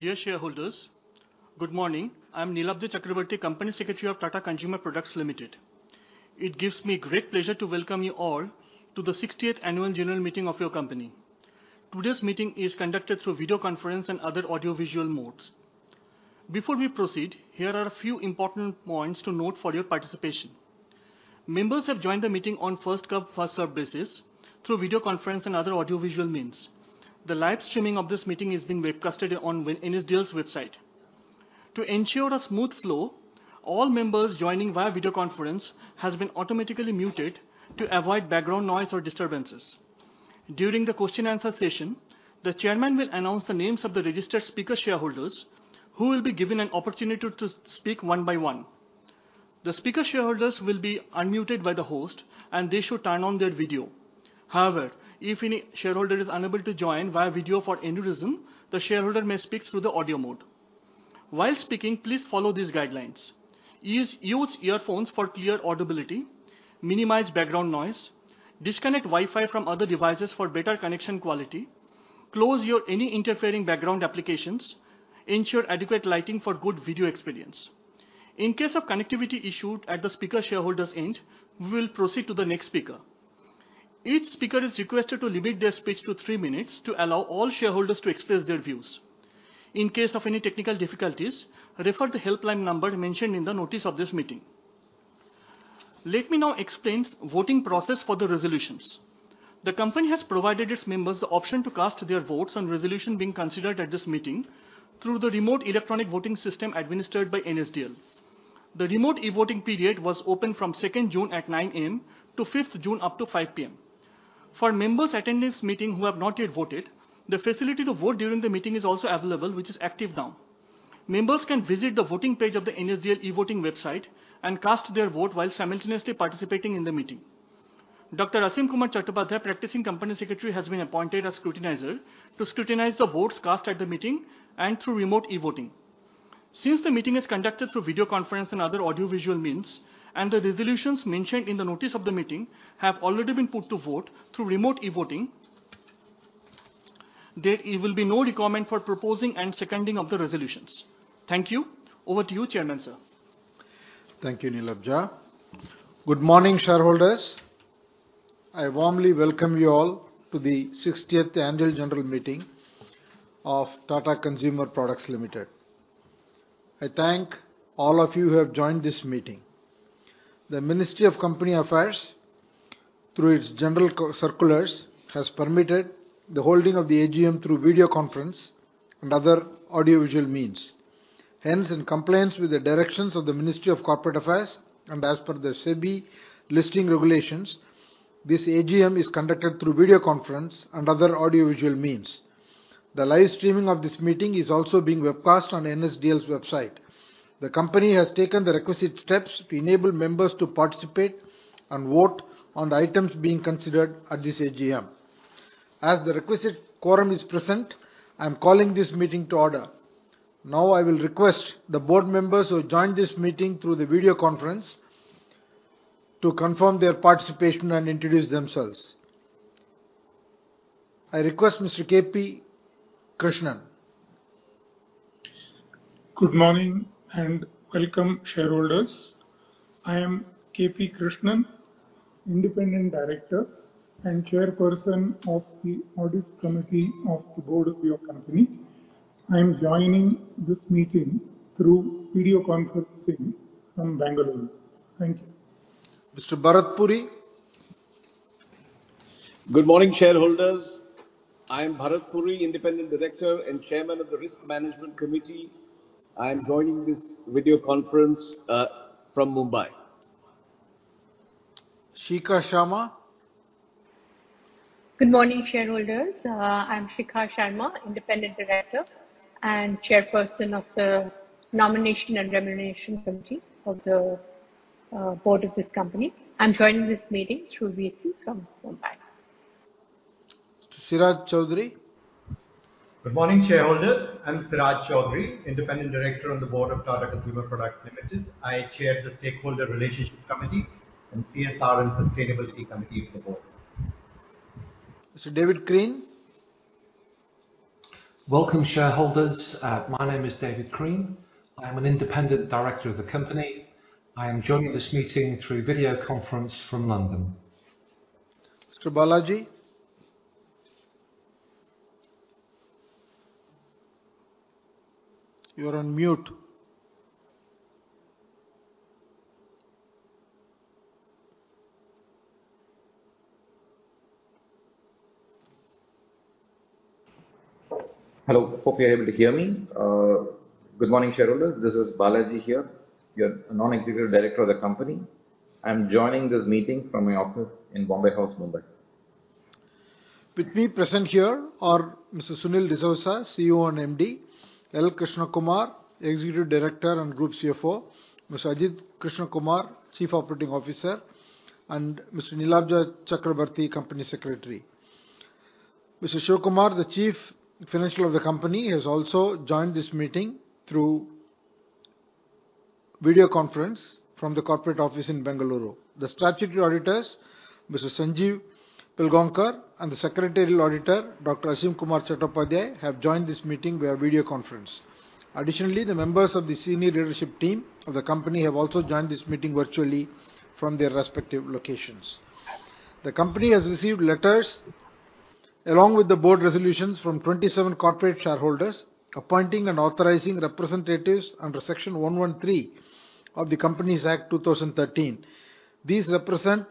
Dear shareholders, good morning. I'm Neelabja Chakrabarty, Company Secretary of Tata Consumer Products Limited. It gives me great pleasure to welcome you all to the 60th Annual General Meeting of your company. Today's meeting is conducted through video conference and other audiovisual modes. Before we proceed, here are a few important points to note for your participation. Members have joined the meeting on first come, first served basis through video conference and other audiovisual means. The live streaming of this meeting is being webcasted on NSDL's website. To ensure a smooth flow, all members joining via video conference has been automatically muted to avoid background noise or disturbances. During the question and answer session, the Chairman will announce the names of the registered speaker shareholders, who will be given an opportunity to speak one by one. The speaker shareholders will be unmuted by the host, and they should turn on their video. However, if any shareholder is unable to join via video for any reason, the shareholder may speak through the audio mode. While speaking, please follow these guidelines: Use earphones for clear audibility, minimize background noise, disconnect Wi-Fi from other devices for better connection quality, close your any interfering background applications, ensure adequate lighting for good video experience. In case of connectivity issued at the speaker shareholder's end, we will proceed to the next speaker. Each speaker is requested to limit their speech to three minutes to allow all shareholders to express their views. In case of any technical difficulties, refer the helpline number mentioned in the notice of this meeting. Let me now explain voting process for the resolutions. The company has provided its members the option to cast their votes on resolution being considered at this meeting through the remote electronic voting system administered by NSDL. The remote e-voting period was open from 2nd June at 9:00 A.M. to 5th June up to 5:00 P.M. For members attending this meeting who have not yet voted, the facility to vote during the meeting is also available, which is active now. Members can visit the voting page of the NSDL e-voting website and cast their vote while simultaneously participating in the meeting. Dr. Asim Kumar Chattopadhyay, practicing company secretary, has been appointed as scrutinizer to scrutinize the votes cast at the meeting and through remote e-voting. Since the meeting is conducted through video conference and other audiovisual means, and the resolutions mentioned in the notice of the meeting have already been put to vote through remote e-voting, there will be no requirement for proposing and seconding of the resolutions. Thank you. Over to you, Chairman, sir. Thank you, Neelabja. Good morning, shareholders. I warmly welcome you all to the sixtieth Annual General Meeting of Tata Consumer Products Limited. I thank all of you who have joined this meeting. The Ministry of Corporate Affairs, through its general circulars, has permitted the holding of the AGM through video conference and other audiovisual means. In compliance with the directions of the Ministry of Corporate Affairs and as per the SEBI Listing Regulations, this AGM is conducted through video conference and other audiovisual means. The live streaming of this meeting is also being webcast on NSDL's website. The company has taken the requisite steps to enable members to participate and vote on the items being considered at this AGM. As the requisite quorum is present, I'm calling this meeting to order. I will request the board members who joined this meeting through the video conference to confirm their participation and introduce themselves. I request Mr. K. P. Krishnan. Good morning, and welcome, shareholders. I am K. P. Krishnan, Independent Director and Chairperson of the Audit Committee of the Board of your company. I am joining this meeting through video conferencing from Bangalore. Thank you. Mr. Bharat Puri? Good morning, shareholders. I'm Bharat Puri, independent director and Chairman of the Risk Management Committee. I am joining this video conference from Mumbai. Shikha Sharma? Good morning, shareholders. I'm Shikha Sharma, Independent Director and Chairperson of the Nomination and Remuneration Committee of the board of this company. I'm joining this meeting through VC from Mumbai. Siraj Chaudhry? Good morning, shareholders. I'm Siraj Chaudhry, Independent Director on the board of Tata Consumer Products Limited. I chair the Stakeholder Relationship Committee and CSR and Sustainability Committee of the board. Mr. David Crean? Welcome, shareholders. My name is David Crean. I am an independent director of the company. I am joining this meeting through video conference from London. Mr. Balaji? You're on mute. Hello, hope you're able to hear me. Good morning, shareholders. This is Balaji here, your non-executive director of the company. I'm joining this meeting from my office in Bombay House, Mumbai. With me present here are Mr. Sunil D'Souza, CEO and MD; L. Krishna Kumar, Executive Director and Group CFO; Mr. Ajit Krishna Kumar, Chief Operating Officer; and Mr. Neelabja Chakrabarty, Company Secretary. Mr. Shiv Kumar, the Chief Financial of the company, has also joined this meeting via video conference from the corporate office in Bengaluru. The statutory auditors, Mr. Sanjiv Pilgaonkar, and the secretarial auditor, Dr. Asim Kumar Chattopadhyay, have joined this meeting via video conference. Additionally, the members of the senior leadership team of the company have also joined this meeting virtually from their respective locations. The company has received letters along with the board resolutions from 27 corporate shareholders, appointing and authorizing representatives under Section 113 of the Companies Act 2013. These represent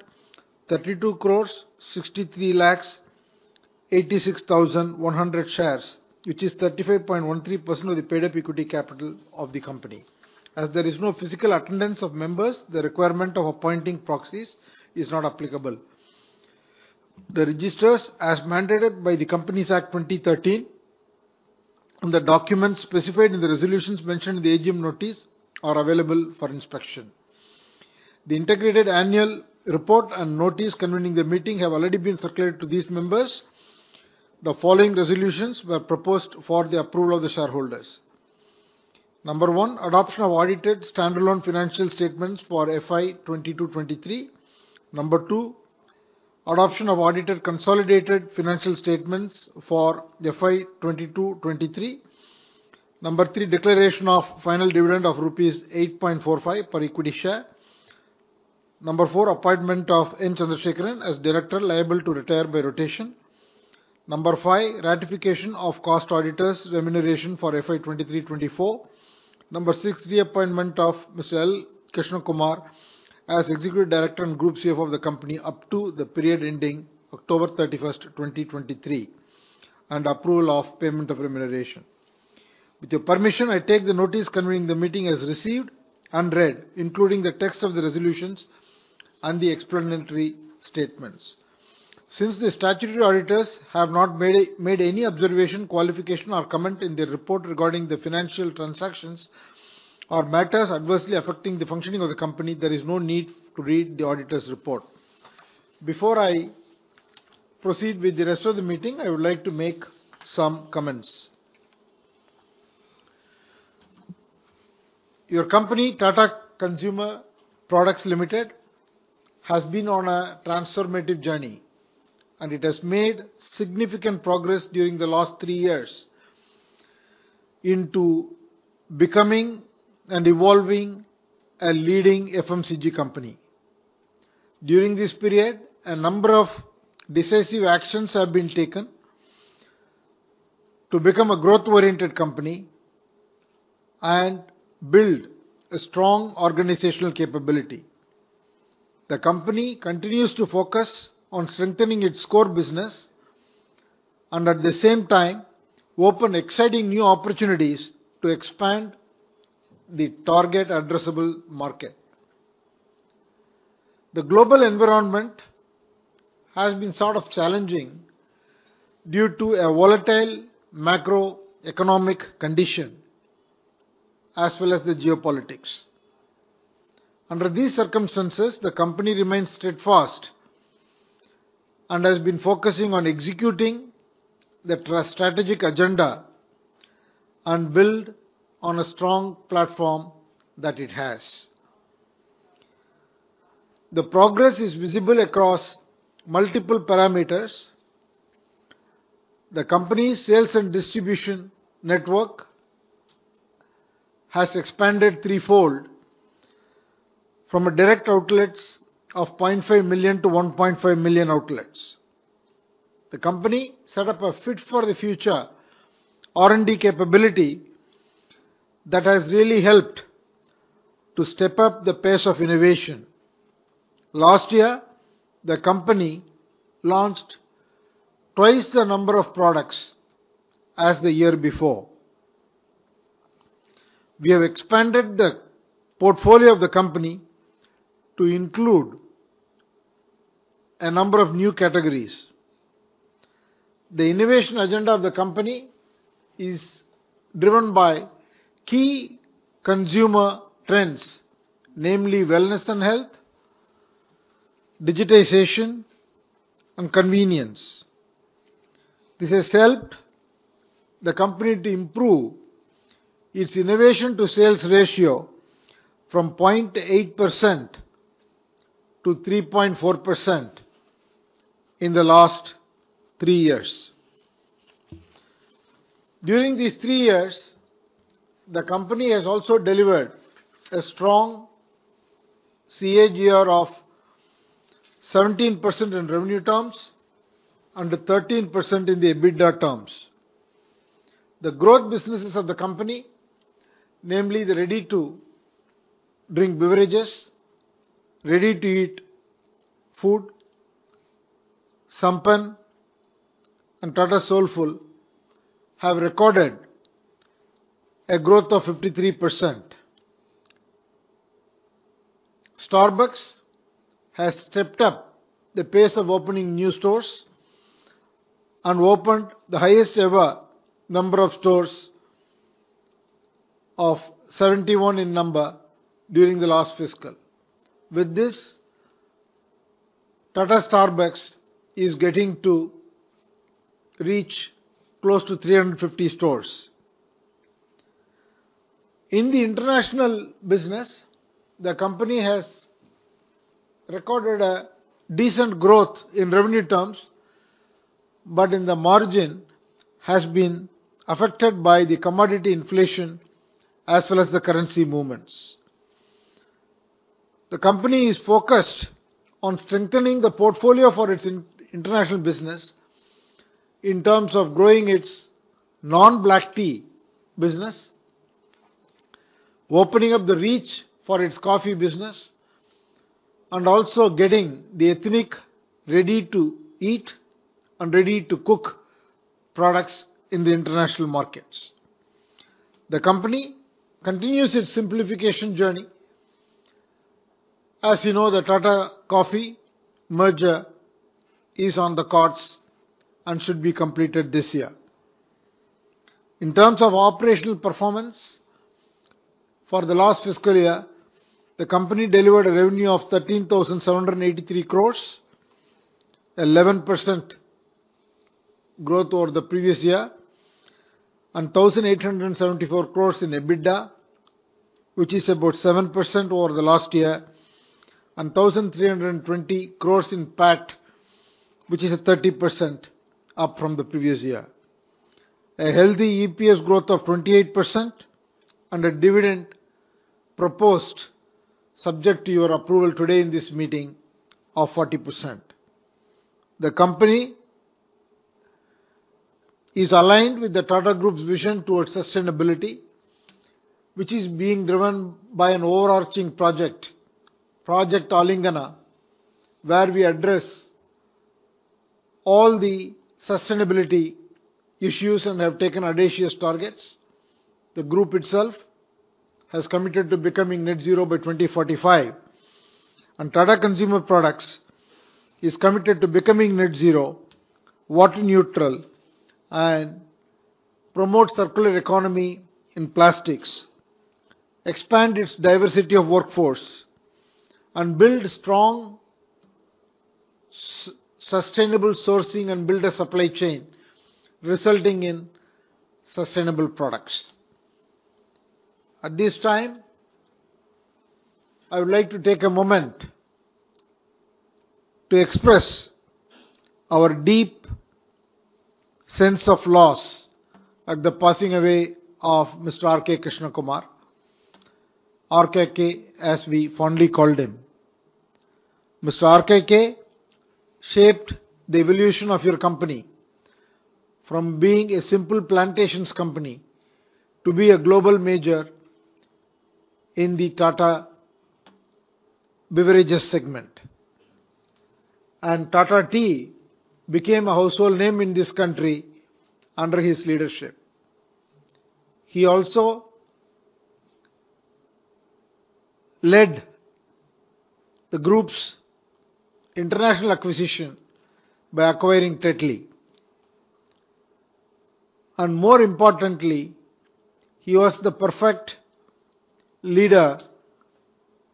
32,63,86,100 shares, which is 35.13% of the paid-up equity capital of the company. As there is no physical attendance of members, the requirement of appointing proxies is not applicable. The registers, as mandated by the Companies Act, 2013, and the documents specified in the resolutions mentioned in the AGM notice, are available for inspection. The integrated annual report and notice convening the meeting have already been circulated to these members. The following resolutions were proposed for the approval of the shareholders. Number one, adoption of audited standalone financial statements for FY 2022-23. Number two, adoption of audited consolidated financial statements for the FY 2022-23. Number three, declaration of final dividend of rupees 8.45 per equity share. Number four, appointment of N. Chandrasekaran as director, liable to retire by rotation. Number five, ratification of cost auditors' remuneration for FY 2023, 2024. Number six, reappointment of L. Krishnakumar as executive director and group CFO of the company up to the period ending October 31st, 2023, and approval of payment of remuneration. With your permission, I take the notice convening the meeting as received and read, including the text of the resolutions and the explanatory statements. Since the statutory auditors have not made any observation, qualification, or comment in their report regarding the financial transactions or matters adversely affecting the functioning of the company, there is no need to read the auditor's report. Before I proceed with the rest of the meeting, I would like to make some comments. Your company, Tata Consumer Products Limited, has been on a transformative journey, and it has made significant progress during the last three years into becoming and evolving a leading FMCG company. During this period, a number of decisive actions have been taken to become a growth-oriented company and build a strong organizational capility. The company continues to focus on strengthening its core business and, at the same time, open exciting new opportunities to expand the target addressable market. The global environment has been sort of challenging due to a volatile macroeconomic condition as well as the geopolitics. Under these circumstances, the company remains steadfast and has been focusing on executing the strategic agenda and build on a strong platform that it has. The progress is visible across multiple parameters. The company's sales and distribution network has expanded threefold from a direct outlets of 0.5 million-1.5 million outlets. The company set up a fit for the future R&D capability that has really helped to step up the pace of innovation. Last year, the company launched twice the number of products as the year before. We have expanded the portfolio of the company to include a number of new categories. The innovation agenda of the company is driven by key consumer trends, namely wellness and health, digitization, and convenience. This has helped the company to improve its innovation to sales ratio from 0.8%-3.4% in the last three years. During these three years, the company has also delivered a strong CAGR of 17% in revenue terms and 13% in the EBITDA terms. The growth businesses of the company, namely the ready-to-drink beverages, ready-to-eat food, Sampann and Tata Soulfull, have recorded a growth of 53%. Starbucks has stepped up the pace of opening new stores and opened the highest ever number of stores of 71 during the last fiscal. Tata Starbucks is getting to reach close to 350 stores. In the international business, the company has recorded a decent growth in revenue terms, but in the margin, has been affected by the commodity inflation as well as the currency movements. The company is focused on strengthening the portfolio for its international business in terms of growing its non-black tea business, opening up the reach for its coffee business, and also getting the ethnic ready-to-eat and ready-to-cook products in the international markets. The company continues its simplification journey. As you know, the Tata Coffee merger is on the cards and should be completed this year. In terms of operational performance, for the last fiscal year, the company delivered a revenue of 13,783 crores, 11% growth over the previous year, 1,874 crores in EBITDA, which is about 7% over the last year, and 1,320 crores in PAT, which is a 30% up from the previous year. A healthy EPS growth of 28% and a dividend proposed, subject to your approval today in this meeting, of 40%. The company is aligned with the Tata Group's vision towards sustainability, which is being driven by an overarching project, Project Aalingana, where we address all the sustainability issues and have taken audacious targets. The group itself has committed to becoming net zero by 2045, and Tata Consumer Products is committed to becoming net zero, water neutral, and promote circular economy in plastics, expand its diversity of workforce, and build strong sustainable sourcing and build a supply chain resulting in sustainable products. At this time, I would like to take a moment to express our deep sense of loss at the passing away of Mr. R. K. Krishna Kumar, RKK, as we fondly called him. Mr. RKK shaped the evolution of your company from being a simple plantations company to be a global major in the Tata Beverages segment. Tata Tea became a household name in this country under his leadership. He also led the group's international acquisition by acquiring Tetley. More importantly, he was the perfect leader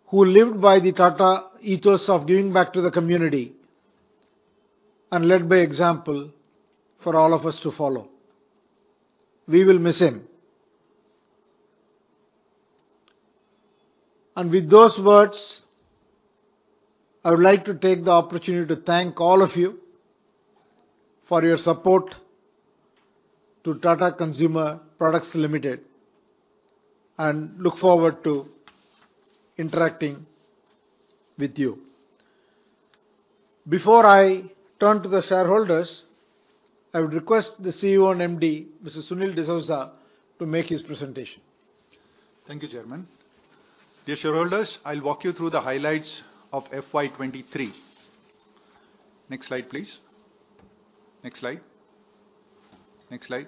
who lived by the Tata ethos of giving back to the community and led by example for all of us to follow. We will miss him. With those words, I would like to take the opportunity to thank all of you for your support to Tata Consumer Products Limited, and look forward to interacting with you. Before I turn to the shareholders, I would request the CEO and MD, Mr. Sunil D'Souza, to make his presentation. Thank you, Chairman. Dear shareholders, I'll walk you through the highlights of FY 2023. Next slide, please. Next slide. Next slide.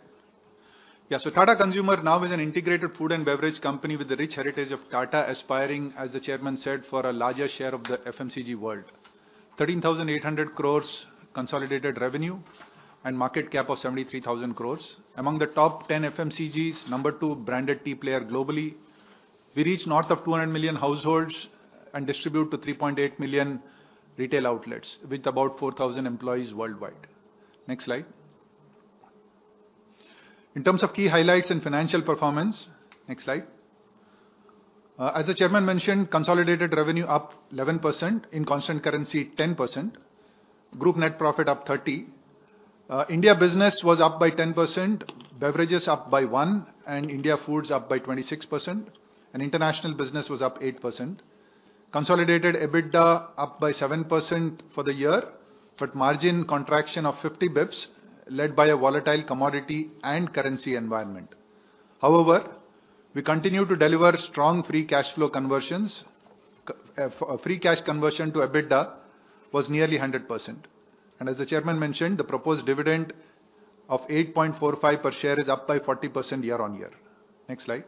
Tata Consumer now is an integrated food and beverage company with the rich heritage of Tata, aspiring, as the Chairman said, for a larger share of the FMCG world. 13,800 crores consolidated revenue and market cap of 73,000 crores. Among the top 10 FMCGs, number two branded tea player globally. We reach north of 200 million households and distribute to 3.8 million retail outlets with about 4,000 employees worldwide. Next slide. In terms of key highlights and financial performance, next slide. As the Chairman mentioned, consolidated revenue up 11%, in constant currency, 10%. Group net profit up 30%. India business was up by 10%, beverages up by 1%, India foods up by 26%, International business was up 8%. Consolidated EBITDA up by 7% for the year, margin contraction of 50 basis points, led by a volatile commodity and currency environment. However, we continue to deliver strong free cash flow conversions. Free cash conversion to EBITDA was nearly 100%, as the Chairman mentioned, the proposed dividend of 8.45 per share is up by 40% year-on-year. Next slide.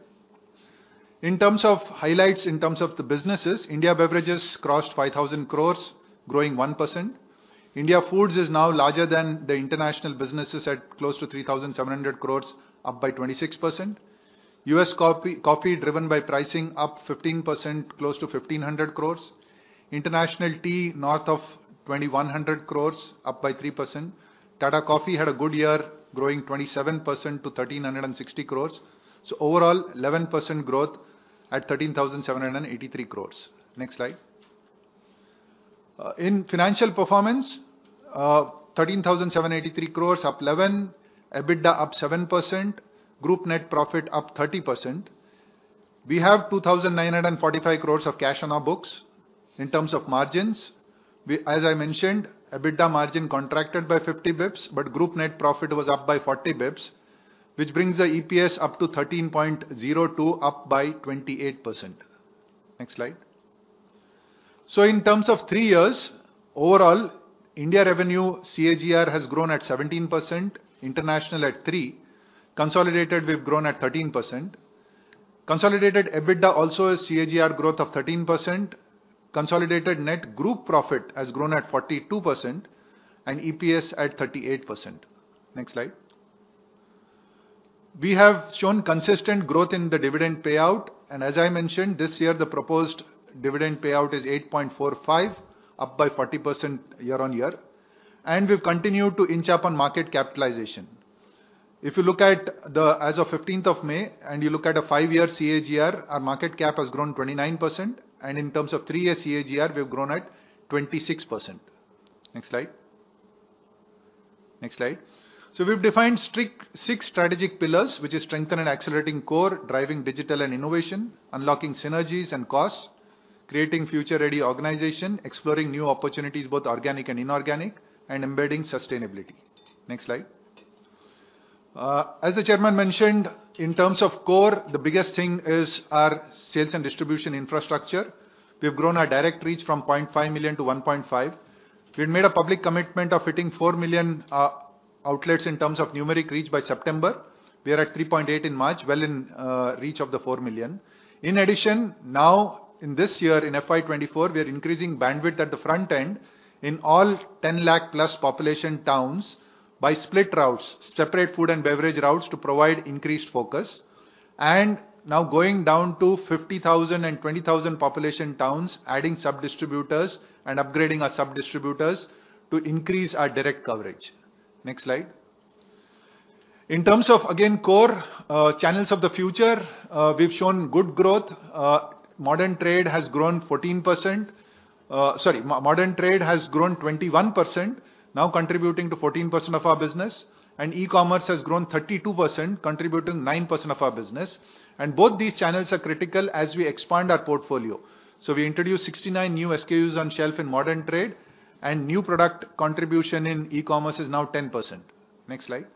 In terms of highlights, in terms of the businesses, India Beverages crossed 5,000 crores, growing 1%. India Foods is now larger than the international businesses at close to 3,700 crores, up by 26%. U.S. Coffee, coffee driven by pricing, up 15%, close to 1,500 crores. International tea, north of 2,100 crores, up by 3%. Tata Coffee had a good year, growing 27% to 1,360 crores. Overall, 11% growth at 13,783 crores. Next slide. In financial performance, 13,783 crores, up 11%, EBITDA up 7%, group net profit up 30%. We have 2,945 crores of cash on our books. In terms of margins, we, as I mentioned, EBITDA margin contracted by 50 basis points, but group net profit was up by 40 basis points, which brings the EPS up to 13.02, up by 28%. Next slide. In terms of three years, overall, India revenue CAGR has grown at 17%, international at 3%, consolidated, we've grown at 13%. Consolidated EBITDA also a CAGR growth of 13%. Consolidated net group profit has grown at 42% and EPS at 38%. Next slide. We have shown consistent growth in the dividend payout, and as I mentioned, this year, the proposed dividend payout is 8.45, up by 40% year-on-year, and we've continued to inch up on market capitalization. If you look at the, as of 15th of May, and you look at a 5-year CAGR, our market cap has grown 29%, and in terms of three-year CAGR, we've grown at 26%. Next slide. Next slide. We've defined six strategic pillars, which is strengthen and accelerating core, driving digital and innovation, unlocking synergies and costs, creating future-ready organization, exploring new opportunities, both organic and inorganic, and embedding sustainability. As the chairman mentioned, in terms of core, the biggest thing is our sales and distribution infrastructure. We've grown our direct reach from 0.5 million to 1.5 million. We've made a public commitment of hitting 4 million outlets in terms of numeric reach by September. We are at 3.8 million in March, well in reach of the 4 million. In addition, now, in this year, in FY 2024, we are increasing bandwidth at the front end in all 10 lakh plus population towns by split routes, separate food and beverage routes to provide increased focus, and now going down to 50,000 and 20,000 population towns, adding sub-distributors and upgrading our sub-distributors to increase our direct coverage. Next slide. In terms of, again, core channels of the future, we've shown good growth. Modern trade has grown 14%. Sorry, modern trade has grown 21%, now contributing to 14% of our business, and e-commerce has grown 32%, contributing 9% of our business. Both these channels are critical as we expand our portfolio. We introduced 69 new SKUs on shelf in modern trade, and new product contribution in e-commerce is now 10%. Next slide.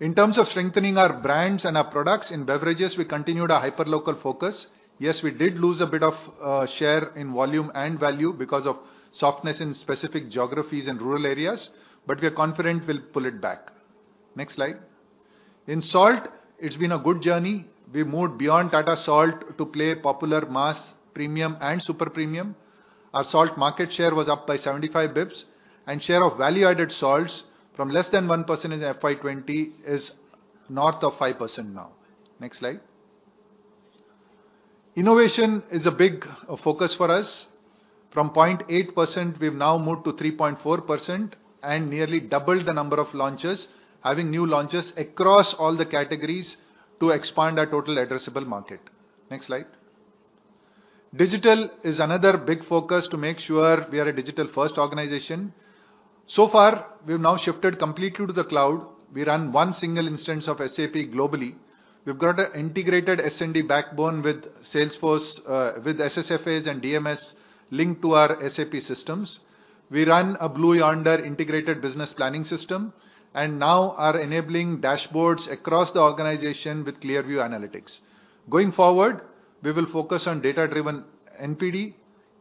In terms of strengthening our brands and our products in beverages, we continued our hyperlocal focus. Yes, we did lose a bit of share in volume and value because of softness in specific geographies and rural areas, but we are confident we'll pull it back. Next slide. In salt, it's been a good journey. We moved beyond Tata Salt to play popular mass, premium, and super premium. Our salt market share was up by 75 bps, and share of value-added salts from less than 1% in FY 20 is north of 5% now. Next slide. Innovation is a big focus for us. From 0.8%, we've now moved to 3.4% and nearly doubled the number of launches, having new launches across all the categories to expand our total addressable market. Next slide. Digital is another big focus to make sure we are a digital-first organization. So far, we've now shifted completely to the cloud. We run one single instance of SAP globally. We've got an integrated S&D backbone with Salesforce, with SSFAs and DMS linked to our SAP systems. We run a Blue Yonder integrated business planning system and now are enabling dashboards across the organization with ClearView Analytics. Going forward, we will focus on data-driven NPD,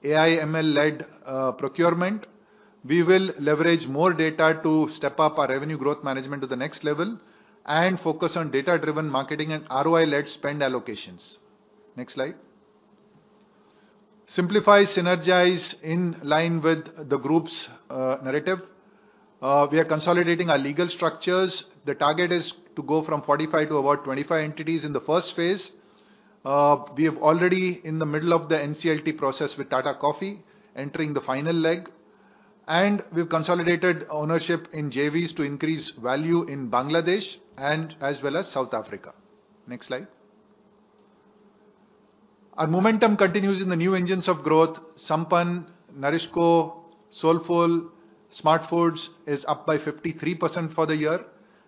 AI, ML-led procurement. We will leverage more data to step up our revenue growth management to the next level and focus on data-driven marketing and ROI-led spend allocations. Next slide. Simplify, synergize in line with the group's narrative. We are consolidating our legal structures. The target is to go from 45 to about 25 entities in the first phase. We have already in the middle of the NCLT process with Tata Coffee, entering the final leg, and we've consolidated ownership in JVs to increase value in Bangladesh and as well as South Africa. Next slide. Our momentum continues in the new engines of growth, Sampann, NourishCo, Soulfull, SmartFoodz is up by 53% for the year,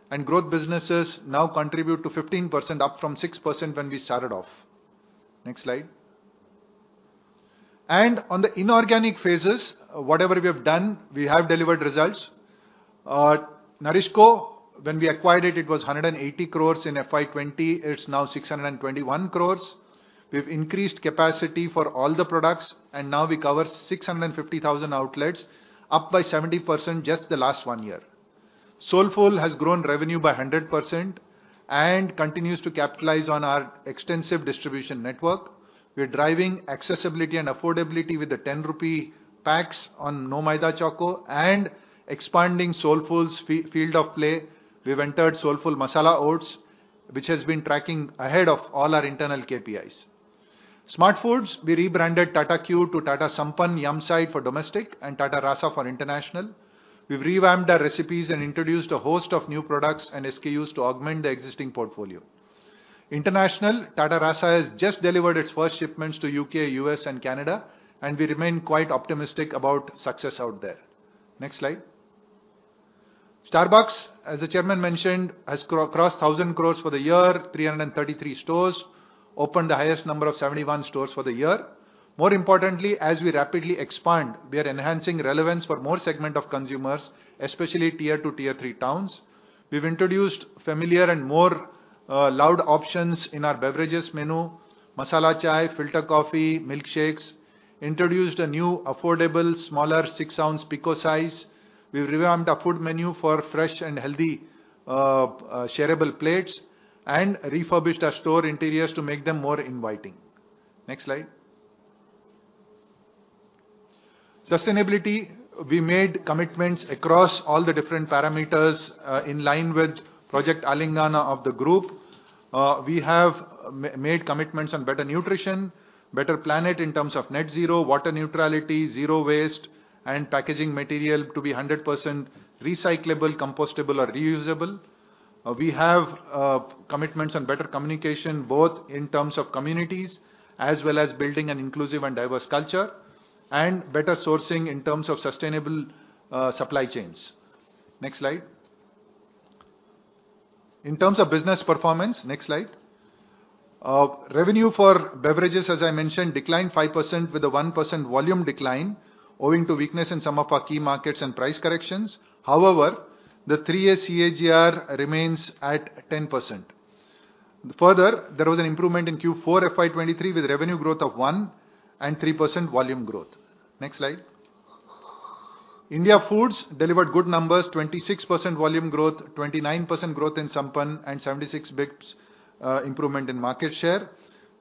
and growth businesses now contribute to 15%, up from 6% when we started off. Next slide. On the inorganic phases, whatever we have done, we have delivered results. NourishCo, when we acquired it was 180 crores in FY 20, it's now 621 crores. We've increased capacity for all the products, and now we cover 650,000 outlets, up by 70% just the last one year. Soulfull has grown revenue by 100% and continues to capitalize on our extensive distribution network. We are driving accessibility and affordability with the 10 rupee packs on No Maida Choco, and expanding Soulfull's field of play. We've entered Soulfull Masala Oats, which has been tracking ahead of all our internal KPIs. Smart Foods, we rebranded Tata Q to Tata Sampann Yumside for domestic and Tata Raasa for international. We've revamped our recipes and introduced a host of new products and SKUs to augment the existing portfolio. International, Tata Raasa has just delivered its first shipments to U.K., U.S. and Canada. We remain quite optimistic about success out there. Next slide. Starbucks, as the Chairman mentioned, has crossed 1,000 crores for the year, 333 stores, opened the highest number of 71 stores for the year. More importantly, as we rapidly expand, we are enhancing relevance for more segment of consumers, especially Tier Two, Tier Three towns. We've introduced familiar and more loved options in our beverages menu, masala chai, filter coffee, milkshakes. Introduced a new, affordable, smaller six oz pico size. We've revamped our food menu for fresh and healthy shareable plates, and refurbished our store interiors to make them more inviting. Next slide. Sustainability, we made commitments across all the different parameters in line with Project Aalingana of the group. We have made commitments on better nutrition, better planet in terms of net zero, water neutrality, zero waste, and packaging material to be 100% recyclable, compostable or reusable. We have commitments on better communication, both in terms of communities as well as building an inclusive and diverse culture, and better sourcing in terms of sustainable supply chains. Next slide. In terms of business performance... Next slide. Revenue for beverages, as I mentioned, declined 5% with a 1% volume decline owing to weakness in some of our key markets and price corrections. The three-year CAGR remains at 10%. There was an improvement in Q4 FY23, with revenue growth of 1% and 3% volume growth. Next slide. India Foods delivered good nu.mbers, 26% volume growth, 29% growth in Sampann, and 76 basis points improvement in market share.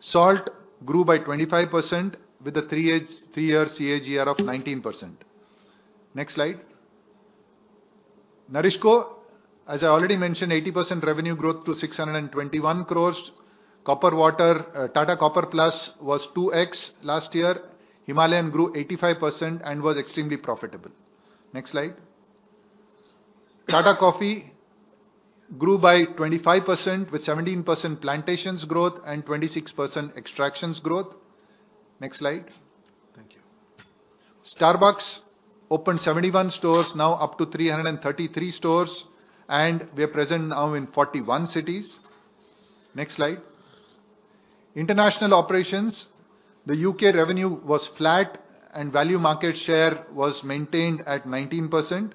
Salt grew by 25%, with a three-year CAGR of 19%. Next slide. NourishCo, as I already mentioned, 80% revenue growth to 621 crores. Copper Water, Tata Copper+ was 2x last year. Himalayan grew 85% and was extremely profitable. Next slide. Tata Coffee grew by 25%, with 17% plantations growth and 26% extractions growth. Next slide. Thank you. Starbucks opened 71 stores, now up to 333 stores, and we are present now in 41 cities. Next slide. International operations, the U.K. revenue was flat and value market share was maintained at 19%.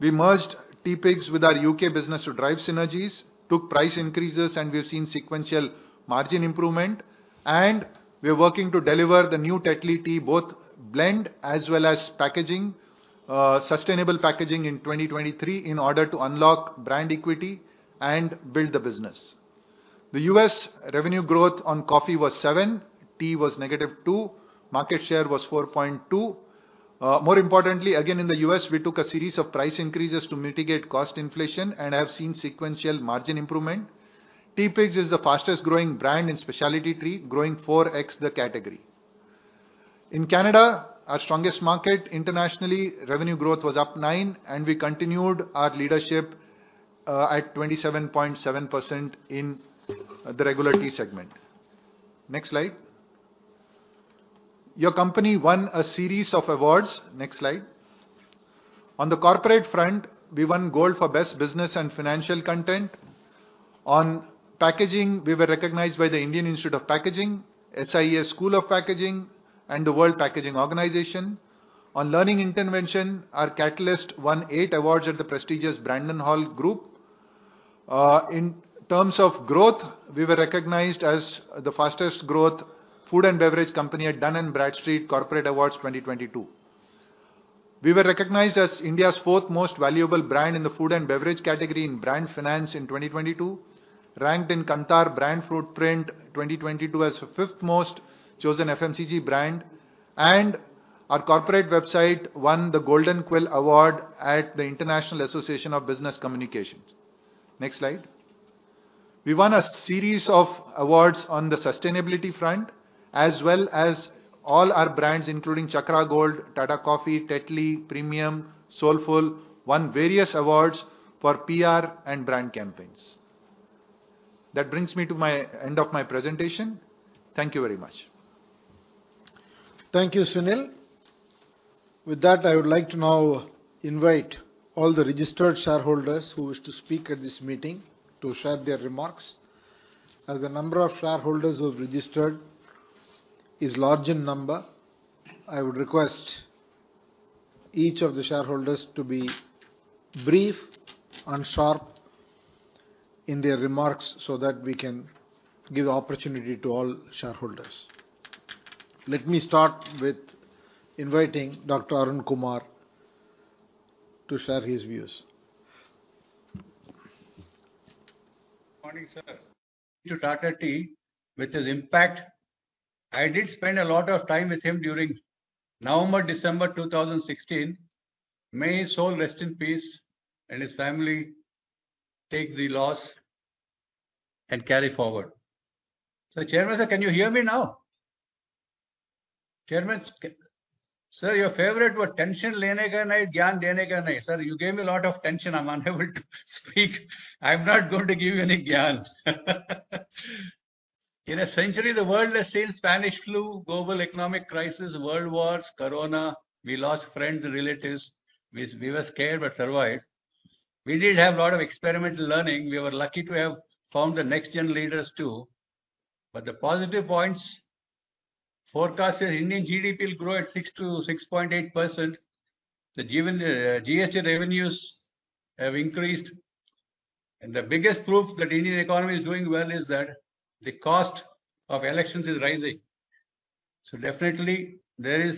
We merged Teapigs with our U.K. business to drive synergies, took price increases, and we have seen sequential margin improvement. We are working to deliver the new Tetley Tea, both blend as well as packaging, sustainable packaging in 2023 in order to unlock brand equity and build the business. The U.S. revenue growth on coffee was 7%, tea was -2%, market share was 4.2%. More importantly, again, in the U.S., we took a series of price increases to mitigate cost inflation and have seen sequential margin improvement. Teapigs is the fastest growing brand in specialty tea, growing 4x the category. In Canada, our strongest market internationally, revenue growth was up 9%. We continued our leadership at 27.7% in the regular tea segment. Next slide. Your company won a series of awards. Next slide. On the corporate front, we won gold for best business and financial content. On packaging, we were recognized by the Indian Institute of Packaging, SIES School of Packaging, and the World Packaging Organization. On learning intervention, our Catalyst won eight awards at the prestigious Brandon Hall Group. In terms of growth, we were recognized as the fastest growth food and beverage company at Dun & Bradstreet Corporate Awards 2022. We were recognized as India's fourth most valuable brand in the food and beverage category in Brand Finance in 2022, ranked in Kantar Brand Footprint 2022 as fifth most chosen FMCG brand, and our corporate website won the Gold Quill Award at the International Association of Business Communicators. Next slide. We won a series of awards on the sustainability front, as well as all our brands, including Chakra Gold, Tata Coffee, Tetley, Premium, Soulfull, won various awards for PR and brand campaigns. Brings me to my end of my presentation. Thank you very much. Thank you, Sunil. With that, I would like to now invite all the registered shareholders who wish to speak at this meeting to share their remarks. As the number of shareholders who have registered is large in number, I would request each of the shareholders to be brief and sharp in their remarks, so that we can give opportunity to all shareholders. Let me start with inviting Dr. Arun Kumar to share his views. Good morning, sir. To Tata Tea, with his impact, I did spend a lot of time with him during November, December 2016. May his soul rest in peace, and his family take the loss and carry forward. Chairman, sir, can you hear me now? Chairman, sir, your favorite was, "Tension lene ka nahi, gyan dene ka nahi." Sir, you gave me a lot of tension. I'm unable to speak. I'm not going to give you any gyan. In a century, the world has seen Spanish Flu, global economic crisis, World Wars, corona. We lost friends and relatives. We were scared, but survived. We did have a lot of experimental learning. We were lucky to have found the next gen leaders, too. The positive points: forecast says Indian GDP will grow at 6% to 6.8%. The given GST revenues have increased. The biggest proof that Indian economy is doing well is that the cost of elections is rising. Definitely, there is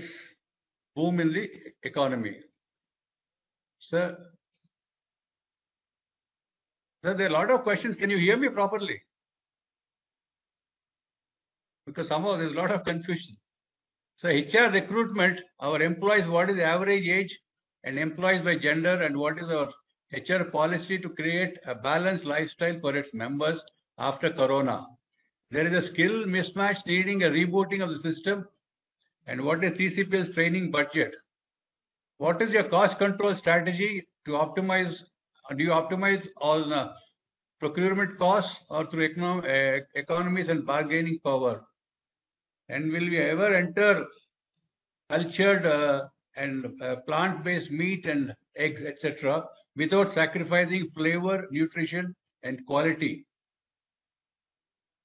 boom in the e-economy. Sir, sir, there are a lot of questions. Can you hear me properly? Because somehow there's a lot of confusion. HR recruitment, our employees, what is the average age and employees by gender, and what is our HR policy to create a balanced lifestyle for its members after corona? There is a skill mismatch needing a rebooting of the system. What is TCPL's training budget? What is your cost control strategy to optimize... Do you optimize on procurement costs or through economies and bargaining power? Will we ever enter cultured and plant-based meat and eggs, et cetera, without sacrificing flavor, nutrition, and quality?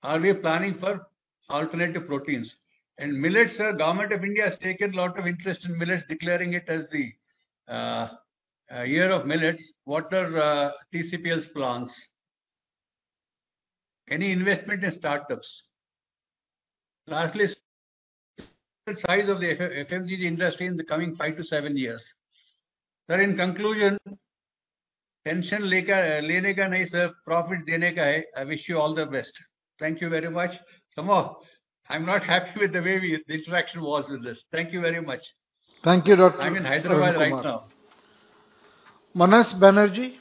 Are we planning for alternative proteins? Millets, sir, Government of India has taken lot of interest in millets, declaring it as the Year of Millets. What are TCPL's plans? Any investment in startups? Lastly, the size of the FMCG industry in the coming five to seven years. Sir, in conclusion, "Tension lega, lene ka nahi sir, profit dene ka hai." I wish you all the best. Thank you very much. Somehow, I'm not happy with the way the interaction was with this. Thank you very much. Thank you, Dr. Arun Kumar. I'm in Hyderabad right now. Manas Banerjee?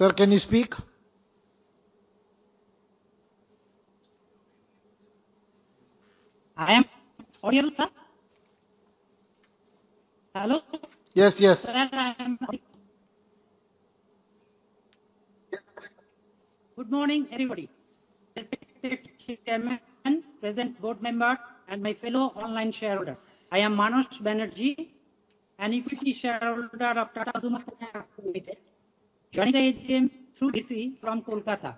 Sir, can you speak? I am audible, sir? Hello? Yes, y es. Good morning, everybody. Respected chairman, present board members, and my fellow online shareholders. I am Manas Banerjee, an equity shareholder of Tata Consumer Products, joining the AGM through D.C. from Kolkata.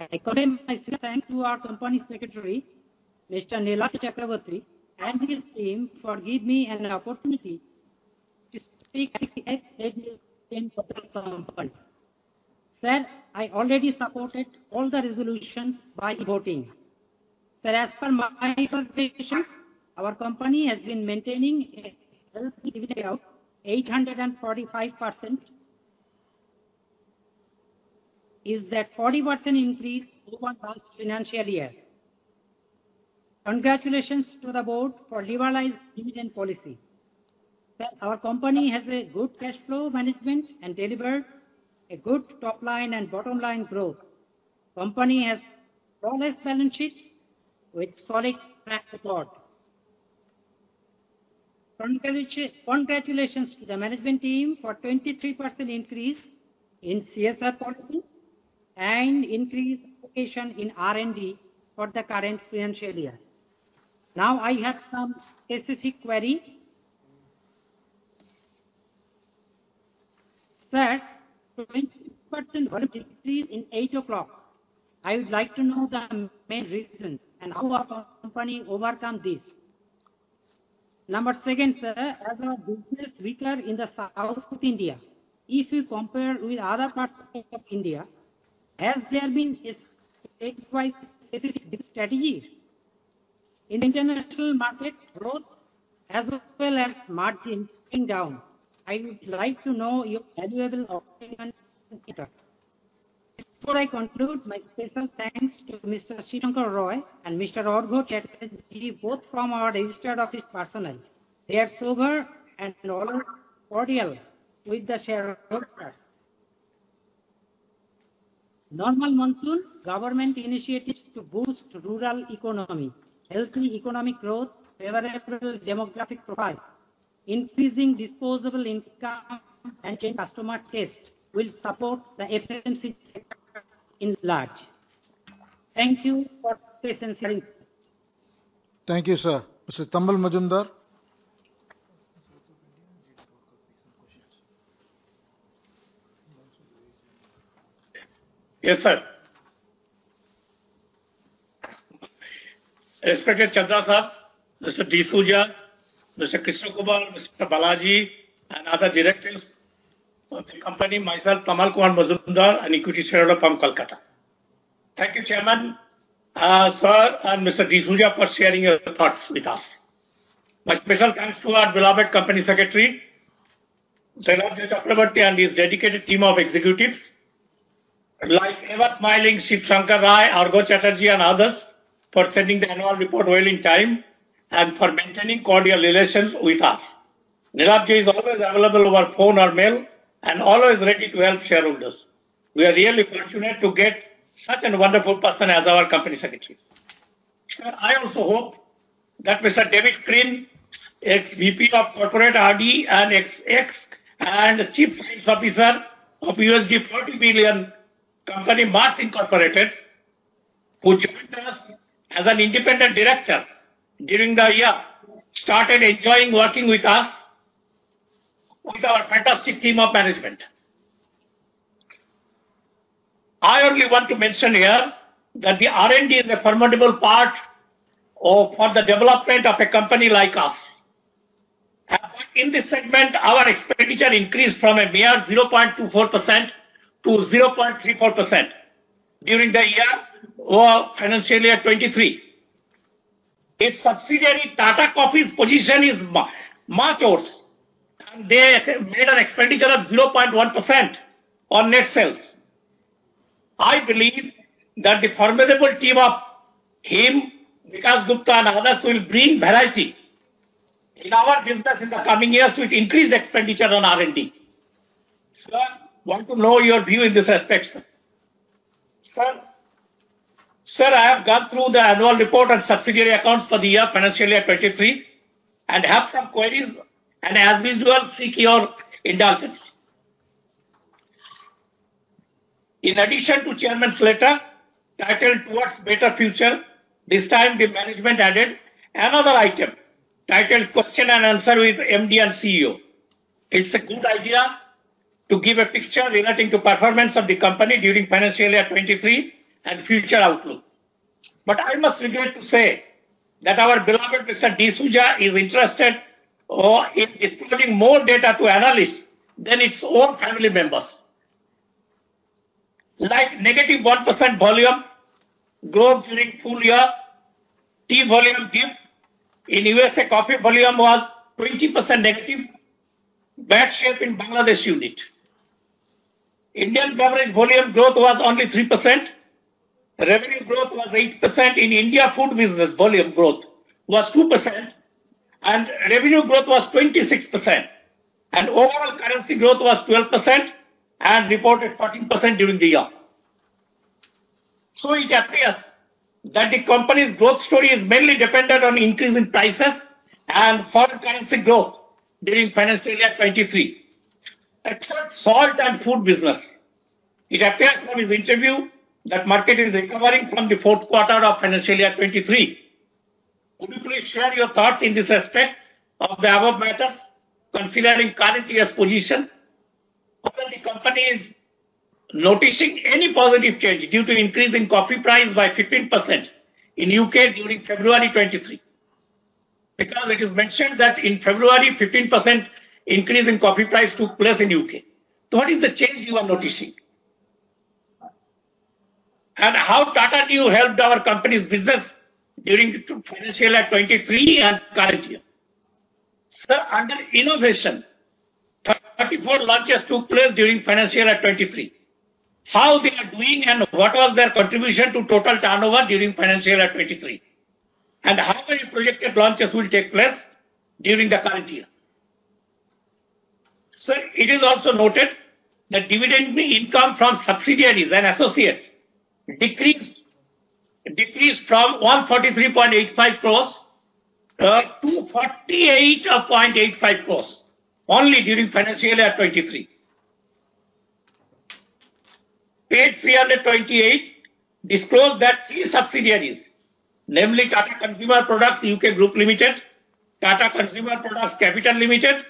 I convey my sincere thanks to our Company Secretary, Mr. Neelabja Chakrabarty, and his team for give me an opportunity to speak at the AGM for the company. Sir, I already supported all the resolutions by voting. Sir, as per my observation, our company has been maintaining a healthy dividend of 845%. Is that 40% increase over last financial year. Congratulations to the board for liberalized dividend policy. Sir, our company has a good cash flow management and delivered a good top line and bottom line growth. Company has strong balance sheet with solid track record. Congratulations to the management team for 23% increase in CSR policy and increase allocation in R&D for the current financial year. I have some specific query. Sir, 20% volume decrease in Eight O'Clock. I would like to know the main reason and how our company overcome this. Number two, sir, as our business weaker in the south of India, if you compare with other parts of India, has there been a statewide specific strategy? In international market, growth as well as margin is going down. I would like to know your valuable opinion on this matter. Before I conclude, my special thanks to Mr. Sivashankar Roy and Mr. Arghya Chatterjee, both from our registered office personnel. They are sober and always cordial with the shareholders. Normal monsoon, government initiatives to boost rural economy, healthy economic growth, favorable demographic profile, increasing disposable income and customer taste will support the FMCG sector in large. Thank you for your patience, hearing. Thank you, sir. Mr. Tamal Majumdar? Yes, sir. Chandra sir, Mr. D'Souza, Mr. Krishna Kumar, Mr. Balaji, and other directors of the company, myself, Tamal Kumar Majumdar, an equity shareholder from Kolkata. Thank you, Chairman, sir, and Mr. D'Souza, for sharing your thoughts with us. Myspecial thanks to our beloved Company Secretary, Niraj Chakraborty, and his dedicated team of executives, like ever-smiling Shiv Shankar Rai, Arghya Chatterjee, and others, for sending the annual report well in time and for maintaining cordial relations with us. Niraj is always available over phone or mail and always ready to help shareholders. We are really fortunate to get such a wonderful person as our Company Secretary. I also hope that Mr. David Crean, ex-VP of Corporate R&D and ex, and Chief Science Officer of $40 billion company, Mars, Incorporated, who joined us as an independent director during the year, started enjoying working with us, with our fantastic team of management. I only want to mention here that the R&D is a formidable part of, for the development of a company like us. In this segment, our expenditure increased from a mere 0.24% to 0.34% during the year or financial year 2023. Its subsidiary, Tata Coffee's position is much worse. They made an expenditure of 0.1% on net sales. I believe that the formidable team of him, Vikas Gupta, and others, will bring variety in our business in the coming years, with increased expenditure on R&D. Sir, I want to know your view in this aspect, sir. Sir, I have gone through the annual report and subsidiary accounts for the year, financial year 23, and have some queries, and as usual, seek your indulgence. In addition to Chairman's letter, titled: Towards Better Future, this time the management added another item, titled: Question and Answer with MD and CEO. It's a good idea to give a picture relating to performance of the company during financial year 23 and future outlook. I must regret to say that our beloved Mr. D'Souza is interested or in disclosing more data to analysts than his own family members. Like -1% volume growth during full year, tea volume dip. In USA, coffee volume was 20% negative, bad shape in Bangladesh unit. Indian beverage volume growth was only 3%. Revenue growth was 8%. In India, food business volume growth was 2%, revenue growth was 26%, overall currency growth was 12% and reported 14% during the year. It appears that the company's growth story is mainly dependent on increase in prices and foreign currency growth during financial year 2023. Except salt and food business, it appears from his interview that market is recovering from the fourth quarter of financial year 2023. Would you please share your thoughts in this respect of the above matters, considering currently year's position? Whether the company is noticing any positive change due to increase in coffee price by 15% in U.K. during February 2023? It is mentioned that in February, 15% increase in coffee price took place in U.K. What is the change you are noticing? How Tata Neu helped our company's business during the financial year 2023 and current year? Sir, under innovation, 34 launches took place during financial year 2023. How they are doing and what was their contribution to total turnover during financial year 2023? How many projected launches will take place during the current year? Sir, it is also noted that dividend income from subsidiaries and associates decreased from 143.85 crores to 48.85 crores, only during financial year 2023. Page 328 disclose that three subsidiaries, namely, Tata Consumer Products UK Group Limited, Tata Consumer Products Capital Limited,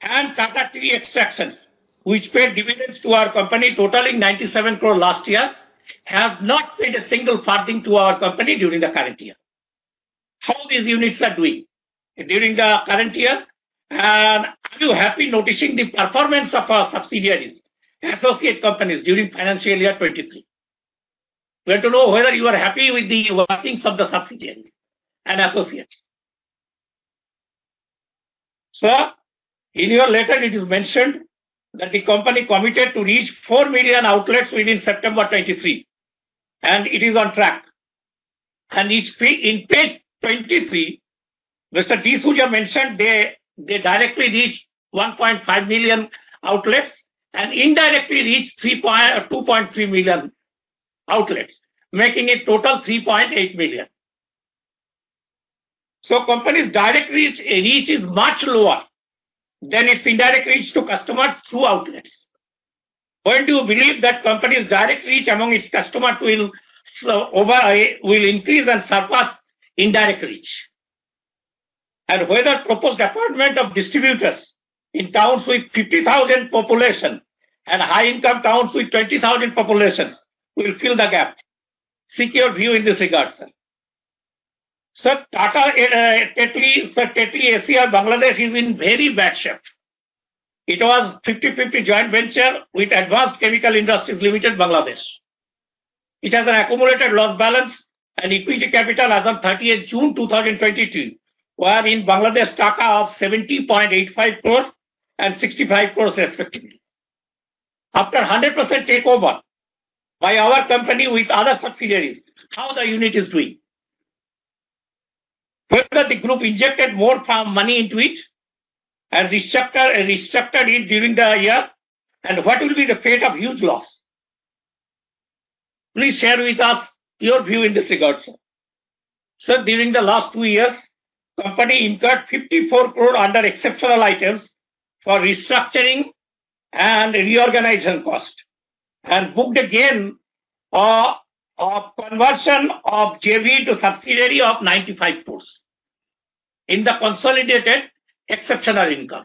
and Tata Tea Extractions, which paid dividends to our company totaling 97 crore last year, have not paid a single farthing to our company during the current year. How these units are doing during the current year? Are you happy noticing the performance of our subsidiaries and associate companies during financial year 2023? We want to know whether you are happy with the workings of the subsidiaries and associates. Sir, in your letter, it is mentioned that the company committed to reach 4 million outlets within September 2023, and it is on track. In page 23, Mr. D'Souza mentioned they directly reached 1.5 million outlets and indirectly reached 2.3 million outlets, making a total 3.8 million. Company's direct reach is much lower than its indirect reach to customers through outlets. When do you believe that company's direct reach among its customers will increase and surpass indirect reach? Whether proposed appointment of distributors in towns with 50,000 population and high-income towns with 20,000 populations will fill the gap. Seek your view in this regard, sir. Sir, Tata Tetley, Sir Tetley ACI, Bangladesh, is in very bad shape. It was 50/50 joint venture with Advanced Chemical Industries Limited, Bangladesh. It has an accumulated loss balance and equity capital as of 30th June 2023, where in BDT 70.85 crores and BDT 65 crores respectively. After 100% takeover by our company with other subsidiaries, how the unit is doing? Whether the group injected more power money into it and restructured it during the year, and what will be the fate of huge loss? Please share with us your view in this regard, sir. Sir, during the last two years, company incurred 54 crore under exceptional items for restructuring and reorganizing cost, and booked again a conversion of JV to subsidiary of 95 crore in the consolidated exceptional income.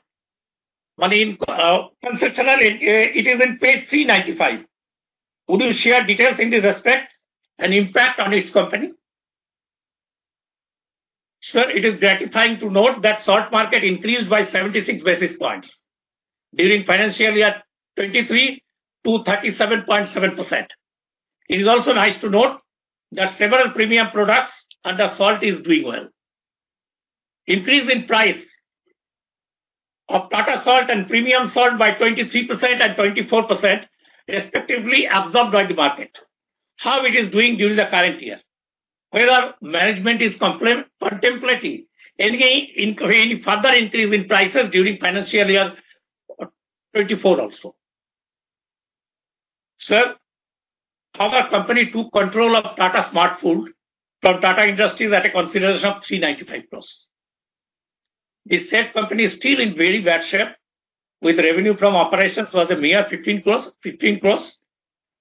Meaning, exceptional, it is in page 395. Would you share details in this respect and impact on this company? Sir, it is gratifying to note that salt market increased by 76 basis points during financial year 2023 to 37.7%. It is also nice to note that several premium products under salt is doing well. Increase in price of Tata Salt and premium salt by 23% and 24% respectively absorbed by the market. How it is doing during the current year? Whether management is contemplating any further increase in prices during financial year 2024 also. Sir, how our company took control of Tata SmartFoodz from Tata Industries at a consideration of 395 crores. The said company is still in very bad shape, with revenue from operations for the mere 15 crores,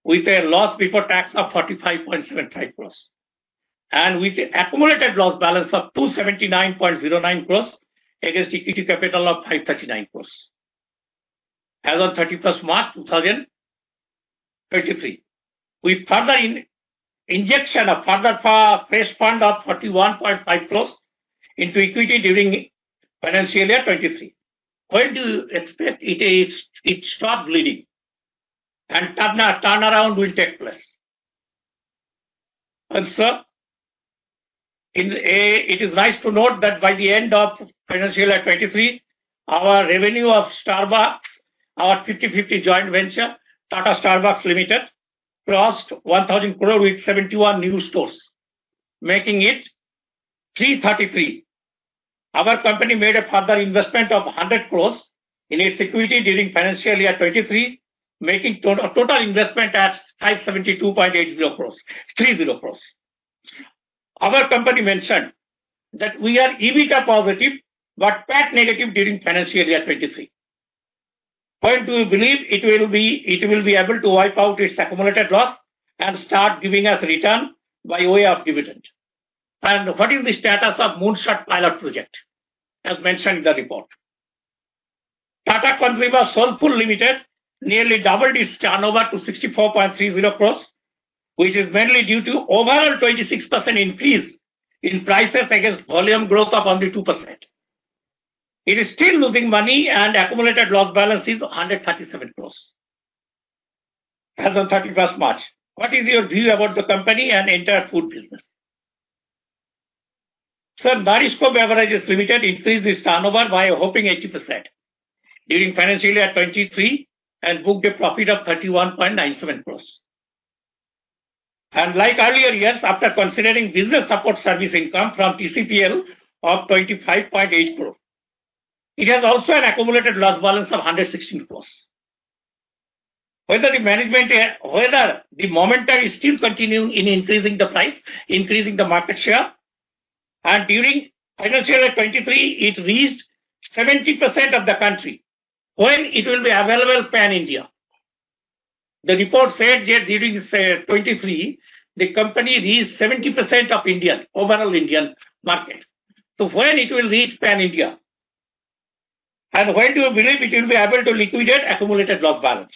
with a loss before tax of 45.75 crores, and with the accumulated loss balance of 279.09 crores against equity capital of 539 crores, as of 31st March 2023. With further injection of fresh fund of 41.5 crores into equity during financial year 2023, when do you expect it stop bleeding and turnaround will take place? Sir, it is nice to note that by the end of financial year 2023, our revenue of Starbucks, our 50-50 joint venture, Tata Starbucks Limited, crossed 1,000 crore with 71 new stores, making it 333. Our company made a further investment of 100 crore in its equity during financial year 2023, making a total investment at 572.80 crore, 3.0 crore. Our company mentioned that we are EBITDA positive, but PAT negative during financial year 2023. When do you believe it will be able to wipe out its accumulated loss and start giving us return by way of dividend? What is the status of Moonshot Pilot project, as mentioned in the report? Tata Consumer Soulfull Limited nearly doubled its turnover to 64.30 crores, mainly due to overall 26% increase in prices against volume growth of only 2%. It is still losing money, accumulated loss balance is 137 crores, as on 31st March. What is your view about the company and entire food business? Sir, NourishCo Beverages Limited increased its turnover by a whopping 80% during financial year 2023, booked a profit of 31.97 crores. Like earlier years, after considering business support service income from TCPL of 25.8 crore, it has also an accumulated loss balance of 116 crores. Whether the management, whether the momentum is still continuing in increasing the price, increasing the market share, during financial year 2023, it reached 70% of the country. When it will be available pan-India? The report said that during 2023, the company reached 70% of India, overall Indian market. When it will reach pan-India? When do you believe it will be able to liquidate accumulated loss balance?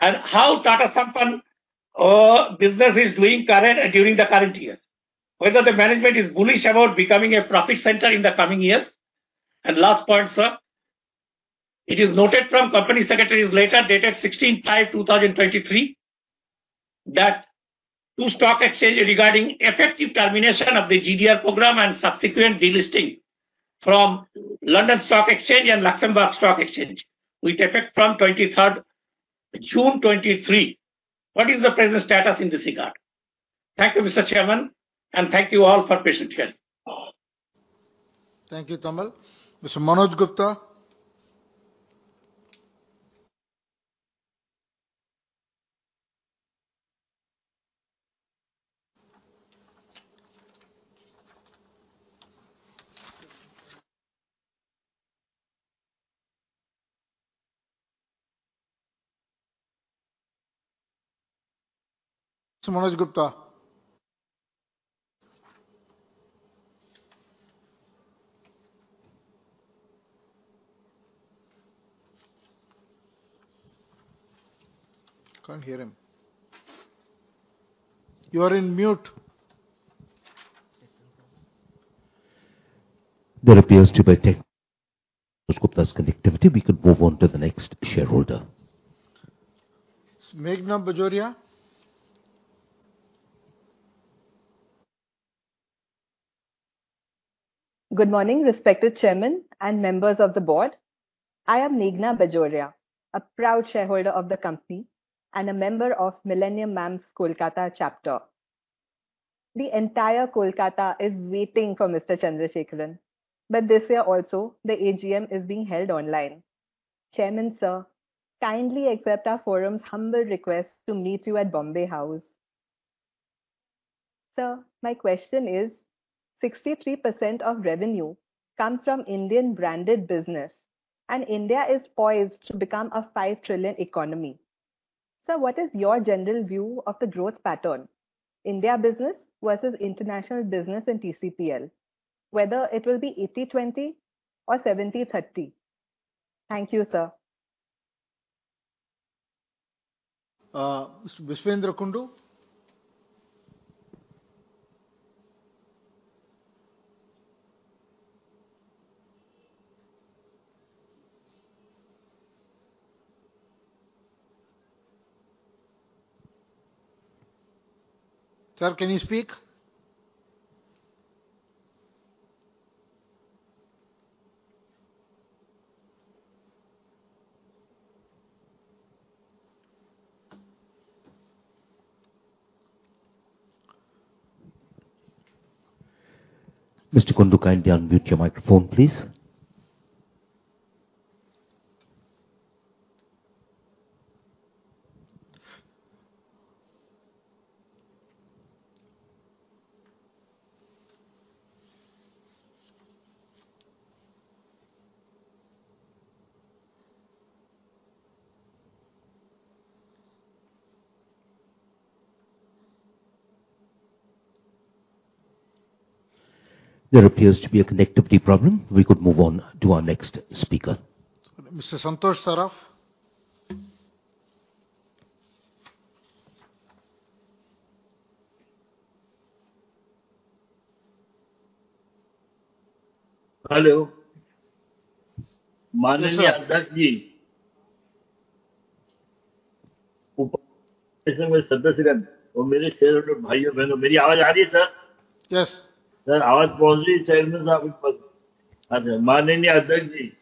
How Tata Sampann business is doing during the current year? Whether the management is bullish about becoming a profit center in the coming years. Last point, sir, it is noted from Company Secretary's letter, dated 16th May 2023, that two stock exchange regarding effective termination of the GDR program and subsequent delisting from London Stock Exchange and Luxembourg Stock Exchange, with effect from 23rd June 2023. What is the present status in this regard? Thank you, Mr. Chairman, and thank you all for patient hearing. Thank you, Tamal. Mr. Manoj Gupta? ...Manoj Gupta? Can't hear him. You are in mute! There appears to be tech, Gupta's connectivity. We could move on to the next shareholder. Meghna Bajoria. Good morning, respected Chairman and members of the board. I am Meghna Bajoria, a proud shareholder of the company and a member of Millennium Mams', Kolkata chapter. The entire Kolkata is waiting for Mr. Chandrasekaran, this year also, the AGM is being held online. Chairman, Sir, kindly accept our forum's humble request to meet you at Bombay House. Sir, my question is: 63% of revenue comes from Indian branded business, and India is poised to become a 5 trillion economy. Sir, what is your general view of the growth pattern? India business versus international business in TCPL. Whether it will be 80-20 or 70-30. Thank you, Sir. Biswendra Kundu. Sir, can you speak? Mr. Kundu, kindly unmute your microphone, please. There appears to be a connectivity problem. We could move on to our next speaker. Mr. Santosh Saraf. Hello. Yes, sir. Sir, my voice is coming, Sir? Yes. Sir, voice is reaching, Chairman Sahab. Sir, respected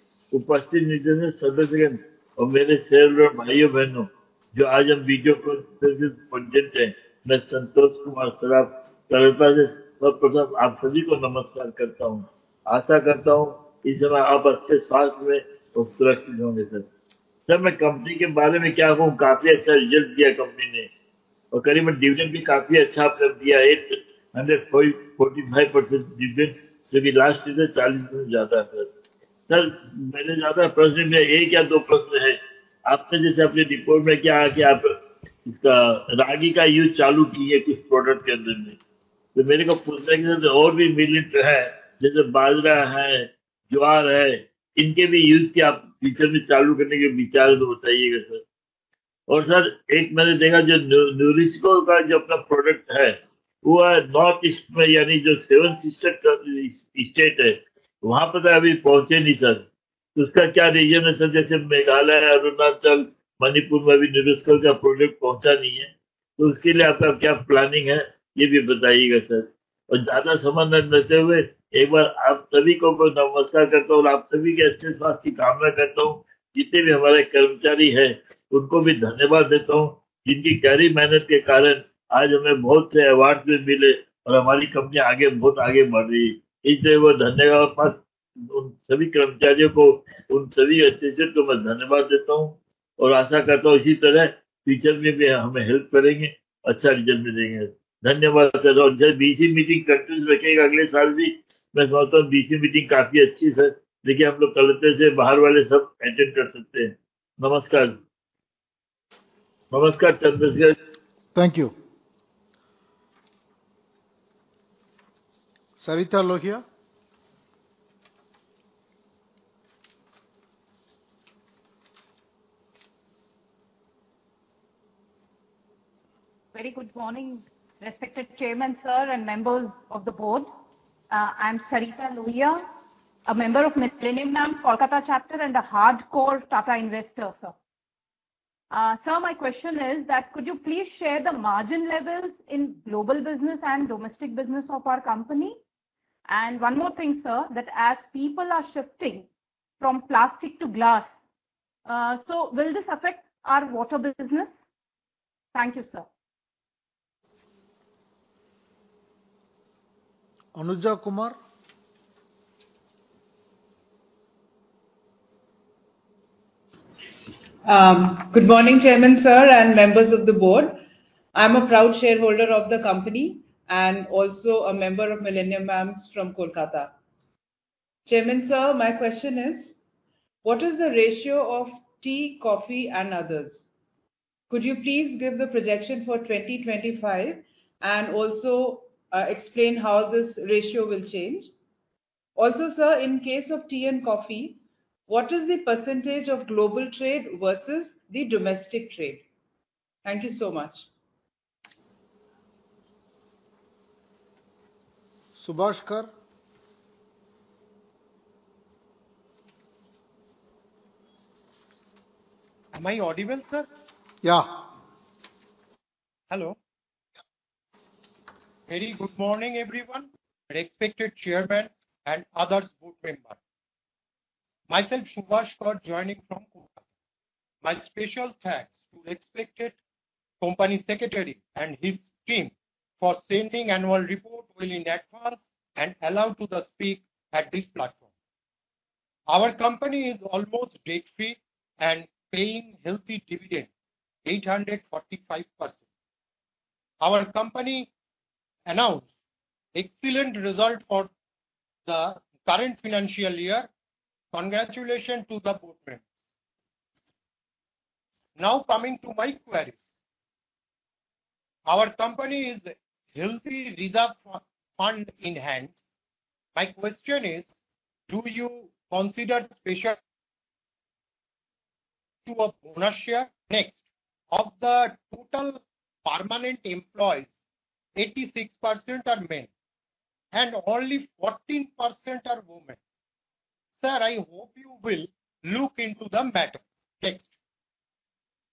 members and my shareholder brothers and sisters, Thank you. Sarita Lohia. Very good morning, respected Chairman, Sir, and members of the board. I'm Sarita Lohia, a member of Millennium Mams', Kolkata chapter, and a hardcore Tata investor, Sir. Sir, my question is that could you please share the margin levels in global business and domestic business of our company? One more thing, Sir, that as people are shifting from plastic to glass, so will this affect our water business? Thank you, Sir. Anuja Kumar. Good morning, Chairman, sir, and members of the board. I'm a proud shareholder of the company and also a member of Millennium Mams' from Kolkata. Chairman, sir, my question is: What is the ratio of tea, coffee, and others? Could you please give the projection for 2025 and also, explain how this ratio will change? Sir, in case of tea and coffee, what is the % of global trade versus the domestic trade? Thank you so much. Subhash Kar? Am I audible, sir? Yeah. Hello. Very good morning, everyone, and respected Chairman and others board member. Myself, Subhash Kar, joining from Kolkata. My special thanks to respected Company Secretary and his team for sending annual report well in advance and allow to the speak at this platform. Our company is almost debt-free and paying healthy dividend, 845%. Our company announced excellent result for the current financial year. Congratulation to the board members. Coming to my queries. Our company is healthy reserve fund in hand. My question is: Do you consider special to a bonus share? Of the total permanent employees, 86% are men and only 14% are women. Sir, I hope you will look into the matter.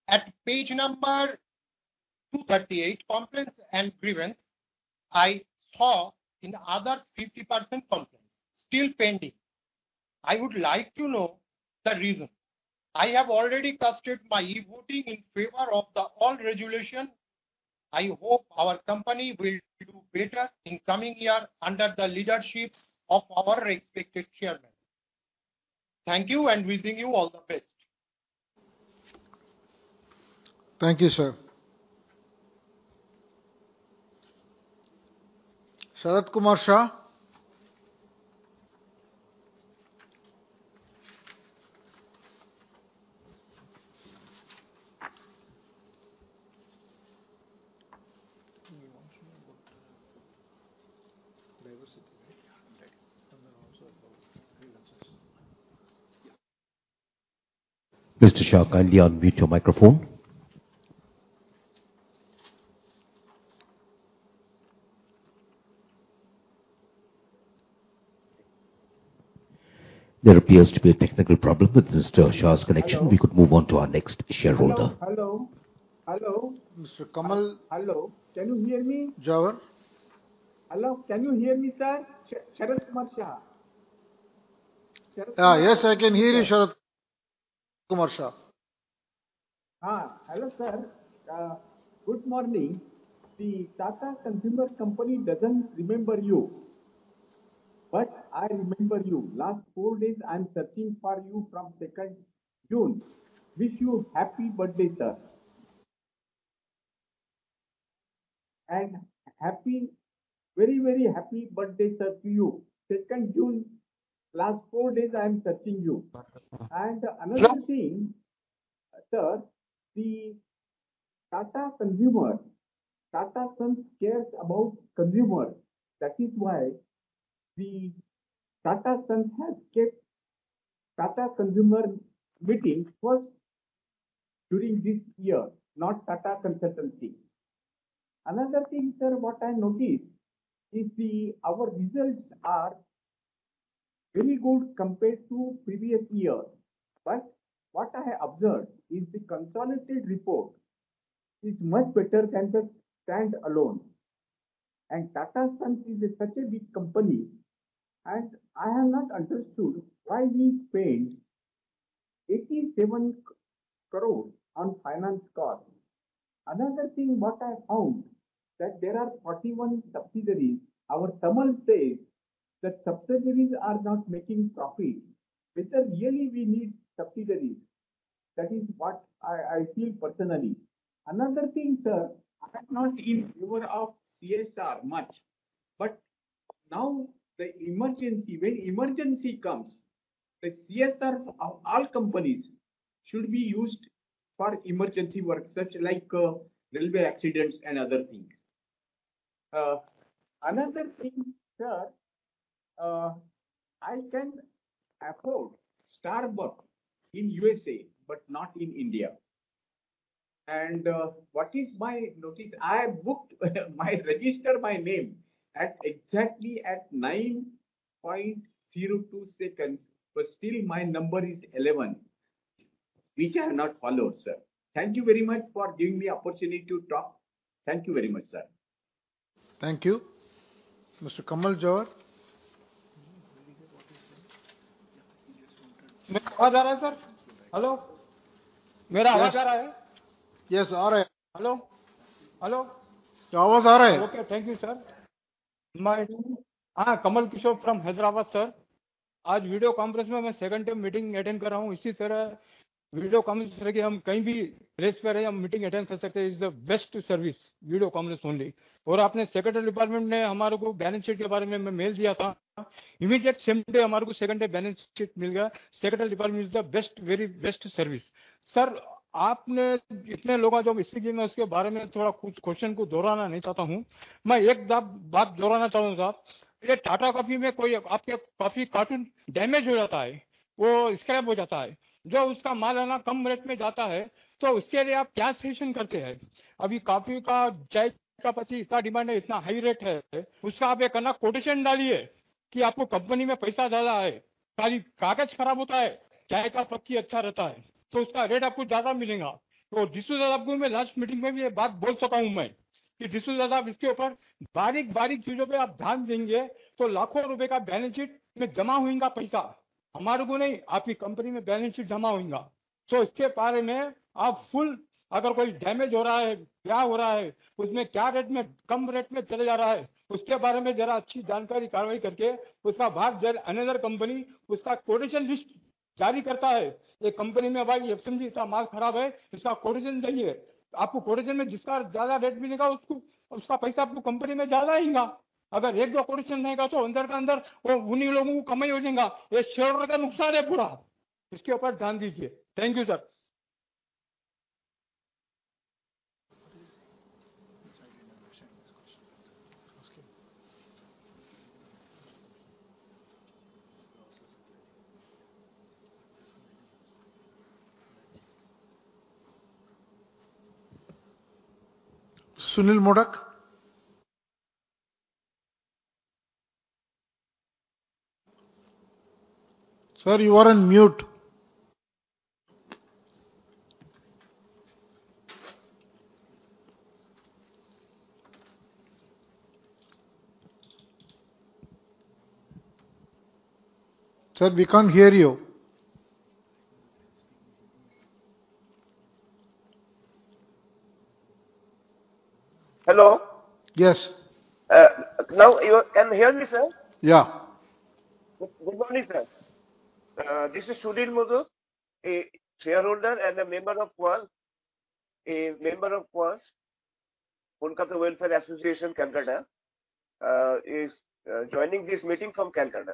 At page number 238, Complaints and Grievance, I saw in other 50% complaints, still pending. I would like to know the reason. I have already casted my e-voting in favor of the all resolution. I hope our company will do better in coming year under the leadership of our respected Chairman. Thank you, and wishing you all the best. Thank you, sir. Sharadkumar Shah? Diversity, right? Yeah. Also about grievances. Mr. Shah, kindly unmute your microphone. There appears to be a technical problem with Mr. Shah's connection. Hello. We could move on to our next shareholder. Hello, hello? Hello. Mr. Kamal- Hello. Can you hear me? jowar? Hello, can you hear me, sir? Sharadkumar Shah. Yes, I can hear you, Sharadkumar Shah. Hello, sir. Good morning. The Tata Consumer Products Company doesn't remember you, I remember you. Last four days, I'm searching for you from 2nd June. Wish you happy birthday, sir. Very happy birthday, sir, to you. 2nd June, last four days, I'm searching you. Another thing, sir, the Tata Consumer Products, Tata Sons cares about consumer. That is why the Tata Sons has kept Tata Consumer Products meeting first during this year, not Tata Consultancy. Another thing, sir, what I noticed is, our results are very good compared to previous year. What I observed is the consolidated report is much better than the standalone. Tata Sons is such a big company, I have not understood why we paid 87 crore on finance cost. Another thing, what I found, that there are 41 subsidiaries. Our Tamal says that subsidiaries are not making profit. Really, we need subsidiaries. That is what I feel personally. Another thing, sir, I'm not in favor of CSR much, but now the emergency, when emergency comes, the CSR of all companies should be used for emergency work, such like railway accidents and other things. Another thing, sir, I can approach Starbucks in USA, but not in India. What is my notice? I registered my name at exactly at 9.02 seconds, but still my number is 11, which I have not followed, sir. Thank you very much for giving me opportunity to talk. Thank you very much, sir. Thank you. Mr. Kamal Jawar? My voice are coming, sir? Hello? My voice are coming? Yes, yes, are coming. Hello? Hello. Your voice are coming. Okay. Thank you, sir. My Kamal Kishore from Hyderabad, sir. Today, video conference second time meeting attend, I am coming. This is the video conference we can meet anywhere, meeting attend can is the best service, video conference only. Secretary department balance sheet mail. Immediate same day balance sheet secretary department is the best, very best service. Sir, you so many people question? I want to repeat one thing, sir. Tata Coffee, coffee carton damage, scrap. When the goods go to the market at a Thank you, sir. Sujan Modak. Sir, you are on mute. Sir, we can't hear you. Hello. Yes. Now, you can hear me, sir? Yeah. Good morning, sir. This is Sujan Modak, a shareholder and a member of KWAS, Kolkata Welfare Association, is joining this meeting from Canada.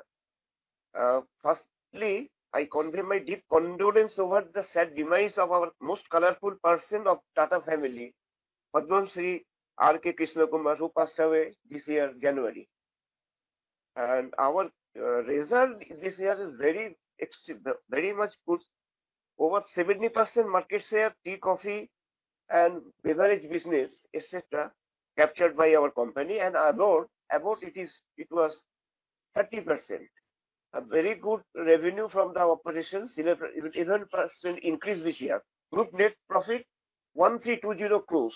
Firstly, I convey my deep condolence over the sad demise of our most colorful person of Tata family, Padma Shri R.K. Krishna Kumar, who passed away this year, January. Our result this year is very much good. Over 70% market share, tea, coffee, and beverage business, etc., captured by our company, and it was 30%. A very good revenue from the operations, 11% increase this year. Group net profit, 1,320 crores.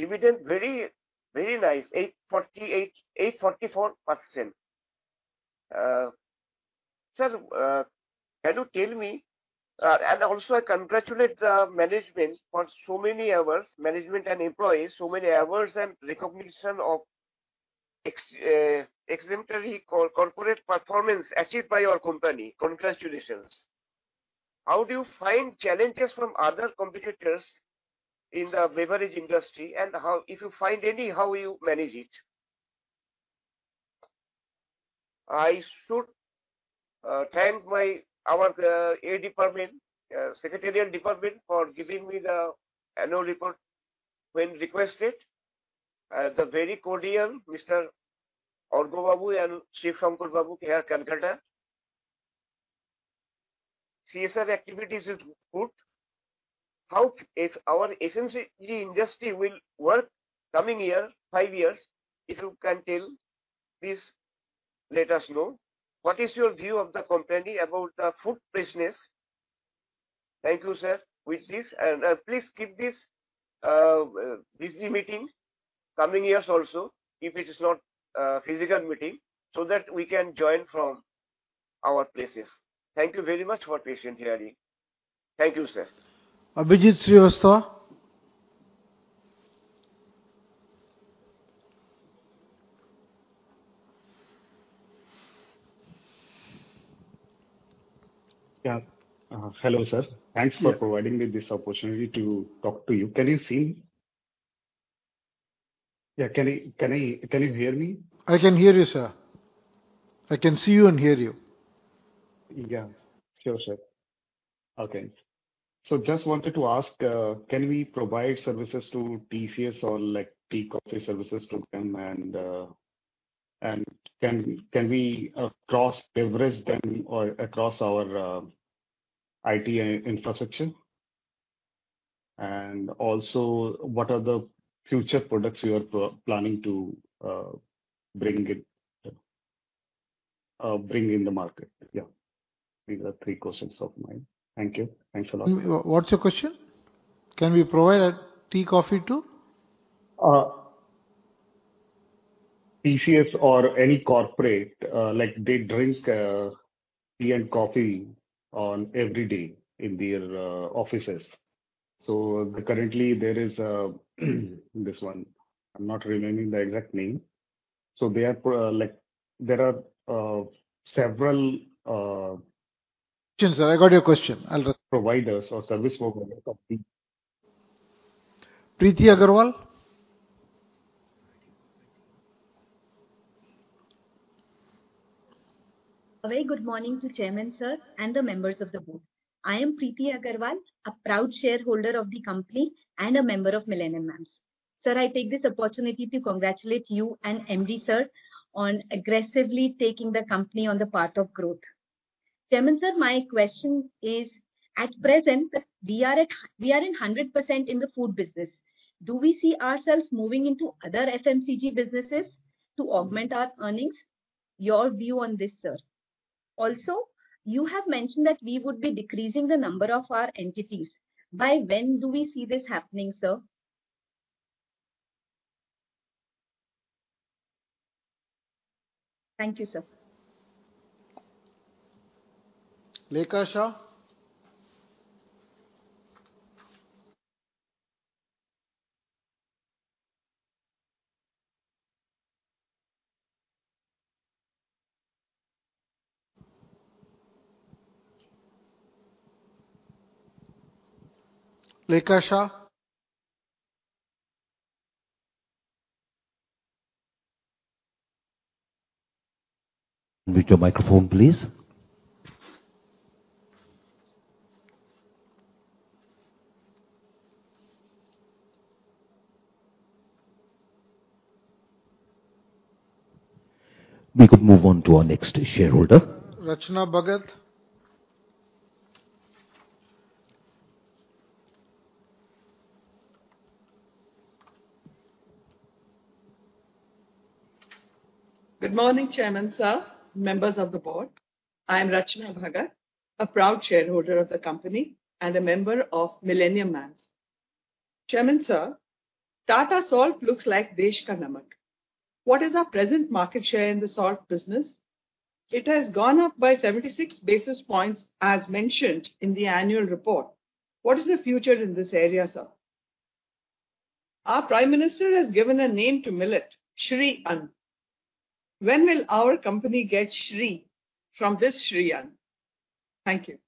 Dividend very nice, 844%. Sir, can you tell me... I congratulate the management for so many hours, management and employees, so many hours and recognition of exemplary corporate performance achieved by your company. Congratulations. How do you find challenges from other competitors in the beverage industry, and if you find any, how will you manage it? I should thank my, our, A department, secretarial department for giving me the annual report when requested. The very cordial, Mr. Arghya Babu and Shiv Shankar Babu, here, Kolkata. CSR activities is good. How if our FMCG industry will work coming year, 5 years, if you can tell, please let us know. What is your view of the company about the food business? Thank you, sir. With this, please keep this busy meeting coming years also, if it is not physical meeting, so that we can join from our places. Thank you very much for patiently hearing. Thank you, sir. Abhijeet Srivastav? Yeah. Hello, sir. Yeah. Thanks for providing me this opportunity to talk to you. Can you see me? Yeah, can you hear me? I can hear you, sir. I can see you and hear you. Yeah. Sure, sir. Okay. Just wanted to ask, can we provide services to TCS or like, tea, coffee services to them, and can we cross-leverage them or across our IT infrastructure? Also, what are the future products you are planning to bring it bring in the market? Yeah, these are three questions of mine. Thank you. Thanks a lot. What's your question? Can we provide a tea, coffee to? TCS or any corporate, like, they drink tea and coffee on every day in their offices. Currently there is this one, I'm not remembering the exact name. They are like, there are several. Sure, sir, I got your question. Providers or service provider company. Preeti Agarwal? A very good morning to Chairman, sir, and the members of the board. I am Preeti Agarwal, a proud shareholder of the company and a member of Millennium Mams'. Sir, I take this opportunity to congratulate you and MD, sir, on aggressively taking the company on the path of growth. Chairman, sir, my question is: at present, we are in 100% in the food business. Do we see ourselves moving into other FMCG businesses to augment our earnings? Your view on this, sir. You have mentioned that we would be decreasing the number of our entities. By when do we see this happening, sir? Thank you, sir. Lekha Shah? Lekha Shah? Unmute your microphone, please. We could move on to our next shareholder. Rachana Bhagat. Good morning, Chairman, sir, members of the board. I am Rachana Bhagat, a proud shareholder of the company and a member of Millennium Mams'. Chairman, sir, Tata Salt looks like Desh Ka Namak. What is our present market share in the salt business? It has gone up by 76 basis points, as mentioned in the annual report. What is the future in this area, sir? Our Prime Minister has given a name to millet, Shree Anna. When will our company get Shree from this Shree Anna? Thank you.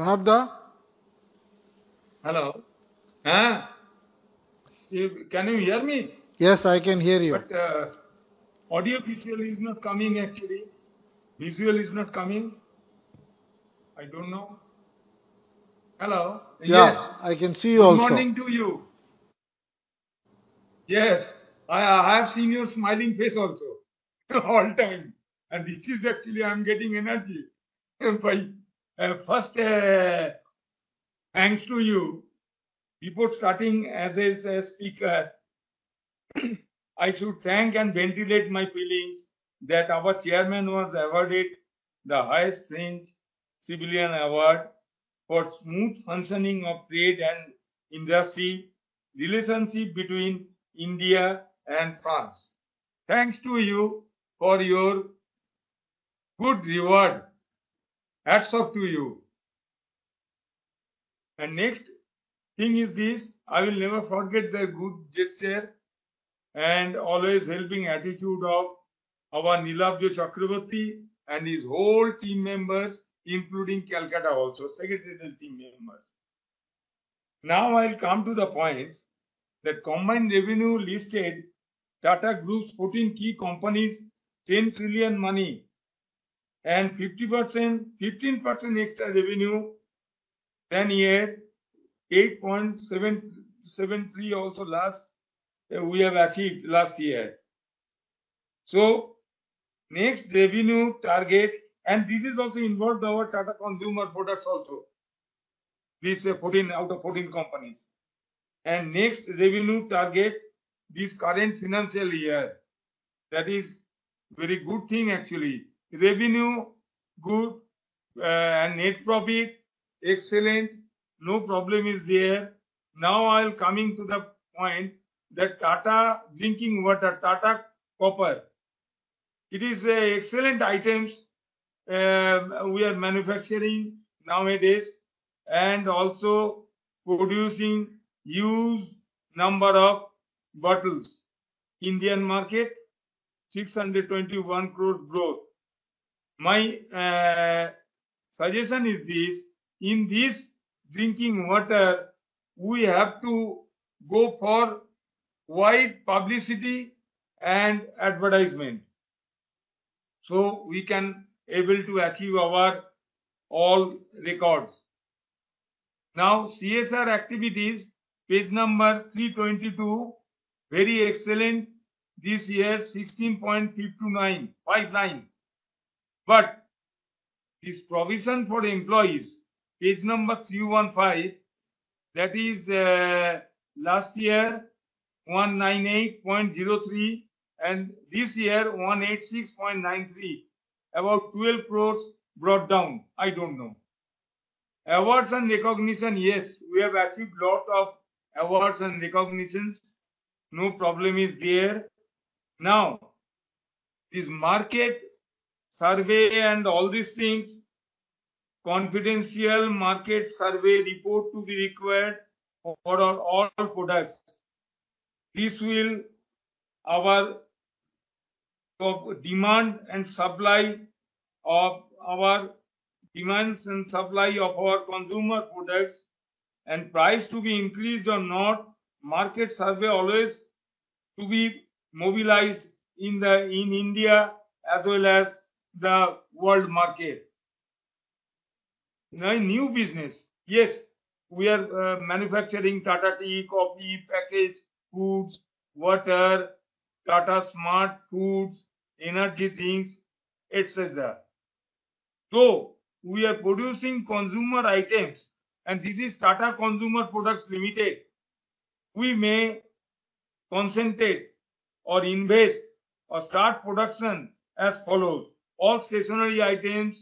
Pranab Roy? Pranab Da? Hello. Can you hear me? Yes, I can hear you. Audio visually is not coming, actually. Visual is not coming. I don't know. Hello? Yes, I can see you also. Good morning to you. Yes, I have seen your smiling face also all time, and this is actually I'm getting energy by. First, thanks to you. Before starting as a speaker, I should thank and ventilate my feelings that our Chairman was awarded the highest French civilian award for smooth functioning of trade and industry relationship between India and France. Thanks to you for your good reward. Hats off to you. Next thing is this: I will never forget the good gesture and always helping attitude of our Neelabja Chakrabarty and his whole team members, including Kolkata also, secretarial team members. I'll come to the points that combined revenue listed Tata Group's 14 key companies, 10 trillion and 15% extra revenue, 10 year, 8.773% also last, we have achieved last year. Next revenue target, and this is also involved our Tata Consumer Products also, these 14 out of 14 companies. Next revenue target, this current financial year, that is very good thing actually. Revenue, good, and net profit, excellent. No problem is there. Now, I'm coming to the point that Tata drinking water, Tata Harper. It is a excellent items, we are manufacturing nowadays and also producing huge number of bottles. Indian market, 621 crore growth. My suggestion is this: in this drinking water, we have to go for wide publicity and advertisement, so we can able to achieve our all records. Now, CSR activities, page number 322, very excellent. This year, 16.52959. This provision for the employees, page number 315, that is, last year, 198.03, and this year, 186.93. About 12 crores brought down, I don't know. Awards and recognition, yes, we have achieved lot of awards and recognitions. No problem is there. This market survey and all these things, confidential market survey report to be required for all products. This will our demand and supply of our consumer products and price to be increased or not, market survey always to be mobilized in India as well as the world market. New business. Yes, we are manufacturing Tata Tea, coffee, packaged foods, water, Tata SmartFoodz, energy drinks, et cetera. We are producing consumer items, and this is Tata Consumer Products Limited. We may concentrate or invest or start production as follows: all stationery items,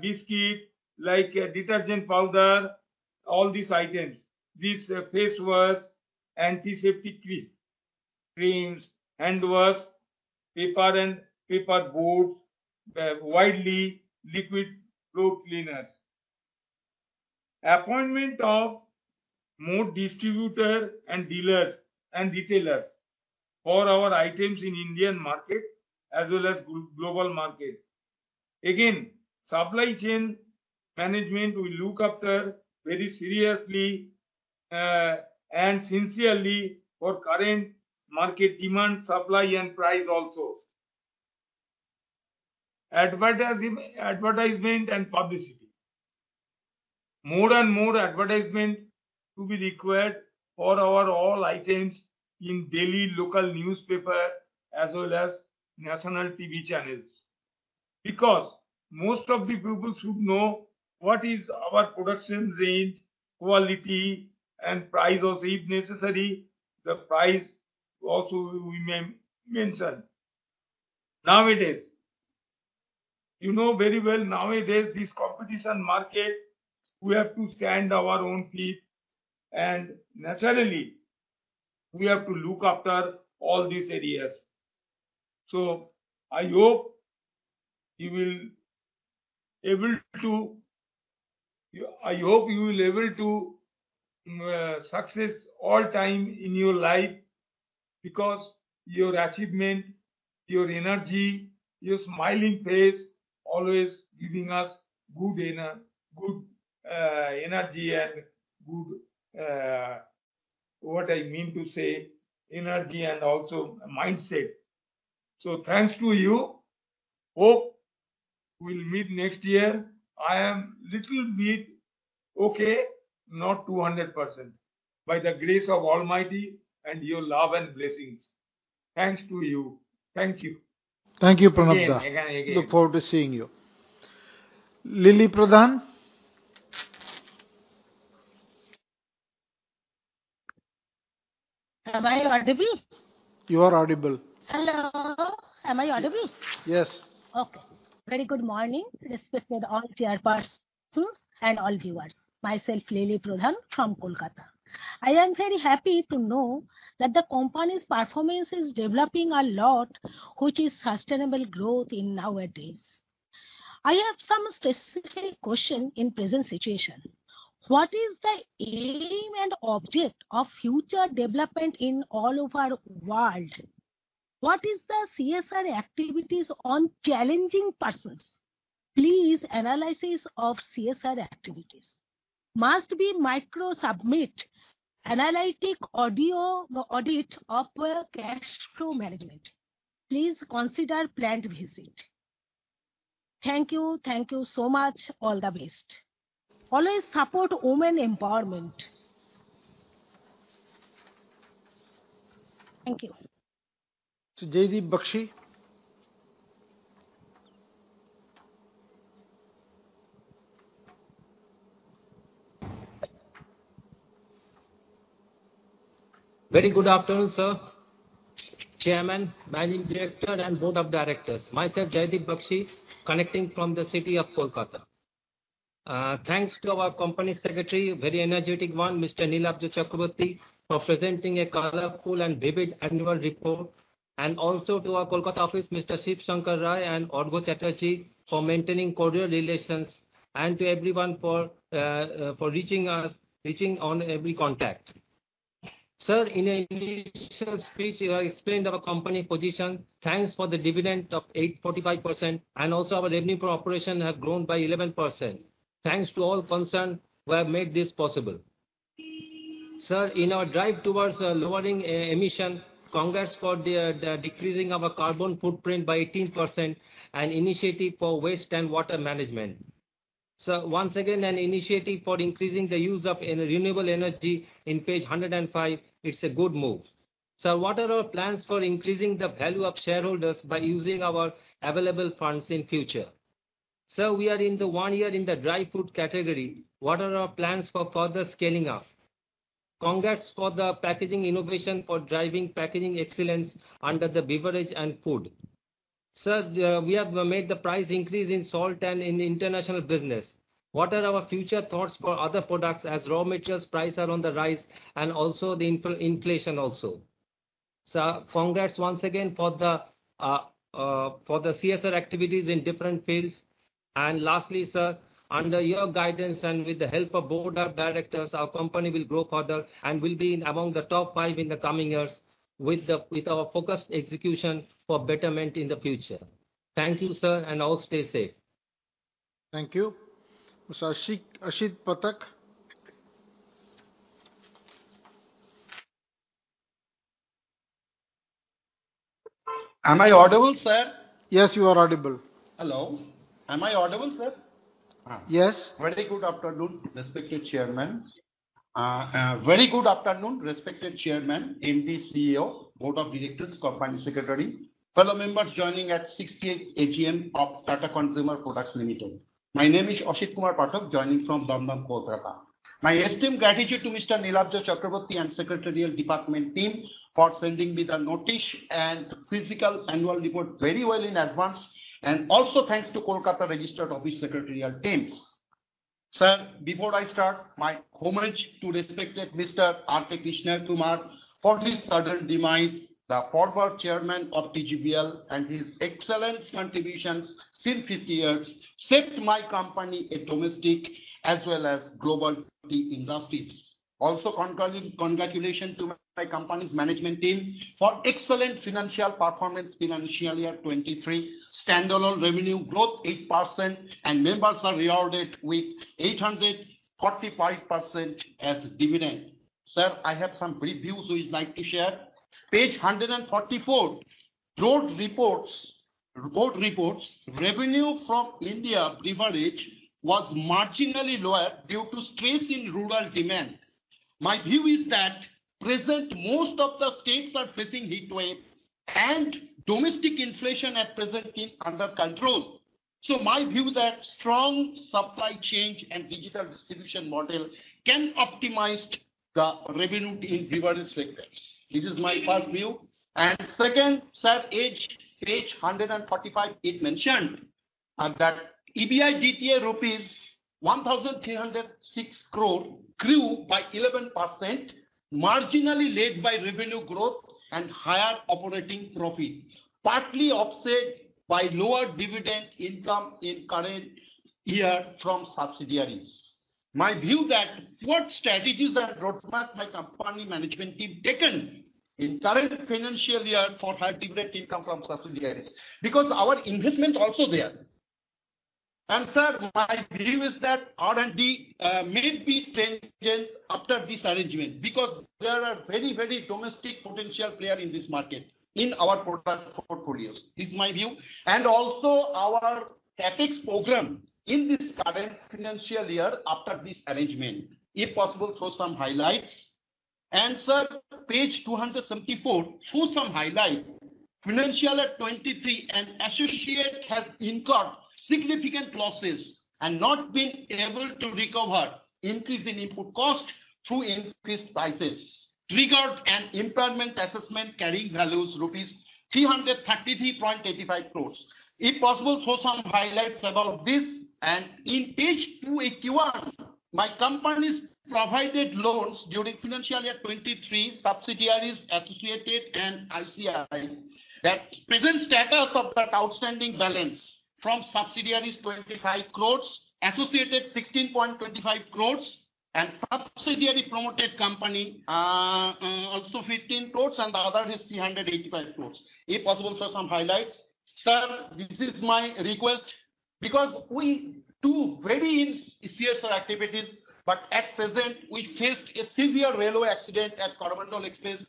biscuit, like, detergent powder, all these items. This face wash, antiseptic creams, hand wash, paper and paper boards, the widely liquid floor cleaners. Appointment of more distributor and dealers and retailers for our items in Indian market as well as global market. Supply chain management will look after very seriously and sincerely for current market demand, supply, and price also. Advertisement and publicity. More and more advertisement to be required for our all items in daily local newspaper as well as national TV channels, because most of the people should know what is our production range, quality, and price also. If necessary, the price also we may mention. Nowadays... You know very well, nowadays, this competition market, we have to stand our own feet, and naturally, we have to look after all these areas. I hope you will able to success all time in your life, because your achievement, your energy, your smiling face, always giving us good energy and good, what I mean to say, energy and also mindset. Thanks to you. Hope we'll meet next year. I am little bit okay, not 200%, by the grace of Almighty and your love and blessings. Thanks to you. Thank you. Thank you, Pranab. Again, again. Look forward to seeing you. Lily Pradhan? Am I audible? You are audible. Hello. Am I audible? Yes. Okay. Very good morning, respected all dear persons and all viewers. Myself, Lily Pradhan from Kolkata. I am very happy to know that the company's performance is developing a lot, which is sustainable growth in nowadays. I have some specific question in present situation. What is the aim and object of future development in all over world? What is the CSR activities on challenging persons? Please, analysis of CSR activities. Must be micro submit analytic audio, audit of cash flow management. Please consider planned visit. Thank you. Thank you so much. All the best. Always support women empowerment. Thank you. Jaydeep Bakshi? Very good afternoon, sir, Chairman, Managing Director, and Board of Directors. Myself, Jaydeep Bakshi, connecting from the city of Kolkata. Thanks to our Company Secretary, very energetic one, Mr. Neelabja Chakrabarty, for presenting a colorful and vivid annual report, and also to our Kolkata office, Mr. Shiv Shankar Rai and Arghya Chatterjee, for maintaining cordial relations, and to everyone for reaching us, reaching on every contact. Sir, in your initial speech, you have explained our company position. Thanks for the dividend of 8.5%, and also our revenue per operation have grown by 11%. Thanks to all concerned who have made this possible. Sir, in our drive towards lowering e-emission, congrats for the decreasing of our carbon footprint by 18% and initiative for waste and water management. Sir, once again, an initiative for increasing the use of renewable energy in page 105, it's a good move. Sir, what are our plans for increasing the value of shareholders by using our available funds in future? Sir, we are in the 1 year in the dry food category. What are our plans for further scaling up? Congrats for the packaging innovation for driving packaging excellence under the beverage and food. Sir, we have made the price increase in salt and in international business. What are our future thoughts for other products as raw materials price are on the rise and also the inflation also? Sir, congrats once again for the CSR activities in different fields. Lastly, sir, under your guidance and with the help of board of directors, our company will grow further and will be among the top five in the coming years, with our focused execution for betterment in the future. Thank you, sir, and all stay safe. Thank you. Mr. Ashit Pathak? Am I audible, sir? Yes, you are audible. Hello. Am I audible, sir? Yes. Very good afternoon, respected Chairman. Very good afternoon, respected Chairman, MD, CEO, board of directors, company secretary, fellow members joining at 68th AGM of Tata Consumer Products Limited. My name is Ashit Kumar Pathak, joining from Birmingham, Kolkata. My esteemed gratitude to Mr. Neelabja Chakrabarty and secretarial department team for sending me the notice and physical annual report very well in advance. Also thanks to Kolkata registered office secretarial teams. Sir, before I start, my homage to respected Mr. R. K. Krishna Kumar for his sudden demise, the former chairman of TGBL. His excellent contributions since 50 years set my company in domestic as well as global industries. Congratulations to my company's management team for excellent financial performance in financial year 2023. Standalone revenue growth 8%. Members are rewarded with 845% as dividend. Sir, I have some reviews which I'd like to share. Page 144, board reports, revenue from India beverage was marginally lower due to stress in rural demand. My view is that present, most of the states are facing heat waves, and domestic inflation at present is under control. My view that strong supply chain and digital distribution model can optimize the revenue in beverage sectors. This is my first view. Second, sir, page 145, it mentioned that EBITDA rupees 1,306 crore grew by 11%, marginally led by revenue growth and higher operating profits, partly offset by lower dividend income in current year from subsidiaries. My view that what strategies are roadmap my company management team taken in current financial year for high dividend income from subsidiaries, because our investment also there? Sir, my belief is that R&D made these changes after this arrangement, because there are very domestic potential player in this market, in our product portfolios. This is my view. Also our CapEx program in this current financial year after this arrangement, if possible, show some highlights. Sir, page 274, show some highlight. Financial year 23 and associate has incurred significant losses and not been able to recover increase in input cost through increased prices, triggered an impairment assessment carrying values rupees 333.85 crores. If possible, show some highlights about this. In page 281, my company's provided loans during financial year 23, subsidiaries, associated, and ICII. The present status of that outstanding balance from subsidiaries, 25 crores, associated, 16.25 crores, and subsidiary promoted company, also 15 crores, and the other is 385 crores. If possible, show some highlights. Sir, this is my request. We do very CSR activities, but at present, we faced a severe railway accident at Coromandel Express.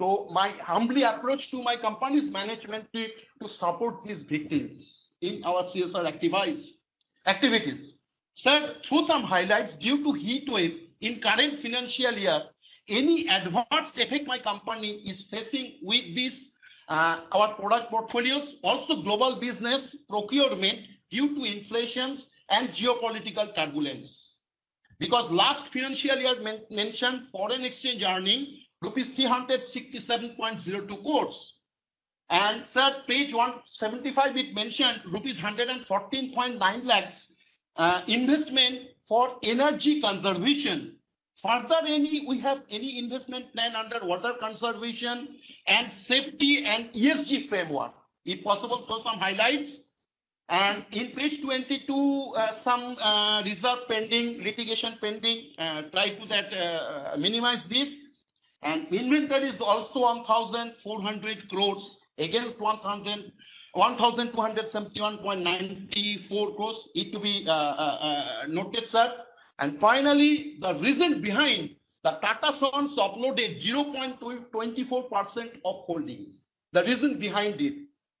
My humbly approach to my company's management team to support these victims in our CSR activities. Sir, show some highlights due to heat wave in current financial year, any adverse effect my company is facing with this, our product portfolios, also global business procurement due to inflations and geopolitical turbulence. Last financial year mentioned, foreign exchange earning, rupees 367.02 crores. Sir, page 175, it mentioned rupees 114.9 lakhs investment for energy conservation. Further, we have any investment plan under water conservation and safety and ESG framework? If possible, show some highlights. In page 22, reserve pending, litigation pending, minimize this. Inventory is also 1,400 crores against 1,271.94 crores. It to be noted, sir. Finally, the reason behind the Tata Sons offloaded 0.24% of holdings. The reason behind it,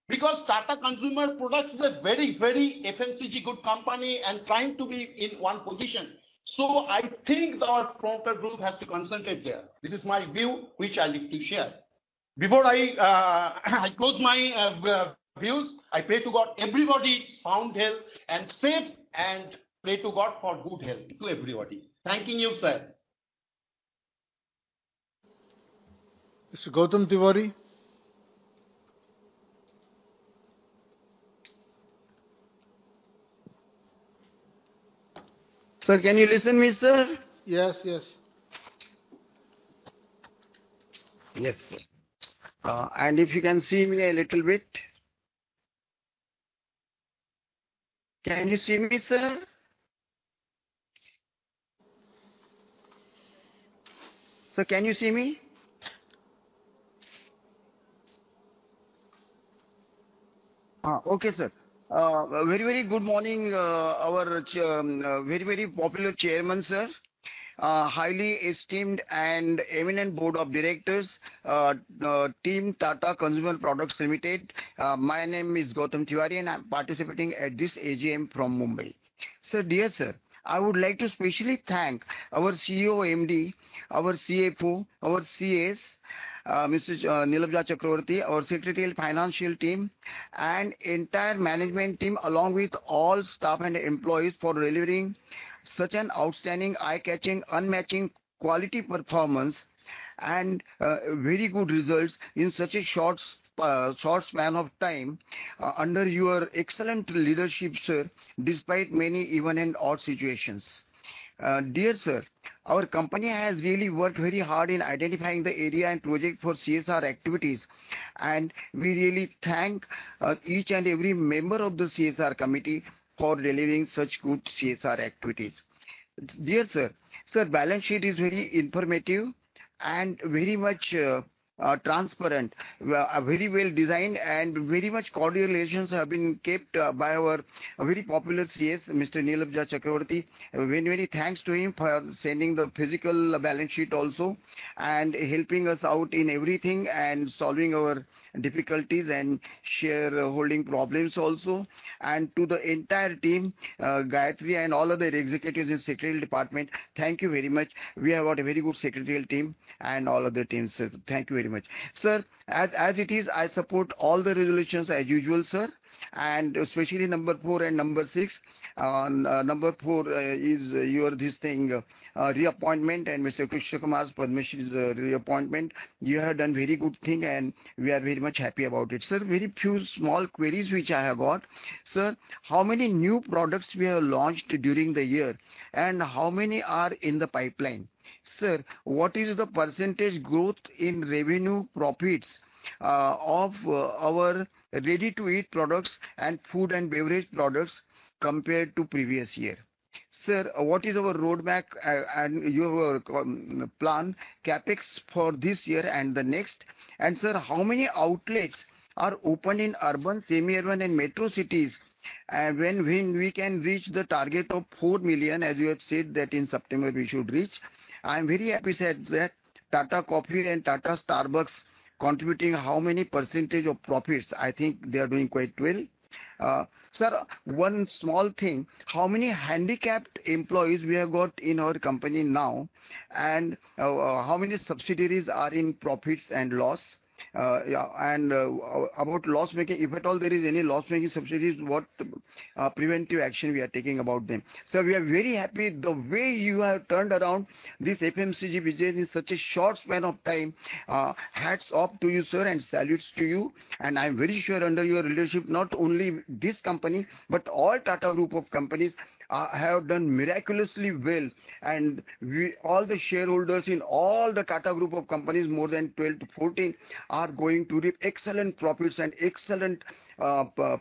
because Tata Consumer Products is a very, very FMCG good company and trying to be in one position. I think our proper group has to concentrate there. This is my view, which I like to share. Before I close my views, I pray to God everybody sound health and safe, and pray to God for good health to everybody. Thanking you, sir. Mr. Gautam Tiwari? Sir, can you listen me, sir? Yes, yes. Yes, sir. And if you can see me a little bit. Can you see me, sir? Sir, can you see me? Okay, sir. Very, very good morning, our very, very popular Chairman, sir. Highly esteemed and eminent Board of Directors, team Tata Consumer Products Limited. My name is Gautam Tiwari, and I'm participating at this AGM from Mumbai. Sir, dear sir, I would like to specially thank our CEO MD, our CFO, our CS, Mrs. Neelabja Chakrabarty, our secretarial financial team, and entire management team, along with all staff and employees, for delivering such an outstanding, eye-catching, unmatching quality performance and very good results in such a short span of time, under your excellent leadership, sir, despite many even and odd situations. Dear sir, our company has really worked very hard in identifying the area and project for CSR activities, and we really thank each and every member of the CSR committee for delivering such good CSR activities. Dear sir, balance sheet is very informative and very much transparent. Very well-designed and very much cordial relations have been kept by our very popular CS, Mr. Neelabja Chakrabarty. Very thanks to him for sending the physical balance sheet also and helping us out in everything and solving our difficulties and shareholding problems also. To the entire team, Gayatri and all other executives in secretarial department, thank you very much. We have got a very good secretarial team and all other teams, sir. Thank you very much. Sir, as it is, I support all the resolutions as usual, sir, and especially number four and number six. Number four is your this thing, reappointment and Mr. Krishna Kumar's permission, reappointment. You have done very good thing, and we are very much happy about it. Sir, very few small queries which I have got. Sir, how many new products we have launched during the year, and how many are in the pipeline? Sir, what is the % growth in revenue profits of our ready-to-eat products and food and beverage products compared to previous year? Sir, what is our roadmap, and your plan, CapEx for this year and the next? Sir, how many outlets are open in urban, semi-urban, and metro cities? When we can reach the target of 4 million, as you have said, that in September we should reach? I am very happy that Tata Coffee and Tata Starbucks contributing how many % of profits? I think they are doing quite well. Sir, one small thing, how many handicapped employees we have got in our company now? How many subsidiaries are in profits and loss? Yeah, about loss-making, if at all there is any loss-making subsidiaries, what preventive action we are taking about them? Sir, we are very happy the way you have turned around this FMCG business in such a short span of time. Hats off to you, sir, and salutes to you. I'm very sure under your leadership, not only this company, but all Tata Group of companies have done miraculously well. We, all the shareholders in all the Tata Group of companies, more than 12-14, are going to reap excellent profits and excellent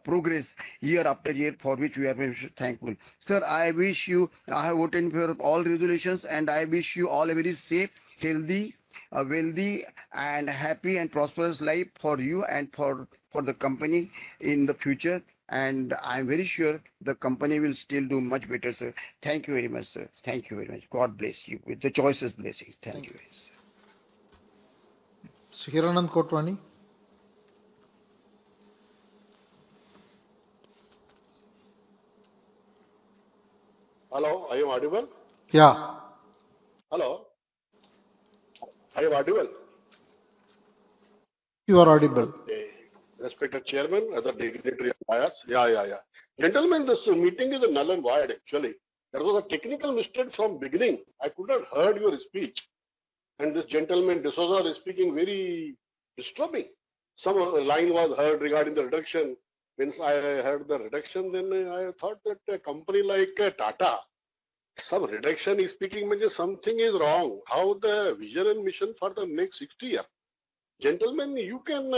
progress year after year, for which we are very thankful. Sir, I vote in favor of all resolutions. I wish you all a very safe, healthy, wealthy and happy and prosperous life for you and for the company in the future. I'm very sure the company will still do much better, sir. Thank you very much, sir. Thank you very much. God bless you with the choicest blessings. Thank you very much. Hiranand Kotwani? Hello, are you audible? Yeah. Hello? Are you audible? You are audible. Okay. Respected Chairman, other directors are biased. Yeah. Gentlemen, this meeting is null and void, actually. There was a technical mistake from beginning. I could not heard your speech. This gentleman, this fellow is speaking very disturbing. Some of the line was heard regarding the reduction. Since I heard the reduction, then I thought that a company like Tata, some reduction is speaking, means something is wrong. How the vision and mission for the next 60 year? Gentlemen, you can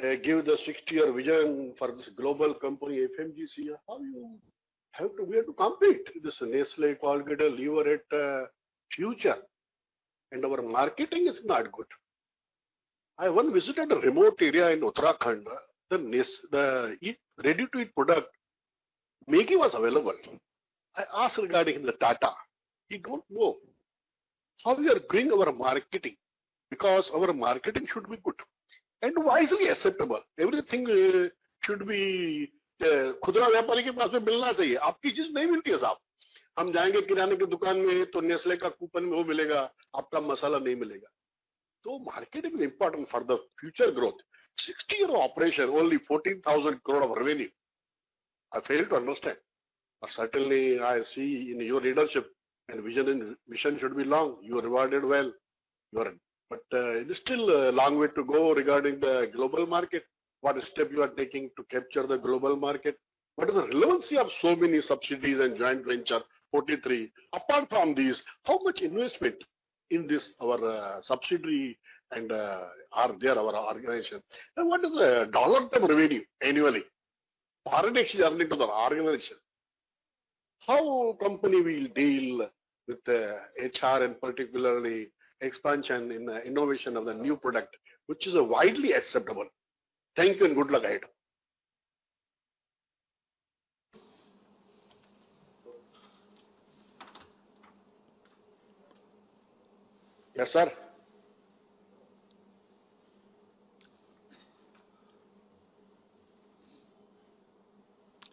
give the 60-year vision for this global company, FMCG. How we have to compete? This Nestlé, Colgate, Unilever, Future, and our marketing is not good. I once visited a remote area in Uttarakhand. The eat, ready-to-eat product, Maggi, was available. I asked regarding the Tata. He don't know. How we are doing our marketing? Because our marketing should be good and wisely acceptable. Everything should be. Marketing is important for the future growth. 60 year of operation, only 14,000 crore of revenue. I fail to understand. Certainly, I see in your leadership and vision and mission should be long, you are rewarded well, you are. It is still a long way to go regarding the global market. What step you are taking to capture the global market? What is the relevancy of so many subsidies and joint venture, 43? Apart from these, how much investment in this, our subsidiary and are there our organization? What is the dollar term revenue annually? Foreign exchange earning to the organization? How company will deal with the HR, and particularly expansion in the innovation of the new product, which is widely acceptable? Thank you, and good luck ahead. Yes, sir.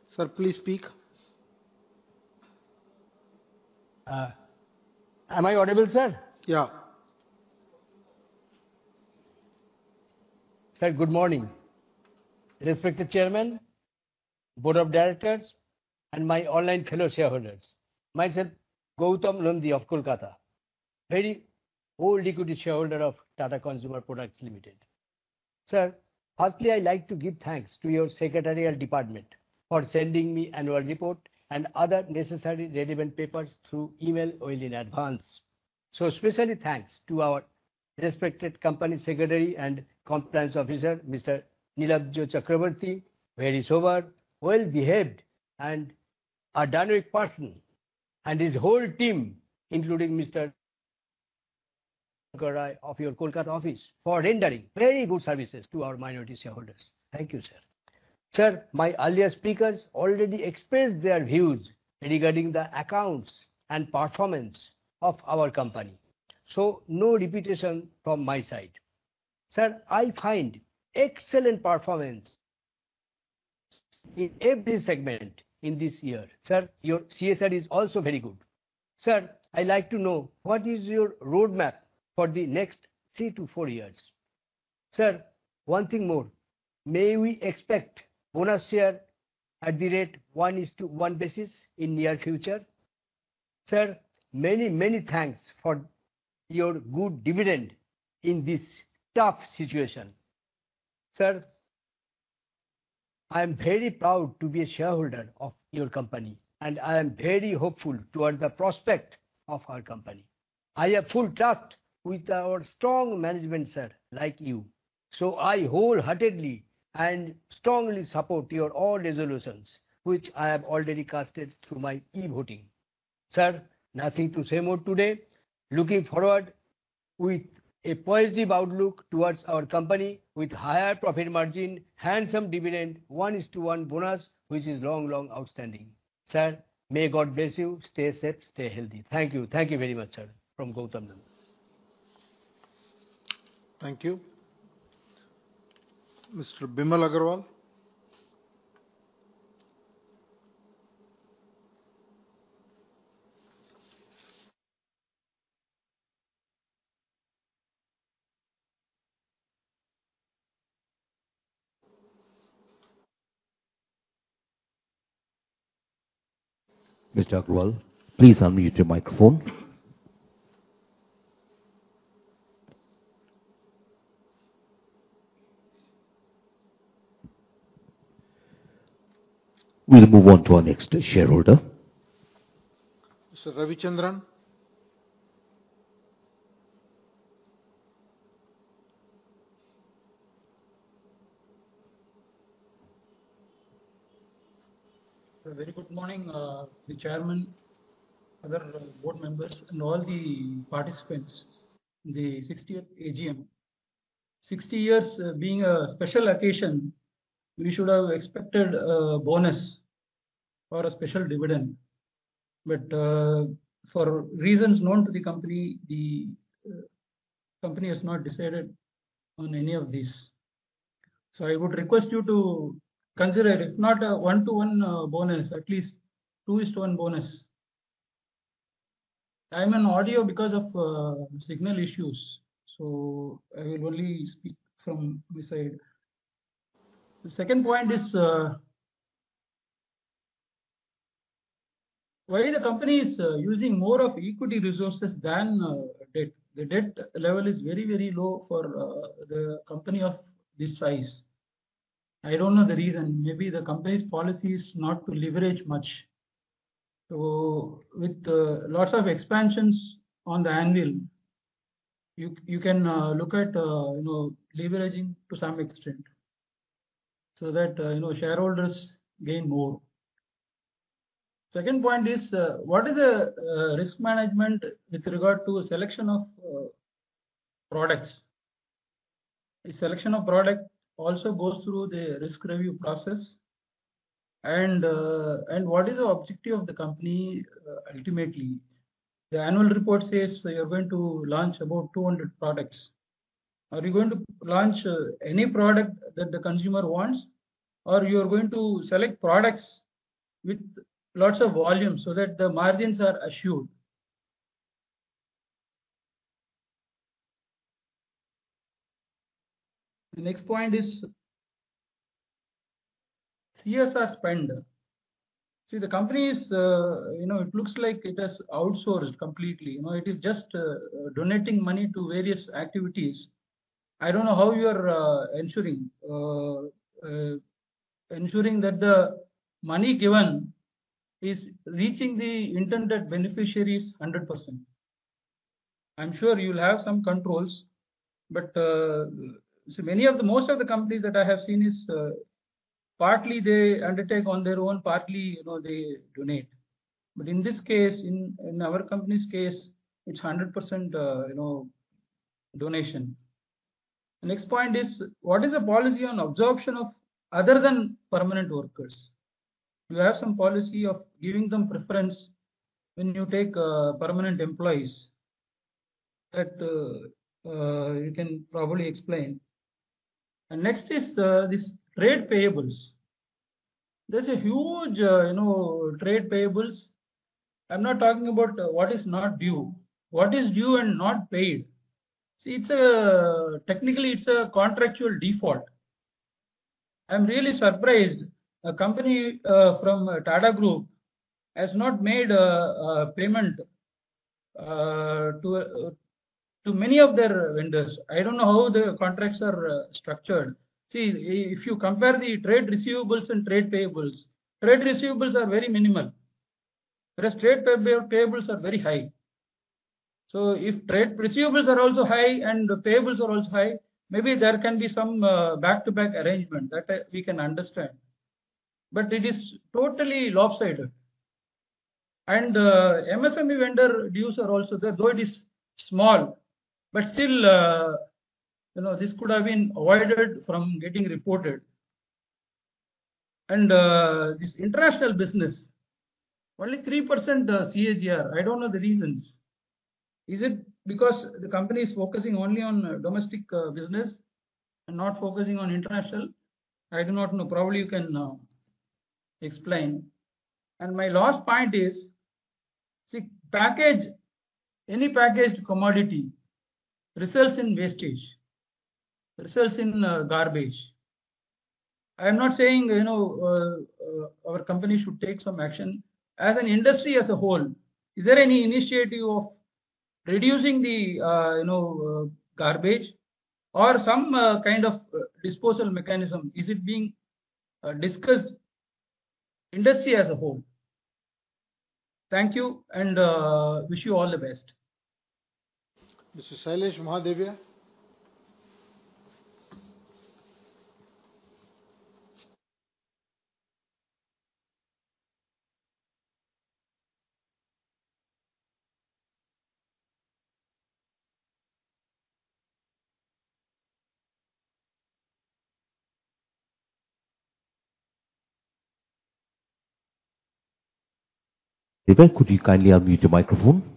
Sir, please speak. Am I audible, sir? Yeah. Sir, good morning. Respected Chairman, Board of Directors, and my online fellow shareholders. Myself, Gautam Londhe of Kolkata, very old equity shareholder of Tata Consumer Products Limited. Sir, firstly, I'd like to give thanks to your Secretariat Department for sending me annual report and other necessary relevant papers through email well in advance. Specially thanks to our respected Company Secretary and Compliance Officer, Mr. Neelabja Chakrabarty, very sober, well-behaved, and a dynamic person, and his whole team, including Mr. Karai of your Kolkata office, for rendering very good services to our minority shareholders. Thank you, sir. Sir, my earlier speakers already expressed their views regarding the accounts and performance of our company. No repetition from my side. Sir, I find excellent performance in every segment in this year. Sir, your CSR is also very good. Sir, I'd like to know what is your roadmap for the next three to four years? Sir, one thing more: may we expect bonus share at the rate one is to one basis in near future? Sir, many, many thanks for your good dividend in this tough situation. Sir, I am very proud to be a shareholder of your company, and I am very hopeful towards the prospect of our company. I have full trust with our strong management, sir, like you. I wholeheartedly and strongly support your all resolutions, which I have already casted through my e-voting. Sir, nothing to say more today. Looking forward with a positive outlook towards our company, with higher profit margin, handsome dividend, 1 is to 1 bonus, which is long, long outstanding. Sir, may God bless you. Stay safe, stay healthy. Thank you. Thank you very much, sir. From Gautam Londhe. Thank you. Mr. Bimal Agarwal? Mr. Agarwal, please unmute your microphone. We'll move on to our next shareholder. Mr. Ravichandran? Sir, very good morning, the Chairman, other board members, and all the participants in the 60th AGM. 60 years, being a special occasion, we should have expected a bonus or a special dividend. For reasons known to the company, the company has not decided on any of these. I would request you to consider, if not a 1-to-1 bonus, at least 2-is-to-1 bonus. I'm on audio because of signal issues, I will only speak from this side. The second point is, why the company is using more of equity resources than debt? The debt level is very, very low for the company of this size. I don't know the reason. Maybe the company's policy is not to leverage much. With lots of expansions on the annual, you can look at, you know, leveraging to some extent, so that, you know, shareholders gain more. Second point is, what is the risk management with regard to selection of products? The selection of product also goes through the risk review process. And what is the objective of the company ultimately? The annual report says you are going to launch about 200 products. Are you going to launch any product that the consumer wants, or you are going to select products with lots of volume so that the margins are assured? The next point is CSR spend. See, the company is, you know, it looks like it has outsourced completely. You know, it is just donating money to various activities. I don't know how you're ensuring that the money given is reaching the intended beneficiaries 100%. I'm sure you'll have some controls. Most of the companies that I have seen is partly they undertake on their own, partly, you know, they donate. In this case, in our company's case, it's 100%, you know, donation. The next point is, what is the policy on absorption of other than permanent workers? Do you have some policy of giving them preference when you take permanent employees? That you can probably explain. Next is this trade payables. There's a huge, you know, trade payables. I'm not talking about what is not due, what is due and not paid. See, technically, it's a contractual default. I'm really surprised, a company from Tata Group has not made a payment to many of their vendors. I don't know how the contracts are structured. If you compare the trade receivables and trade payables, trade receivables are very minimal, whereas trade payables are very high. If trade receivables are also high and payables are also high, maybe there can be some back-to-back arrangement that we can understand. It is totally lopsided. MSME vendor dues are also there, though it is small, but still, you know, this could have been avoided from getting reported. This international business, only 3% CAGR. I don't know the reasons. Is it because the company is focusing only on domestic business and not focusing on international? I do not know. Probably, you can explain. My last point is, see, any packaged commodity results in wastage, results in garbage. I'm not saying, you know, our company should take some action. As an industry as a whole, is there any initiative of reducing the, you know, garbage or some kind of disposal mechanism? Is it being discussed industry as a whole? Thank you. Wish you all the best. Mr. Sailesh Mahadevia. Deepak, could you kindly unmute your microphone?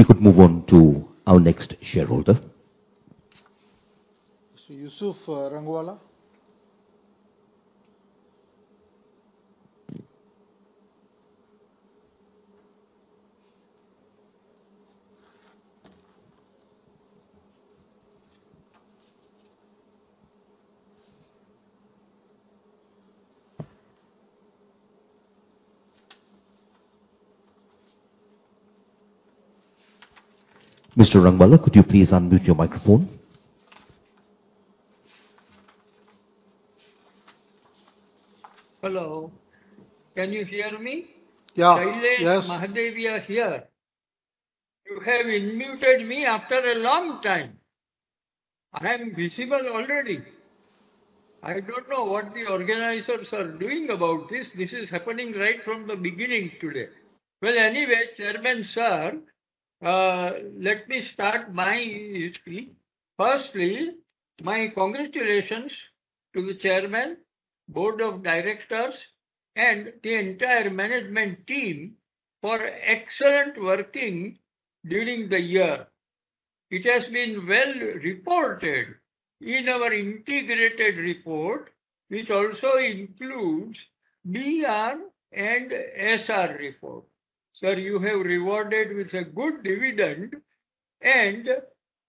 We could move on to our next shareholder. Mr. Yusuf Rangwala. Mr. Rangwala, could you please unmute your microphone? Hello. Can you hear me? Yeah. Yes. Sailesh Mahadevia here. You have unmuted me after a long time. I am visible already. I don't know what the organizers are doing about this. This is happening right from the beginning today. Well, anyway, Chairman, Sir, let me start my speech. Firstly, my congratulations to the Chairman, Board of Directors, and the entire management team for excellent working during the year. It has been well reported in our integrated report, which also includes BR and SR Report. Sir, you have rewarded with a good dividend, and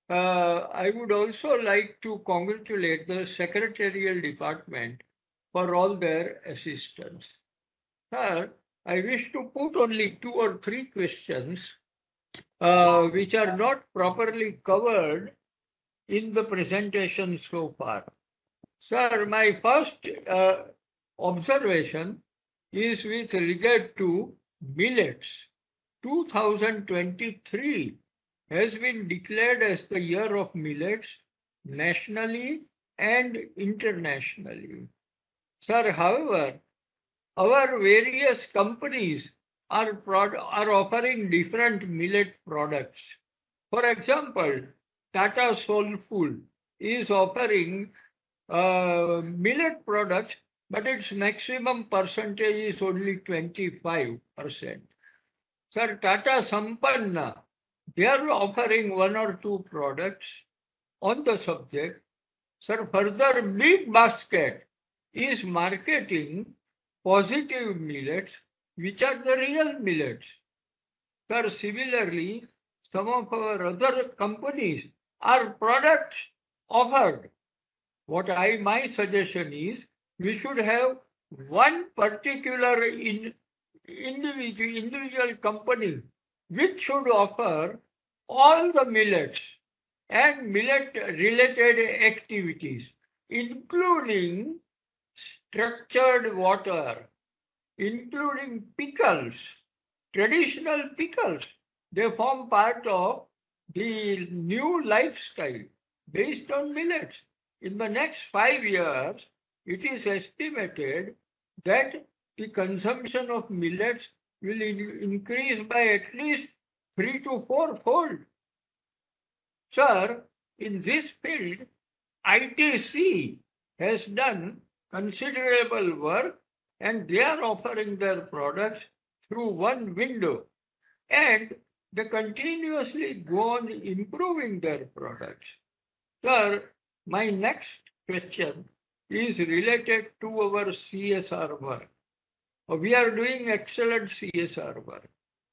I would also like to congratulate the secretarial department for all their assistance. Sir, I wish to put only two or three questions, which are not properly covered in the presentation so far. Sir, my first observation is with regard to millets. 2023 has been declared as the year of millets, nationally and internationally. Sir, however, our various companies are offering different millet products. For example, Tata Soulfull is offering millet products, but its maximum percentage is only 25%. Sir, Tata Sampann, they are offering one or two products on the subject. Sir, further, bigbasket is marketing positive millets, which are the real millets. Sir, similarly, some of our other companies are products offered. What I, my suggestion is, we should have one particular individual company, which should offer all the millets and millet-related activities, including structured water, including pickles, traditional pickles. They form part of the new lifestyle based on millets. In the next 5 years, it is estimated that the consumption of millets will increase by at least three to four-fold. Sir, in this field, ITC has done considerable work, and they are offering their products through one window, and they continuously go on improving their products. Sir, my next question is related to our CSR work. We are doing excellent CSR work,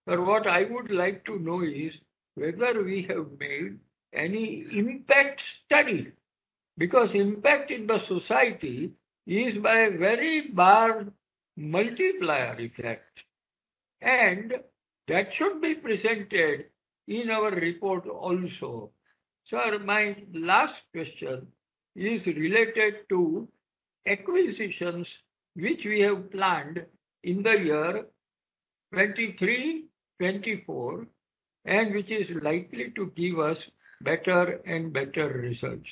but what I would like to know is whether we have made any impact study, because impact in the society is by a very large multiplier effect, and that should be presented in our report also. Sir, my last question is related to acquisitions, which we have planned in the year 2023, 2024, and which is likely to give us better and better results.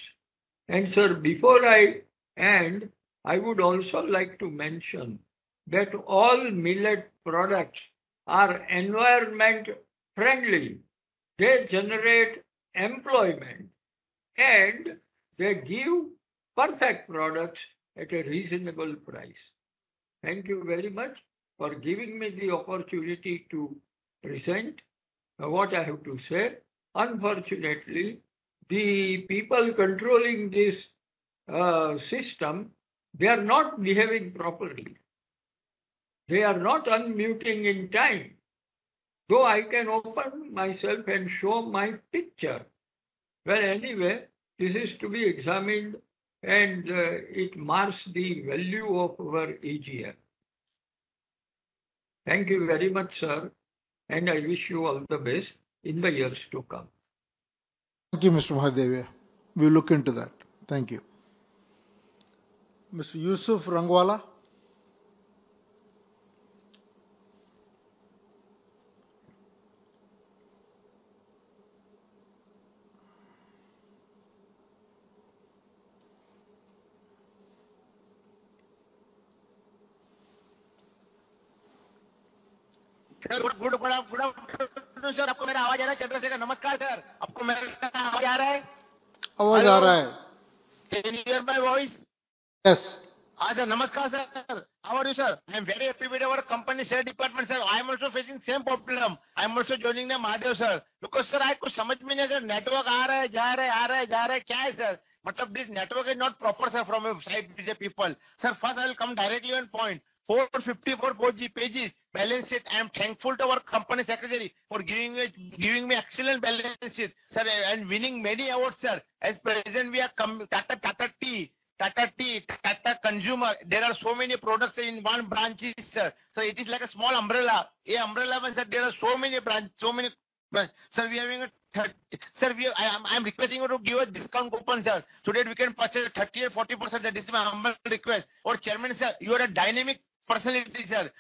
Sir, before I end, I would also like to mention that all millet products are environment friendly. They generate employment, and they give perfect products at a reasonable price. Thank you very much for giving me the opportunity to present what I have to say. Unfortunately, the people controlling this system, they are not behaving properly. They are not unmuting in time, so I can open myself and show my picture. Well, anyway, this is to be examined, and it marks the value of our AGM. Thank you very much, sir, and I wish you all the best in the years to come. Thank you, Mr. Sailesh Mahadevia. We'll look into that. Thank you. Mr. Yusuf Rangwala? Sir, namaskar, sir. Are you hearing my voice? Can you hear my voice? Yes. Sir, namaskar, sir. How are you, sir? I am very happy with our company share department, sir. I am also facing same problem. I am also joining the Mahadev, sir. Sir, I could understand me, network are the jar. What is it, sir? This network is not proper, sir, from your side to the people. Sir, first I will come directly on point. 454 pages, balance sheet. I am thankful to our company secretary for giving me excellent balance sheet, sir, and winning many awards, sir. Present, we are Tata Tea, Tata Consumer. There are so many products in one branches, sir. It is like a small umbrella. In umbrella, sir, there are so many brands. Sir, we are, I'm requesting you to give a discount coupon, sir. Today, we can purchase 30% or 40%. That is my humble request. Chairman, sir, you are a dynamic personality,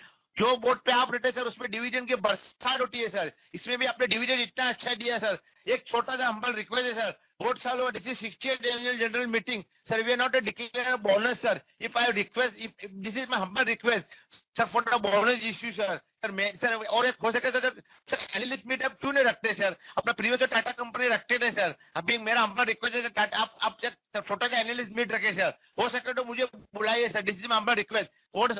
sir.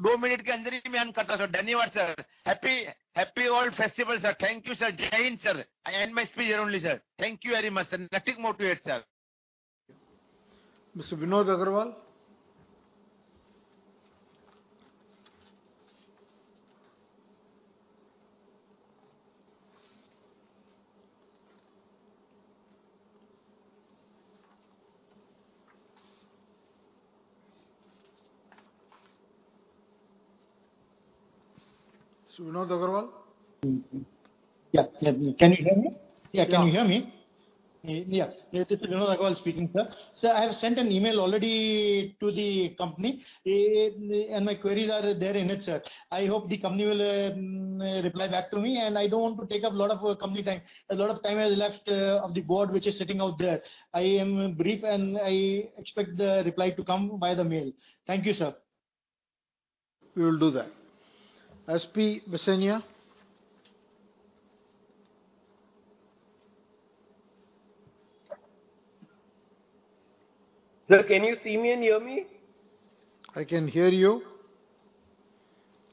Mr. Vinod Agarwal? Mr. Vinod Agarwal? Yeah. Can you hear me? Yeah. Can you hear me? Yeah. This is Vinod Agarwal speaking, sir. Sir, I have sent an email already...... to the company. My queries are there in it, sir. I hope the company will reply back to me. I don't want to take up a lot of company time. A lot of time is left of the board, which is sitting out there. I am brief. I expect the reply to come by the mail. Thank you, sir. We will do that. SP Visenia? Sir, can you see me and hear me? I can hear you.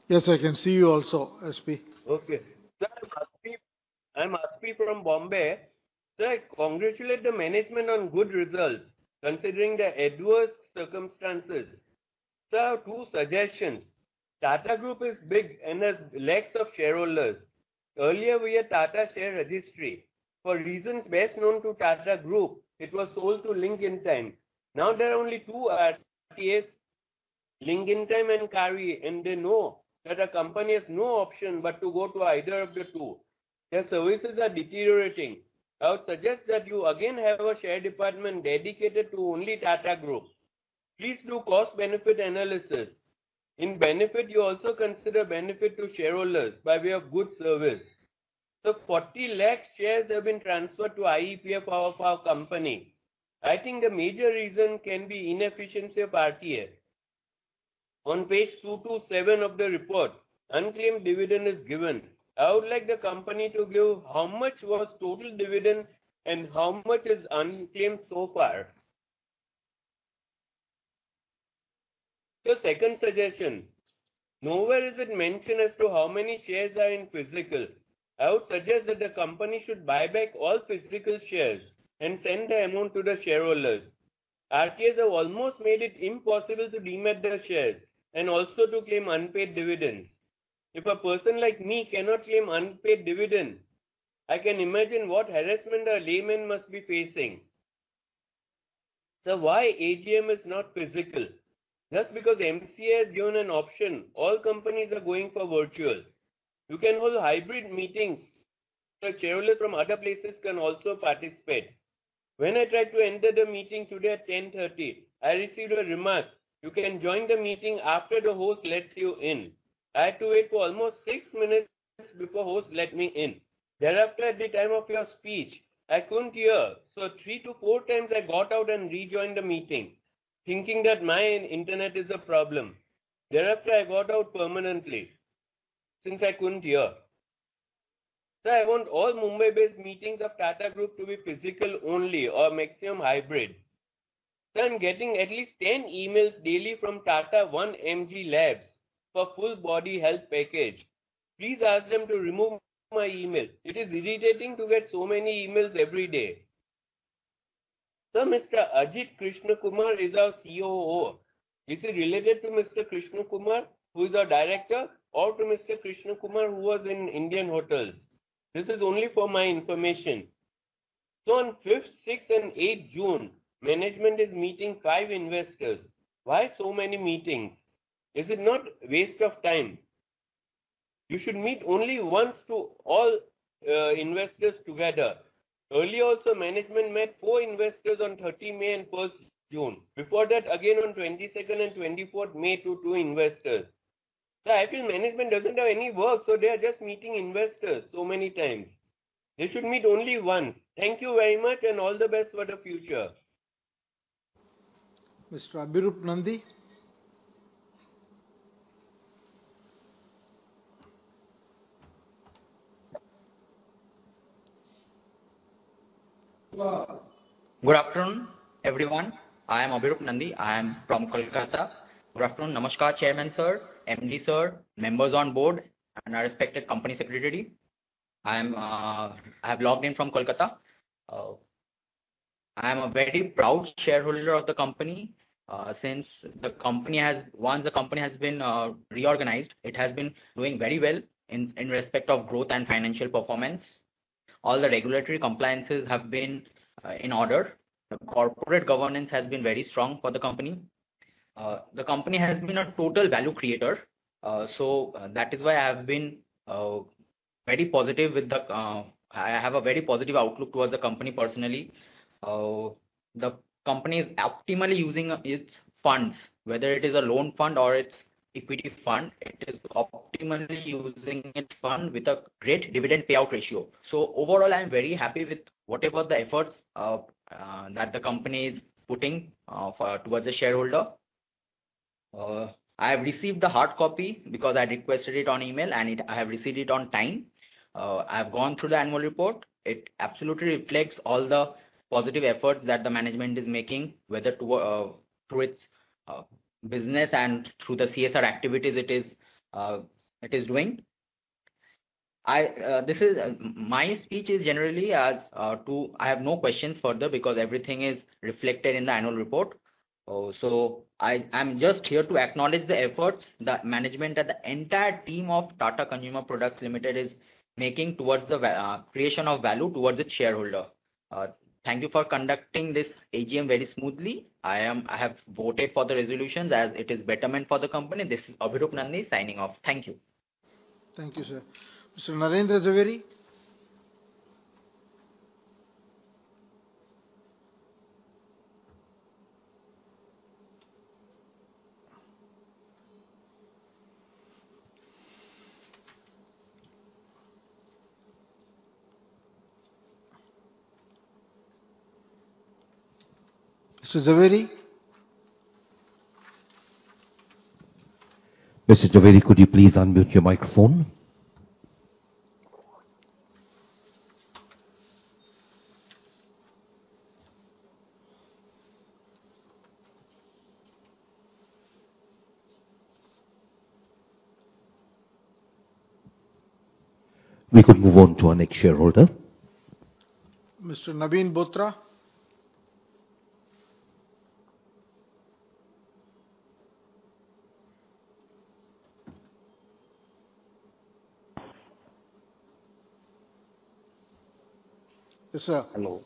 Yes, I can see you also, SP. Okay. Sir, I'm SP. I'm SP from Bombay. Sir, I congratulate the management on good results, considering the adverse circumstances. Sir, two suggestions. Tata Group is big and has lakhs of shareholders. Earlier, we had Tata Share Registry. For reasons best known to Tata Group, it was sold to Link Intime. There are only two RTAs, Link Intime and KFintech, and they know that the company has no option but to go to either of the two. Their services are deteriorating. I would suggest that you again have a share department dedicated to only Tata Group. Please do cost-benefit analysis. In benefit, you also consider benefit to shareholders by way of good service. Sir, 40 lakhs shares have been transferred to IEPF of our company. I think the major reason can be inefficiency of RTA. On page two-seven of the report, unclaimed dividend is given. I would like the company to give how much was total dividend and how much is unclaimed so far. Sir, second suggestion: nowhere is it mentioned as to how many shares are in physical. I would suggest that the company should buy back all physical shares and send the amount to the shareholders. RKS have almost made it impossible to demat their shares and also to claim unpaid dividends. If a person like me cannot claim unpaid dividend, I can imagine what harassment a layman must be facing. Sir, why AGM is not physical? Just because MCA has given an option, all companies are going for virtual. You can hold hybrid meetings, so shareholders from other places can also participate. When I tried to enter the meeting today at 10:30, I received a remark: "You can join the meeting after the host lets you in." I had to wait for almost six minutes before host let me in. Thereafter, at the time of your speech, I couldn't hear, so three to four times I got out and rejoined the meeting, thinking that my internet is a problem. Thereafter, I got out permanently, since I couldn't hear. Sir, I want all Mumbai-based meetings of Tata Group to be physical only or maximum hybrid. Sir, I'm getting at least 10 emails daily from Tata 1mg Labs for full body health package. Please ask them to remove my email. It is irritating to get so many emails every day. Sir, Mr. Ajit Krishnakumar is our COO. Is he related to Mr. Krishnakumar, who is our director, or to Mr. Krishna Kumar, who was in Indian Hotels? This is only for my information. On 5th, 6th, and 8th June, management is meeting five investors. Why so many meetings? Is it not waste of time? You should meet only once to all investors together. Earlier also, management met four investors on 13th May and 1st June. Before that, again on 22nd and 24th May to 2 investors. Sir, I feel management doesn't have any work, so they are just meeting investors so many times. They should meet only once. Thank you very much, and all the best for the future. Mr. Abhirup Nandi? Good afternoon, everyone. I am Abhirup Nandi. I am from Kolkata. Good afternoon. Namaskar, Chairman, Sir, MD, Sir, members on board, and our respected Company Secretary. I'm, I have logged in from Kolkata. I'm a very proud shareholder of the company. Once the company has been, reorganized, it has been doing very well in respect of growth and financial performance. All the regulatory compliances have been, in order. The corporate governance has been very strong for the company. The company has been a total value creator. That is why I have been, very positive with the, I have a very positive outlook towards the company, personally. The company is optimally using its funds, whether it is a loan fund or its equity fund, it is optimally using its fund with a great dividend payout ratio. Overall, I'm very happy with whatever the efforts that the company is putting towards the shareholder. I have received the hard copy because I requested it on email, and I have received it on time. I've gone through the annual report. It absolutely reflects all the positive efforts that the management is making, whether through its business and through the CSR activities it is doing. I, this is my speech is generally as. I have no questions further because everything is reflected in the annual report. I'm just here to acknowledge the efforts the management and the entire team of Tata Consumer Products Limited is making towards the creation of value towards the shareholder. Thank you for conducting this AGM very smoothly. I have voted for the resolutions as it is betterment for the company. This is Abhirup Nandi, signing off. Thank you. Thank you, sir. Mr. Narendra Jhaveri? Mr. Jhaveri? Mr. Jhaveri, could you please unmute your microphone? We could move on to our next shareholder. Mr. Naveen Bothra. Yes, sir. Hello.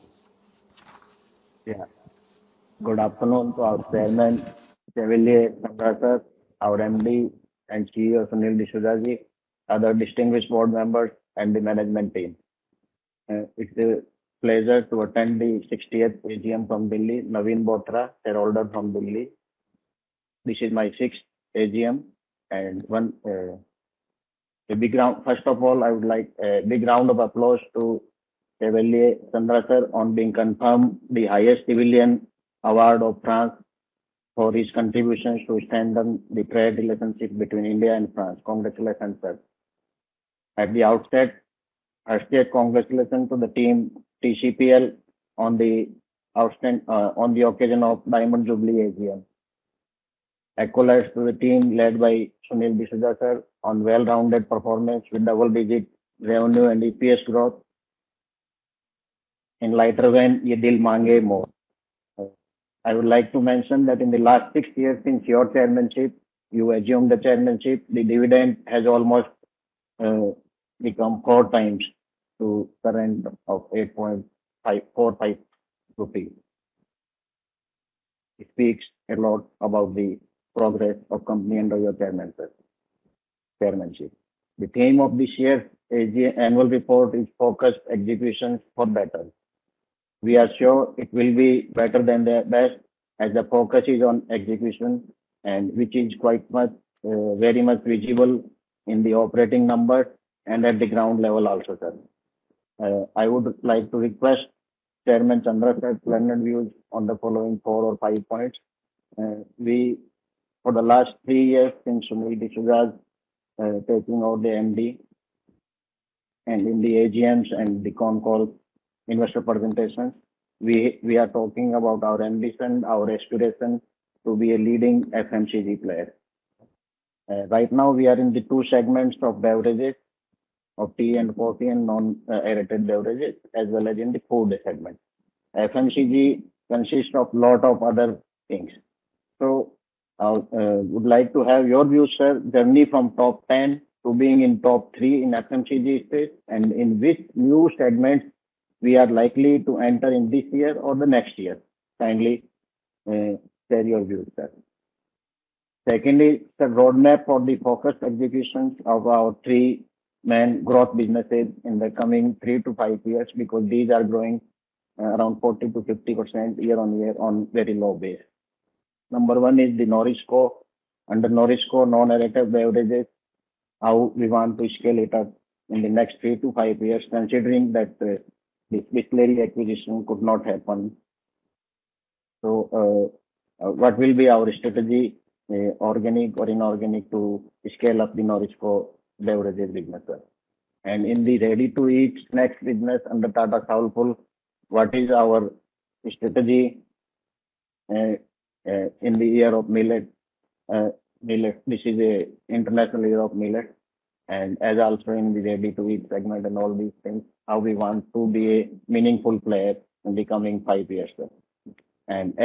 Good afternoon to our Chairman, Chevalier Chandrasekaran, our MD and CEO, Sunil D'Souza, other distinguished board members, and the management team. It's a pleasure to attend the 60th AGM from Delhi. Naveen Bothra, shareholder from Delhi. This is my 6th AGM. First of all, I would like a big round of applause to Chevalier Chandrasekaran on being confirmed the highest civilian award of France for his contributions to strengthen the trade relationship between India and France. Congratulations, sir. At the outset, I say congratulations to the team, TCPL, on the occasion of Diamond Jubilee AGM. Accolades to the team led by Sunil D'Souza, on well-rounded performance with double-digit revenue and EPS growth. In lighter vein, ye dil maange more. I would like to mention that in the last six years, since your chairmanship, you assumed the chairmanship, the dividend has almost become four times to current of INR 8.545. It speaks a lot about the progress of company under your chairmanship. The theme of this year's AGM annual report is: Focused Execution for Better. We are sure it will be better than the best, as the focus is on execution, which is quite much, very much visible in the operating numbers and at the ground level also, sir. I would like to request Chairman Chandra sir, lend your views on the following four or five points. We, for the last three years, since Sunil D'Souza taking over the MD, and in the AGMs and the con call investor presentations, we are talking about our ambitions, our aspirations to be a leading FMCG player. Right now, we are in the two segments of beverages, of tea and coffee and non-aerated beverages, as well as in the food segment. FMCG consists of lot of other things. I would like to have your views, sir, journey from top 10 to being in top three in FMCG space, and in which new segments we are likely to enter in this year or the next year. Kindly share your views, sir. The roadmap for the focused executions of our three main growth businesses in the coming three to five years, because these are growing 40%-50% year on year on very low base. Number one is the NourishCo. Under NourishCo beverages, how we want to scale it up in the next three to five years, considering that the Bisleri acquisition could not happen. What will be our strategy, organic or inorganic, to scale up the NourishCo beverages business? In the ready-to-eat snacks business under Tata Soulfull, what is our strategy in the year of millet? Millet, this is a international year of millet, as also in the ready-to-eat segment and all these things, how we want to be a meaningful player in the coming five years, sir.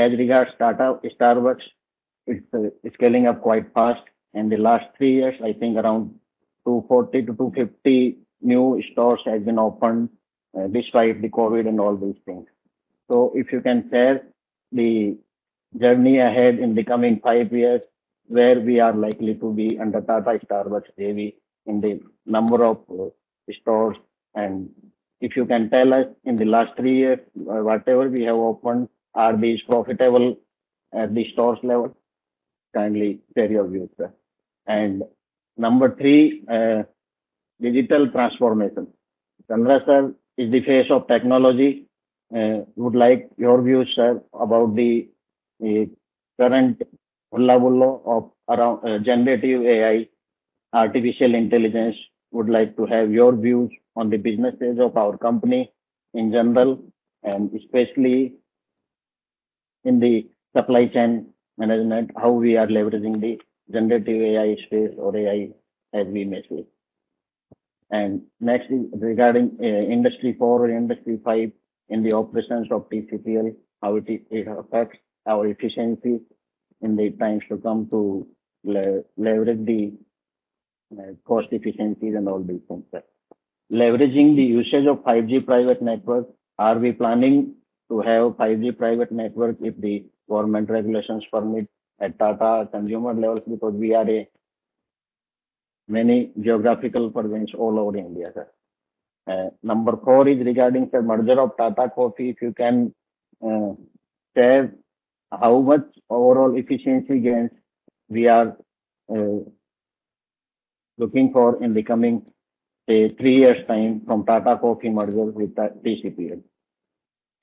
As regards Tata Starbucks, it's scaling up quite fast. In the last three years, I think around 240-250 new stores has been opened despite the COVID and all these things. If you can share the journey ahead in the coming five years, where we are likely to be under Tata Starbucks savvy in the number of stores. If you can tell us, in the last three years, whatever we have opened, are these profitable at the stores level? Kindly share your views, sir. Number 3, digital transformation. Chandra sir is the face of technology. Would like your views, sir, about the current level of around generative AI, artificial intelligence. Would like to have your views on the businesses of our company in general, especially in the supply chain management, how we are leveraging the generative AI space or AI as we move. Next is regarding Industry 4.0 or Industry 5 in the operations of TCPL, how it affects our efficiency in the times to come to leverage the cost efficiencies and all these things, sir. Leveraging the usage of 5G private network, are we planning to have 5G private network if the government regulations permit at Tata Consumer levels? Because we are many geographical province all over India, sir. Number 4 is regarding the merger of Tata Coffee. If you can tell how much overall efficiency gains we are looking for in the coming, say, 3 years time from Tata Coffee merger with TCPL.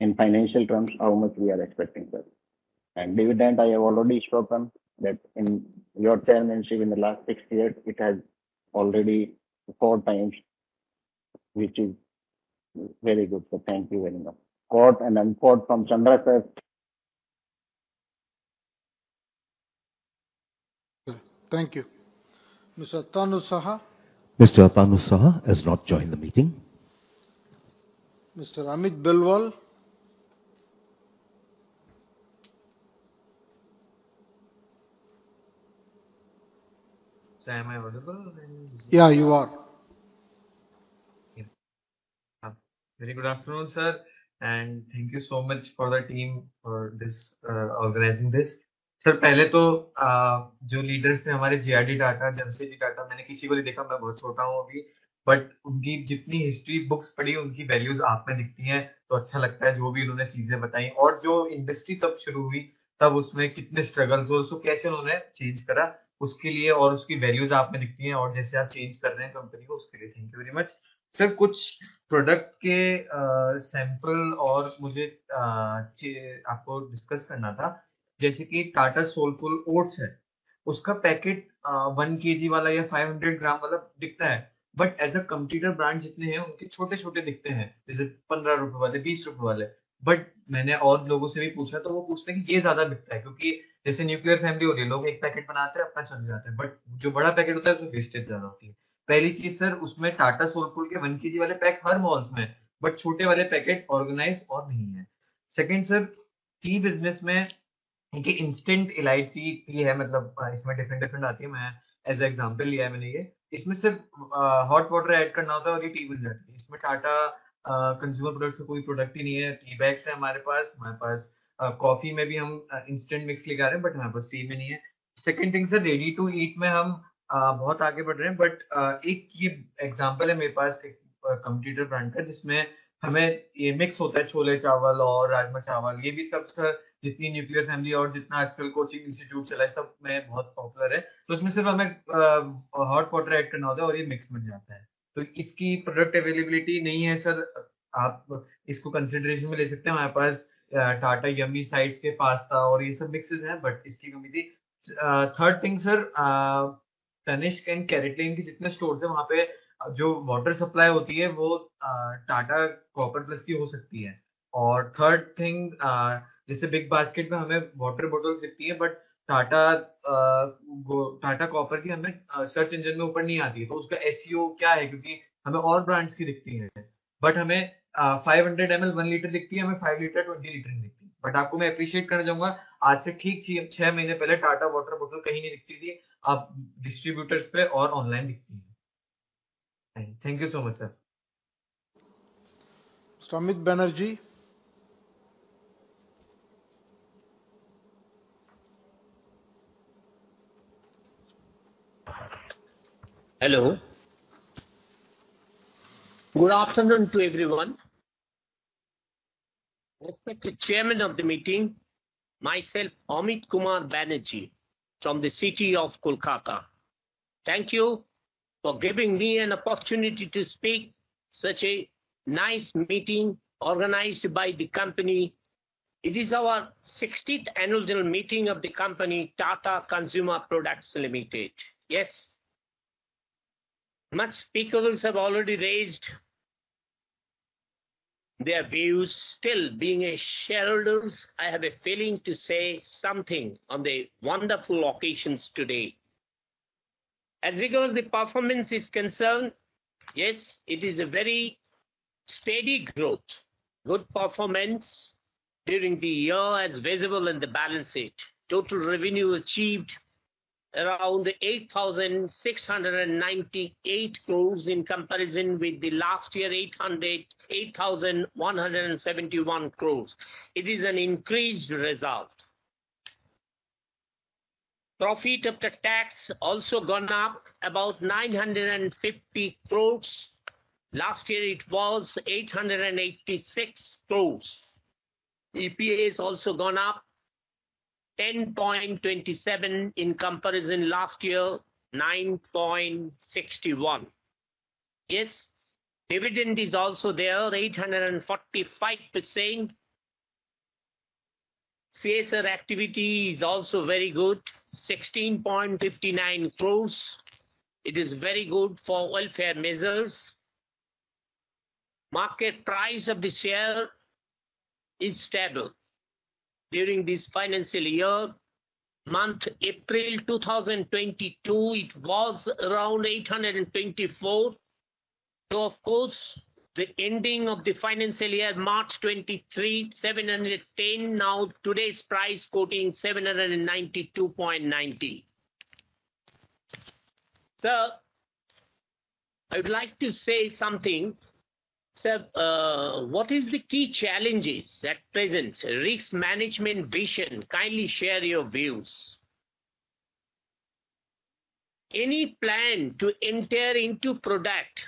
In financial terms, how much we are expecting, sir? Dividend, I have already spoken that in your chairmanship in the last six years, it has already four times, which is very good. Thank you very much. Fourth then fourth from Chandra, sir. Thank you. Mr. Tanu Saha? Mr. Tanu Saha has not joined the meeting. Mr. Amit Belwal. Sir, am I audible? Yeah, you are. Yes. Very good afternoon, sir, and thank you so much for the team for this organizing this. Sir, पहले तो, जो leaders थे, हमारे J.R.D. Tata, Jamsetji Tata, मैंने किसी को नहीं देखा, मैं बहुत छोटा हूं अभी। उनकी जितनी history books पढ़ी है, उनकी values आप में दिखती हैं, तो अच्छा लगता है जो भी उन्होंने चीजें बताई और जो industry तब शुरू हुई, तब उसमें कितने struggles हो, तो कैसे उन्होंने change करा, उसके लिए और उसकी values आप में दिखती हैं और जैसे आप change कर रहे हैं company को, उसके लिए thank you very much. Sir, कुछ product के sample और मुझे आपको discuss करना था। जैसे कि Tata Soulfull Oats है, उसका packet 1 kg वाला या 500 gram वाला दिखता है, As a competitor brands जितने हैं, उनके छोटे-छोटे दिखते हैं, जैसे INR 15 वाले, INR 20 वाले। मैंने और लोगों से भी पूछा, तो वो कहते हैं कि ये ज्यादा बिकता है, क्योंकि जैसे nuclear family हो रही है, लोग 1 packet बनाते हैं, अपना चल जाते हैं, but जो बड़ा packet होता है, उसकी wastage ज्यादा होती है। पहली चीज, sir, उसमें Tata Soulfull के 1 kg वाले pack हर malls में है, but छोटे वाले packet organized और नहीं हैं। Second, sir, tea business में 1 instant Elaichi Tea है, मतलब इसमें different आती हैं, मैं as a example लिया है मैंने ये। इसमें सिर्फ hot water add करना होता है और ये tea मिल जाती है। इसमें Tata Consumer Products से कोई product ही नहीं है। Tea bags है हमारे पास। हमारे पास coffee में भी हम instant mix लेकर आ रहे हैं, हमारे पास tea में नहीं है। Second thing, sir, ready to eat में हम बहुत आगे बढ़ रहे हैं, 1 example है मेरे पास 1 competitor brand का, जिसमें हमें ये mix होता है, छोले चावल और राजमा चावल। ये भी सब sir, जितनी nuclear family और जितना आजकल coaching institute चला है, सब में बहुत popular है। उसमें सिर्फ हमें hot water add करना होता है और ये mix मिल जाता है। इसकी product availability नहीं है, sir. आप इसको consideration में ले सकते हैं। हमारे पास Tata Yummy Sides के pasta और ये सब mixes हैं, but इसकी कमी थी। Third thing, sir, Tanishq and CaratLane के जितने stores हैं, वहां पे जो water supply होती है, वो Tata Copper+ की हो सकती है। Third thing, जैसे bigbasket में हमें water bottles दिखती हैं, but Tata Tata Copper+ की हमें search engine में ऊपर नहीं आती है। तो उसका SEO क्या है? क्योंकि हमें और brands की दिखती हैं। हमें 500 ml, 1 liter दिखती है, हमें 5 liter, 20 liter नहीं दिखती। आपको मैं appreciate करना चाहूंगा, आज से ठीक 6 months पहले Tata water bottle कहीं नहीं दिखती थी। अब distributors पे और online दिखती है। Thank you so much, sir. Amit Banerjee. Hello. Good afternoon to everyone. Respected Chairman of the meeting, myself, Amit Kumar Banerjee from the city of Kolkata. Thank you for giving me an opportunity to speak such a nice meeting organized by the company. It is our sixteenth annual general meeting of the company, Tata Consumer Products Limited. much speakers have already raised their views. being a shareholders, I have a feeling to say something on the wonderful occasions today. As regards the performance is concerned, yes, it is a very steady growth, good performance during the year as visible in the balance sheet. Total revenue achieved around 8,698 crores in comparison with the last year, 8,171 crores. It is an increased result. Profit after tax also gone up about 950 crores. Last year it was 886 crores. EPS also gone up 10.27, in comparison, last year, 9.61. Dividend is also there, 845%. CSR activity is also very good, 16.59 crores. It is very good for welfare measures. Market price of the share is stable. During this financial year, month April 2022, it was around 824. Of course, the ending of the financial year, March 2023, 710. Today's price quoting 792.90. Sir, I would like to say something. Sir, what is the key challenges at present risk management vision? Kindly share your views. Any plan to enter into product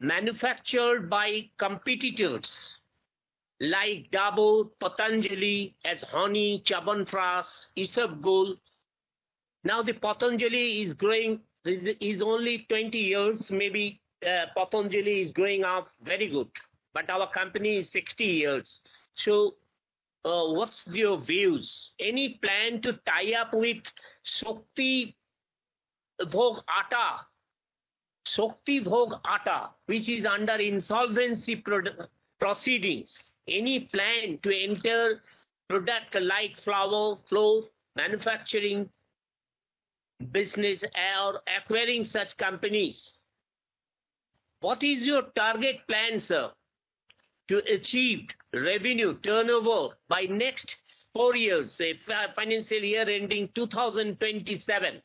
manufactured by competitors like Dabur, Patanjali, as honey, Chyawanprash, Isabgol? The Patanjali is growing, is only 20 years, maybe, Patanjali is growing up very good, but our company is 60 years. What's your views? Any plan to tie up with Shakti Bhog Atta? Shakti Bhog Atta, which is under insolvency proceedings. Any plan to enter product like flour, flow manufacturing business or acquiring such companies? What is your target plan, sir, to achieve revenue turnover by next 4 years, say, financial year, ending 2027?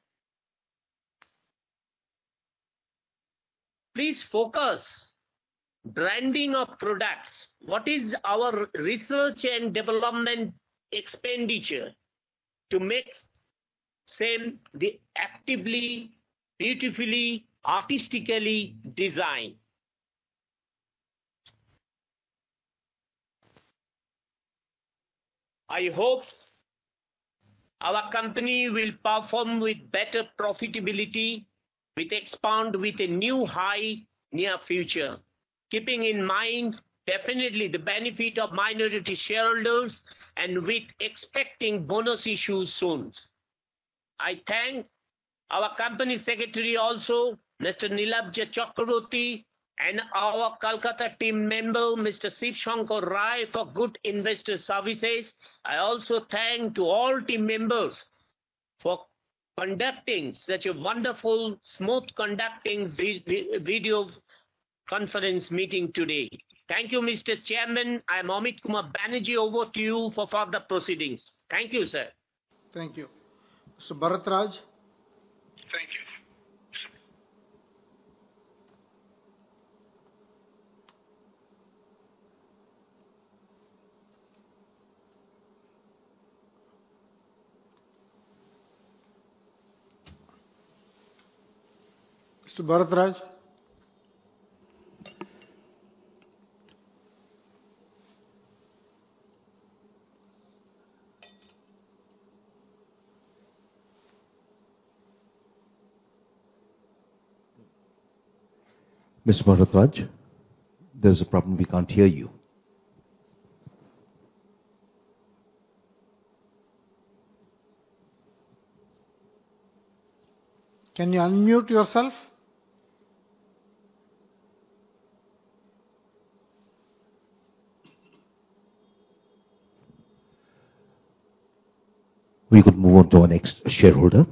Please focus branding of products. What is our research and development expenditure to make same the actively, beautifully, artistically designed? I hope our company will perform with better profitability, with expand with a new high near future. Keeping in mind, definitely the benefit of minority shareholders and with expecting bonus issues soon. I thank our Company Secretary also, Mr. Neelabja Chakrabarty, and our Kolkata team member, Mr. Shiv Shankar Rai, for good investor services. I also thank to all team members for conducting such a wonderful, smooth conducting video conference meeting today. Thank you, Mr. Chairman. I'm Amit Kumar Banerjee. Over to you for further proceedings. Thank you, sir. Thank you. Mr. Bharat Shah? Thank you. Mr. Bharat Shah? Mr. Bharat Shah, there's a problem. We can't hear you. Can you unmute yourself? We could move on to our next shareholder.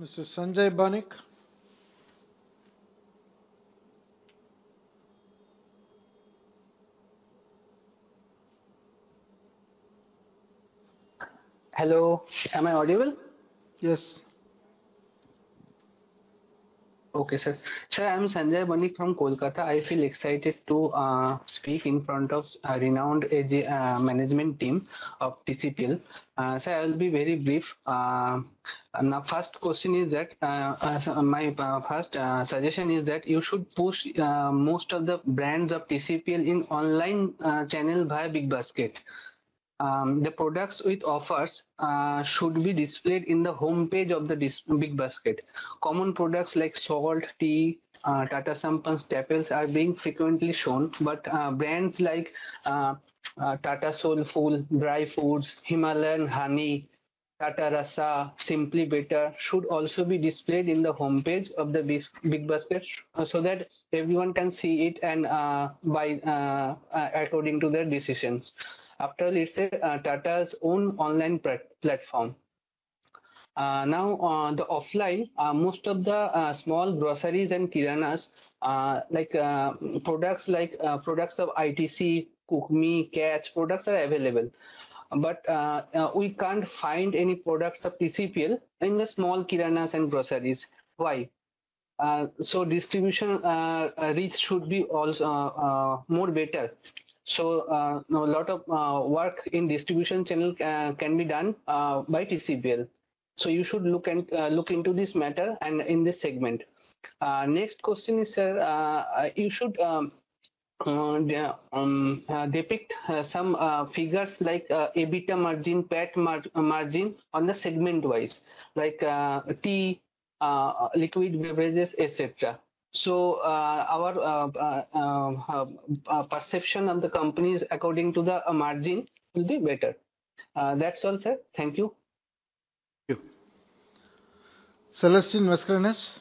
Mr. Sanjay Banik. Hello, am I audible? Yes. Okay, sir. Sir, I'm Sanjay Banik from Kolkata. I feel excited to speak in front of a renowned management team of TCPL. Sir, I will be very brief. My first question is that so my first suggestion is that you should push most of the brands of TCPL in online channel via bigbasket. The products with offers should be displayed in the homepage of the bigbasket. Common products like salt, tea, Tata Sampann staples are being frequently shown, brands like Tata Soulfull, dry fruits, Himalayan Honey, Tata Rasa, Simply Better, should also be displayed in the homepage of the bigbasket, so that everyone can see it and buy according to their decisions. After listed, Tata's own online platform. Now, on the offline, most of the small groceries and kiranas, like products like products of ITC, Cookme, Catch, products are available. We can't find any products of TCPL in the small kiranas and groceries. Why? Distribution reach should be also more better. Now, a lot of work in distribution channel can be done by TCPL. You should look and look into this matter and in this segment. Next question is, sir, you should depict some figures like EBITDA margin, PAT margin on the segment-wise, like tea, liquid beverages, et cetera. Our perception of the company is according to the margin will be better. That's all, sir. Thank you. Thank you. Celestina Mascarenhas?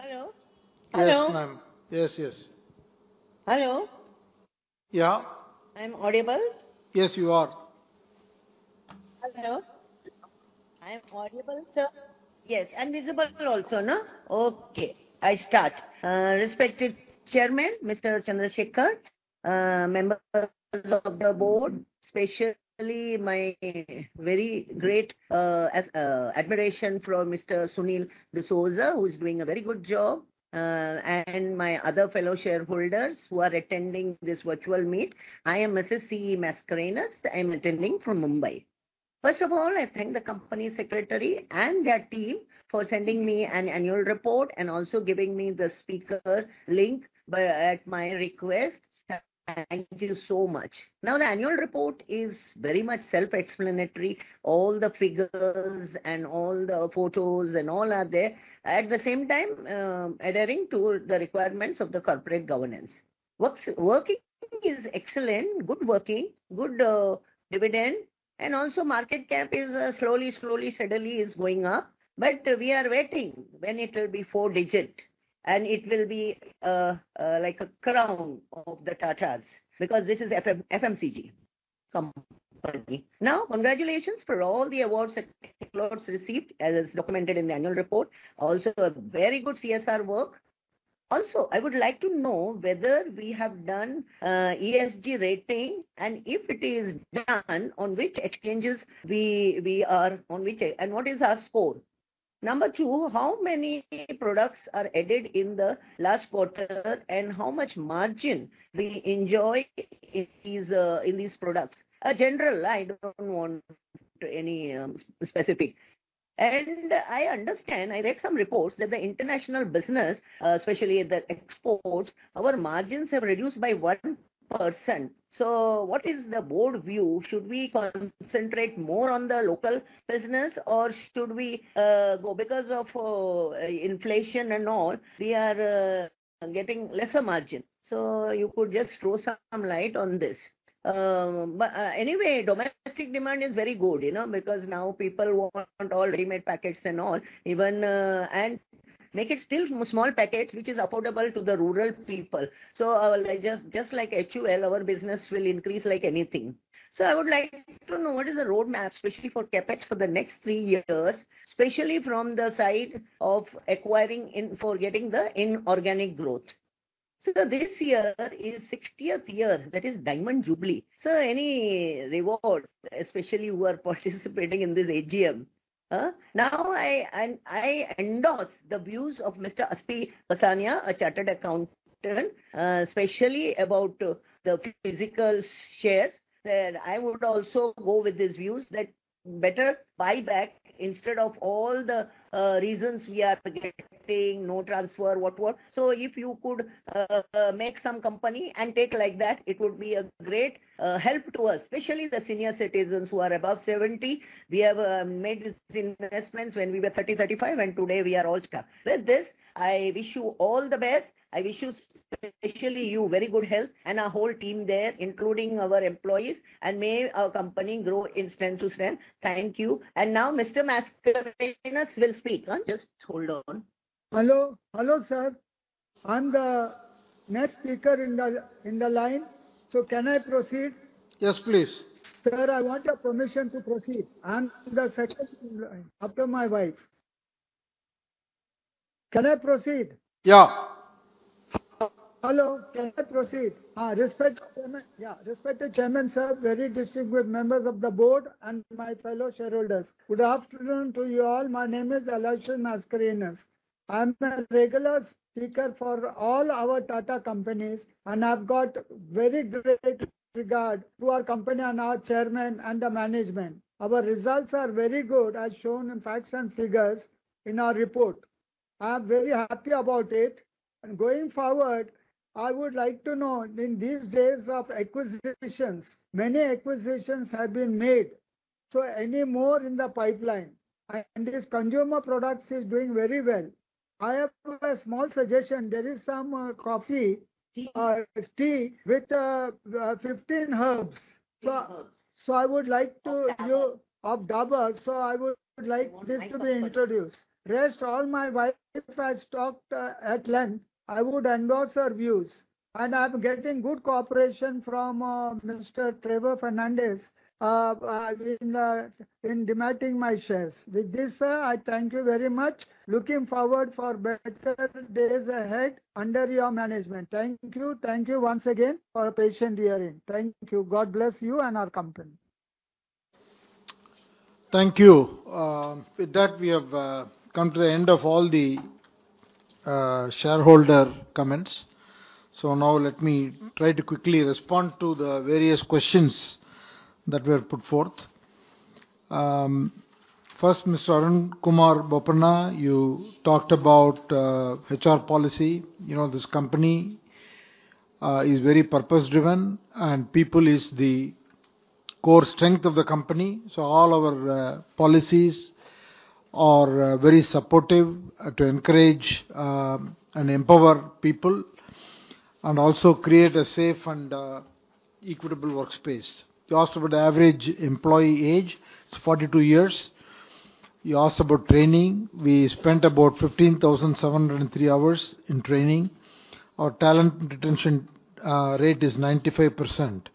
Hello? Hello. Yes, ma'am. Yes, yes. Hello? Yeah. I'm audible? Yes, you are. Hello? I am audible, sir? Yes, visible also, no? I start. Respected Chairman, Mr. N. Chandrasekaran, members of the board, especially my very great admiration for Mr. Sunil D'Souza, who is doing a very good job, my other fellow shareholders who are attending this virtual meet. I am Mrs. C. Mascarenhas. I'm attending from Mumbai. First of all, I thank the company secretary and their team for sending me an annual report and also giving me the speaker link at my request. Thank you so much. The annual report is very much self-explanatory. All the figures and all the photos and all are there. At the same time, adhering to the requirements of the corporate governance. Working is excellent, good working, good dividend, also market cap is slowly, steadily is going up. We are waiting when it will be 4-digit, and it will be like a crown of the Tatas, because this is FMCG company. Now, congratulations for all the awards that Tata Consumer Products received, as is documented in the annual report. A very good CSR work. I would like to know whether we have done ESG rating, and if it is done, on which exchange, and what is our score? Number 2, how many products are added in the last quarter, and how much margin we enjoy in these products? General, I don't want any specific. I understand, I read some reports that the international business, especially the exports, our margins have reduced by 1%. What is the board view? Should we concentrate more on the local business, or should we, Because of inflation and all, we are getting lesser margin. You could just throw some light on this. But, anyway, domestic demand is very good, you know, because now people want all readymade packets and all. Even, and make it still small packets, which is affordable to the rural people. Just like HUL, our business will increase like anything. I would like to know what is the roadmap, especially for CapEx for the next three years, especially from the side of acquiring in, for getting the inorganic growth. This year is 60th year, that is Diamond Jubilee. Sir, any reward, especially who are participating in this AGM? I endorse the views of Mr. Asti Asania, a chartered accountant, especially about the physical shares. I would also go with his views that better buyback instead of all the reasons we are getting, no transfer, what. If you could make some company and take like that, it would be a great help to us, especially the senior citizens who are above 70. We have made investments when we were 30, 35, and today we are old now. With this, I wish you all the best. I wish you, especially you, very good health and our whole team there, including our employees, and may our company grow in strength to strength. Thank you. Now, Mr. Mascarenhas will speak. Just hold on. Hello, hello, sir. I'm the next speaker in the line. Can I proceed? Yes, please. Sir, I want your permission to proceed. I'm the second in line after my wife. Can I proceed? Yeah. Hello, can I proceed? Respected Chairman, sir, very distinguished members of the board, my fellow shareholders. Good afternoon to you all. My name is Aloysius Mascarenhas. I am a regular speaker for all our Tata companies, I have got very great regard to our company and our chairman and the management. Our results are very good, as shown in facts and figures in our report. I am very happy about it. Going forward, I would like to know, in these days of acquisitions, many acquisitions have been made, any more in the pipeline? This consumer products is doing very well. I have a small suggestion. There is some, coffee- Tea. tea with, 15 herbs. 15 herbs. So I would like to- Of Darjeeling. Of Darjeeling. I would like this to be introduced. Rest, all my wife has talked at length. I would endorse her views. I'm getting good cooperation from Mr. Trevor Fernandes in dematting my shares. With this, sir, I thank you very much. Looking forward for better days ahead under your management. Thank you. Thank you once again for your patient hearing. Thank you. God bless you and our company. Thank you. With that, we have come to the end of all the shareholder comments. Now let me try to quickly respond to the various questions that were put forth. First, Mr. Arun Kumar Bopanna, you talked about HR policy. You know, this company is very purpose-driven, and people is the core strength of the company. All our policies are very supportive to encourage and empower people, and also create a safe and equitable workspace. You asked about average employee age. It's 42 years. You asked about training. We spent about 15,703 hours in training. Our talent retention rate is 95%.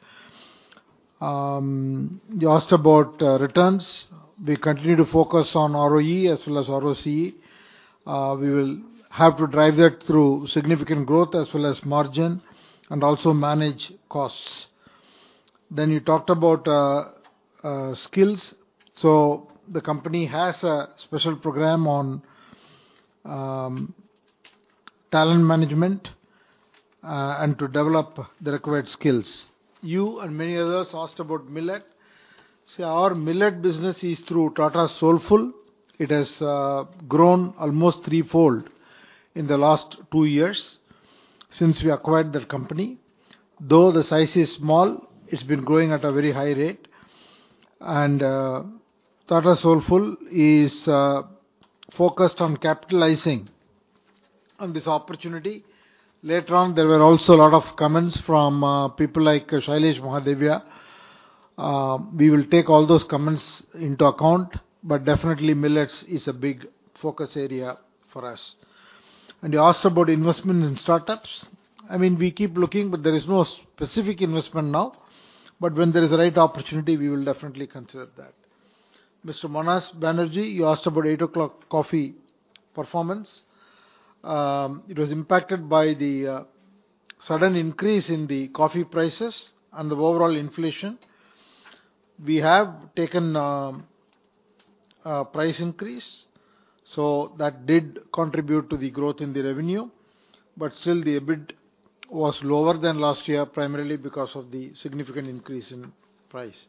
You asked about returns. We continue to focus on ROE as well as ROCE. We will have to drive that through significant growth as well as margin, and also manage costs. You talked about skills. The company has a special program on talent management and to develop the required skills. You and many others asked about millet. Our millet business is through Tata Soulfull. It has grown almost threefold in the last two years since we acquired that company. Though the size is small, it's been growing at a very high rate, and Tata Soulfull is focused on capitalizing on this opportunity. Later on, there were also a lot of comments from people like Sailesh Mahadevia. We will take all those comments into account, but definitely, millets is a big focus area for us. You asked about investment in startups. I mean, we keep looking, but there is no specific investment now. When there is a right opportunity, we will definitely consider that. Mr. Manas Banerjee, you asked about Eight O'Clock Coffee performance. It was impacted by the sudden increase in the coffee prices and the overall inflation. We have taken price increase, so that did contribute to the growth in the revenue, but still, the EBIT was lower than last year, primarily because of the significant increase in price.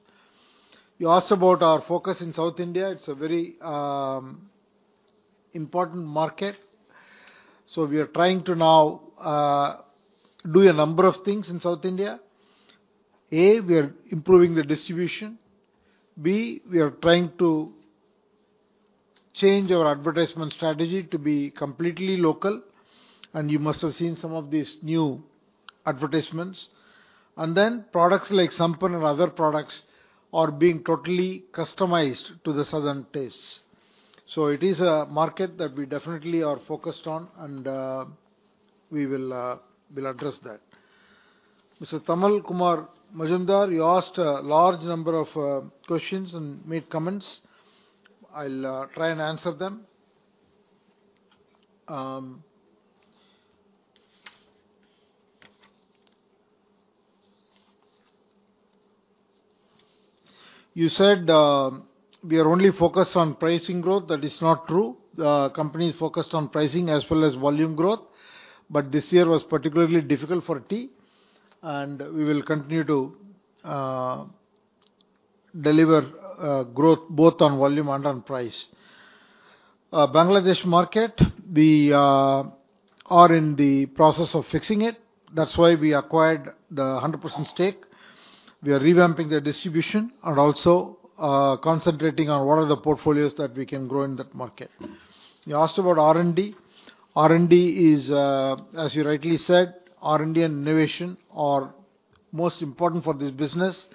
You asked about our focus in South India. It's a very important market, so we are trying to now do a number of things in South India. A, we are improving the distribution. B, we are trying to change our advertisement strategy to be completely local, and you must have seen some of these new advertisements. And then products like Sampoorna and other products are being totally customized to the southern tastes. It is a market that we definitely are focused on, and we will, we'll address that. Mr. Tamal Kumar Majumdar, you asked a large number of questions and made comments. I'll try and answer them. You said, we are only focused on pricing growth. That is not true. The company is focused on pricing as well as volume growth, but this year was particularly difficult for tea, and we will continue to deliver growth both on volume and on price. Bangladesh market, we are in the process of fixing it. That's why we acquired the 100% stake. We are revamping the distribution and also concentrating on what are the portfolios that we can grow in that market. You asked about R&D. R&D is, as you rightly said, R&D and innovation are most important for this business.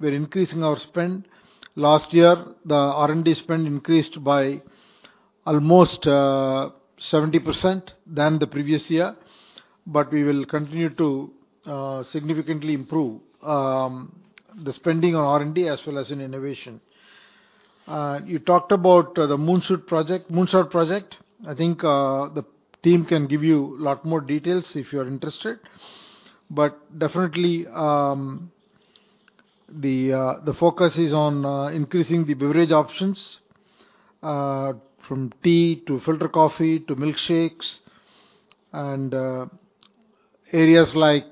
We're increasing our spend. Last year, the R&D spend increased by almost 70% than the previous year, we will continue to significantly improve the spending on R&D as well as in innovation. You talked about the Moonshot Project. Moonshot Project, I think, the team can give you a lot more details if you're interested. Definitely, the focus is on increasing the beverage options from tea to filter coffee to milkshakes and areas like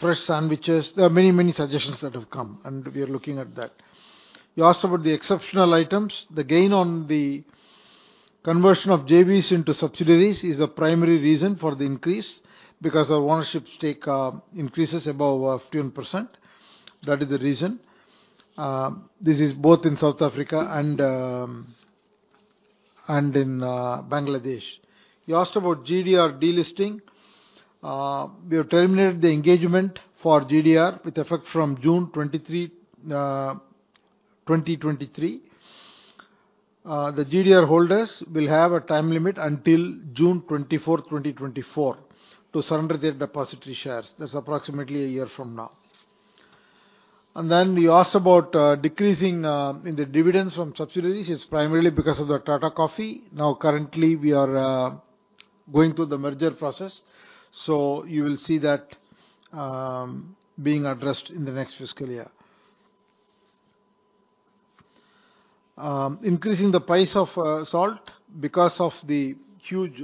fresh sandwiches. There are many suggestions that have come, we are looking at that. You asked about the exceptional items. The gain on the conversion of JVs into subsidiaries is the primary reason for the increase, because our ownership stake increases above 15%. That is the reason. This is both in South Africa and in Bangladesh. You asked about GDR delisting. We have terminated the engagement for GDR with effect from June 23, 2023. The GDR holders will have a time limit until June 24th, 2024, to surrender their depository shares. That's approximately a year from now. Then you asked about decreasing in the dividends from subsidiaries. It's primarily because of the Tata Coffee. Now, currently, we are going through the merger process, so you will see that being addressed in the next fiscal year. Increasing the price of salt because of the huge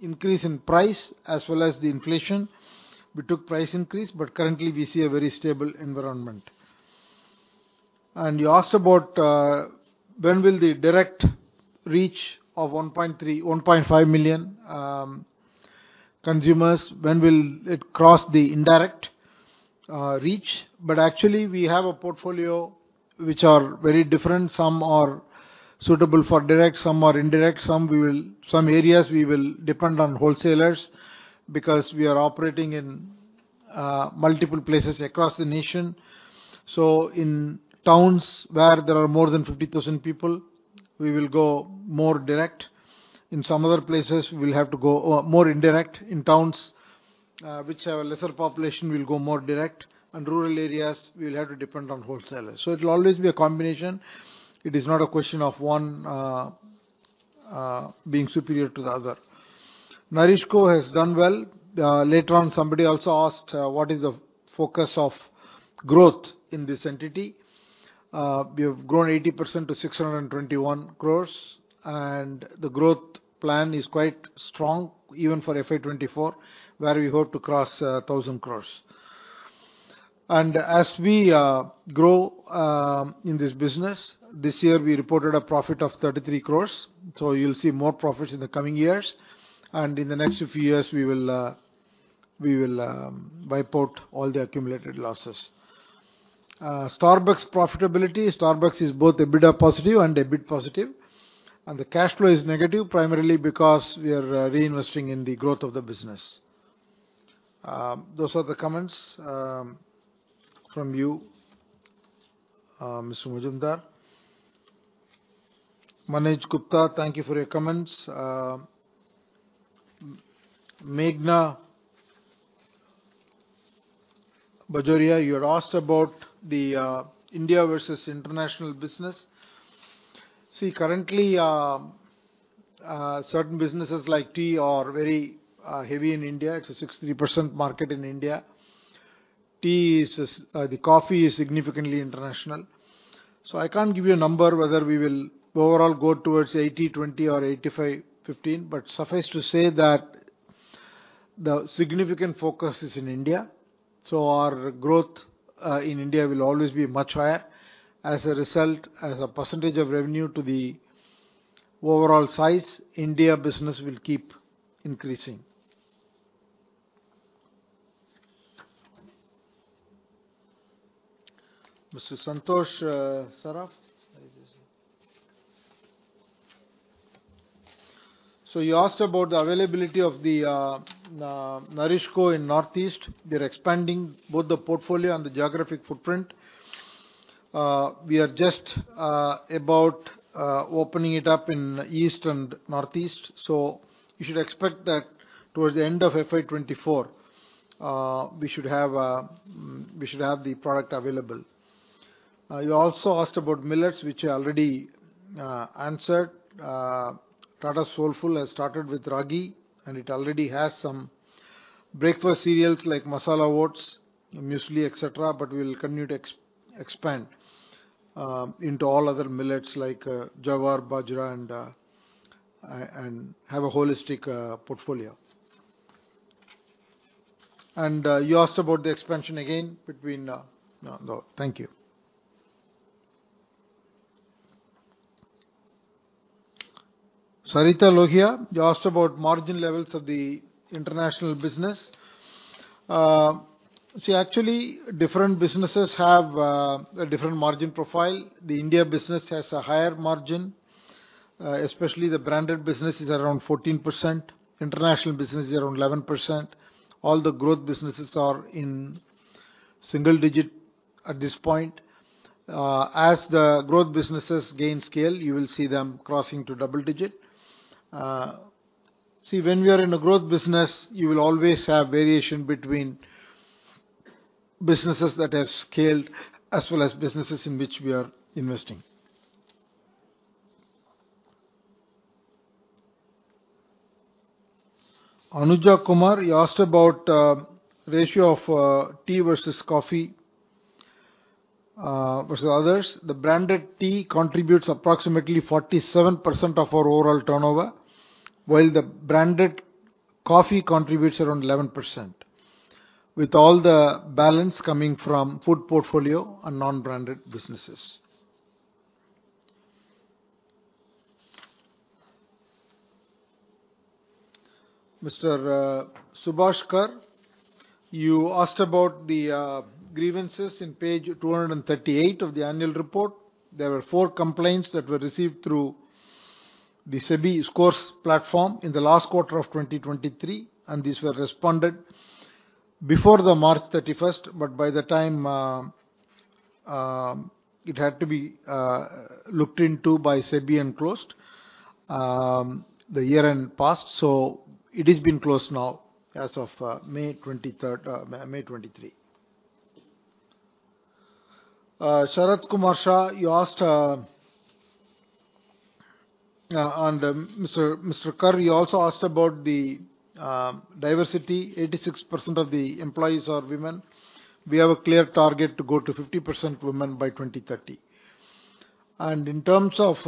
increase in price as well as the inflation. We took price increase, but currently, we see a very stable environment. You asked about when will the direct reach of 1.3, 1.5 million consumers, when will it cross the indirect reach? Actually, we have a portfolio which are very different. Some are suitable for direct, some are indirect. Some areas we will depend on wholesalers because we are operating in multiple places across the nation. In towns where there are more than 50,000 people, we will go more direct. In some other places, we'll have to go more indirect. In towns which have a lesser population, we'll go more direct, and rural areas, we will have to depend on wholesalers. It'll always be a combination. It is not a question of one being superior to the other. NourishCo has done well. Later on, somebody also asked, what is the focus of growth in this entity? We have grown 80% to 621 crores, and the growth plan is quite strong, even for FY 2024, where we hope to cross 1,000 crores. As we grow in this business, this year, we reported a profit of 33 crores, you'll see more profits in the coming years. In the next few years, we will wipe out all the accumulated losses. Starbucks profitability. Starbucks is both EBITDA positive and EBIT positive, and the cash flow is negative, primarily because we are reinvesting in the growth of the business. Those are the comments from you, Mr. Majumdar. Manoj Gupta, thank you for your comments. Meghna Bajoria, you had asked about the India versus international business. Currently, certain businesses like tea are very heavy in India. It's a 63% market in India. Tea is. The coffee is significantly international. I can't give you a number whether we will overall go towards 80-20 or 85-15, but suffice to say that the significant focus is in India, so our growth in India will always be much higher. As a result, as a percentage of revenue to the overall size, India business will keep increasing. Mr. Santosh Saraf? You asked about the availability of the NourishCo in Northeast. We're expanding both the portfolio and the geographic footprint. We are just about opening it up in East and Northeast, you should expect that towards the end of FY 2024, we should have the product available. You also asked about millets, which I already answered. Tata Soulfull has started with ragi, and it already has some breakfast cereals like masala oats, muesli, et cetera, but we will continue to expand into all other millets like jawar, bajra, and have a holistic portfolio. You asked about the expansion again between... No, thank you. Sarita Lohia, you asked about margin levels of the international business. See, actually, different businesses have a different margin profile. The India business has a higher margin, especially the branded business is around 14%. International business is around 11%. All the growth businesses are in single digit at this point. As the growth businesses gain scale, you will see them crossing to double digit. See, when we are in a growth business, you will always have variation between businesses that have scaled, as well as businesses in which we are investing. Anuja Kumar, you asked about ratio of tea versus coffee versus others. The branded tea contributes approximately 47% of our overall turnover, while the branded coffee contributes around 11%, with all the balance coming from food portfolio and non-branded businesses. Mr. Subhash Kar, you asked about the grievances in page 238 of the annual report. There were 4 complaints that were received through the SEBI SCORES platform in the last quarter of 2023, and these were responded before the March 31st, but by the time it had to be looked into by SEBI and closed, the year-end passed, so it has been closed now as of May 23rd, May 23. Sharad Kumar Shah, you asked, and Mr. Kar, you also asked about the diversity. 86% of the employees are women. We have a clear target to go to 50% women by 2030. In terms of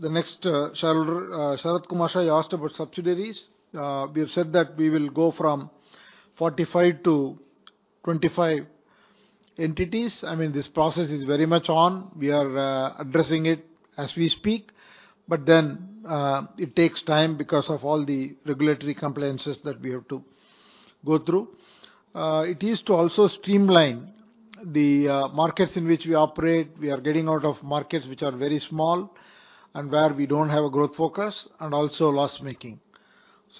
the next Sharad Kumar Shah, you asked about subsidiaries. We have said that we will go from 45 to 25 entities. I mean, this process is very much on. We are addressing it as we speak. It takes time because of all the regulatory compliances that we have to go through. It is to also streamline. The markets in which we operate, we are getting out of markets which are very small, and where we don't have a growth focus, and also loss-making.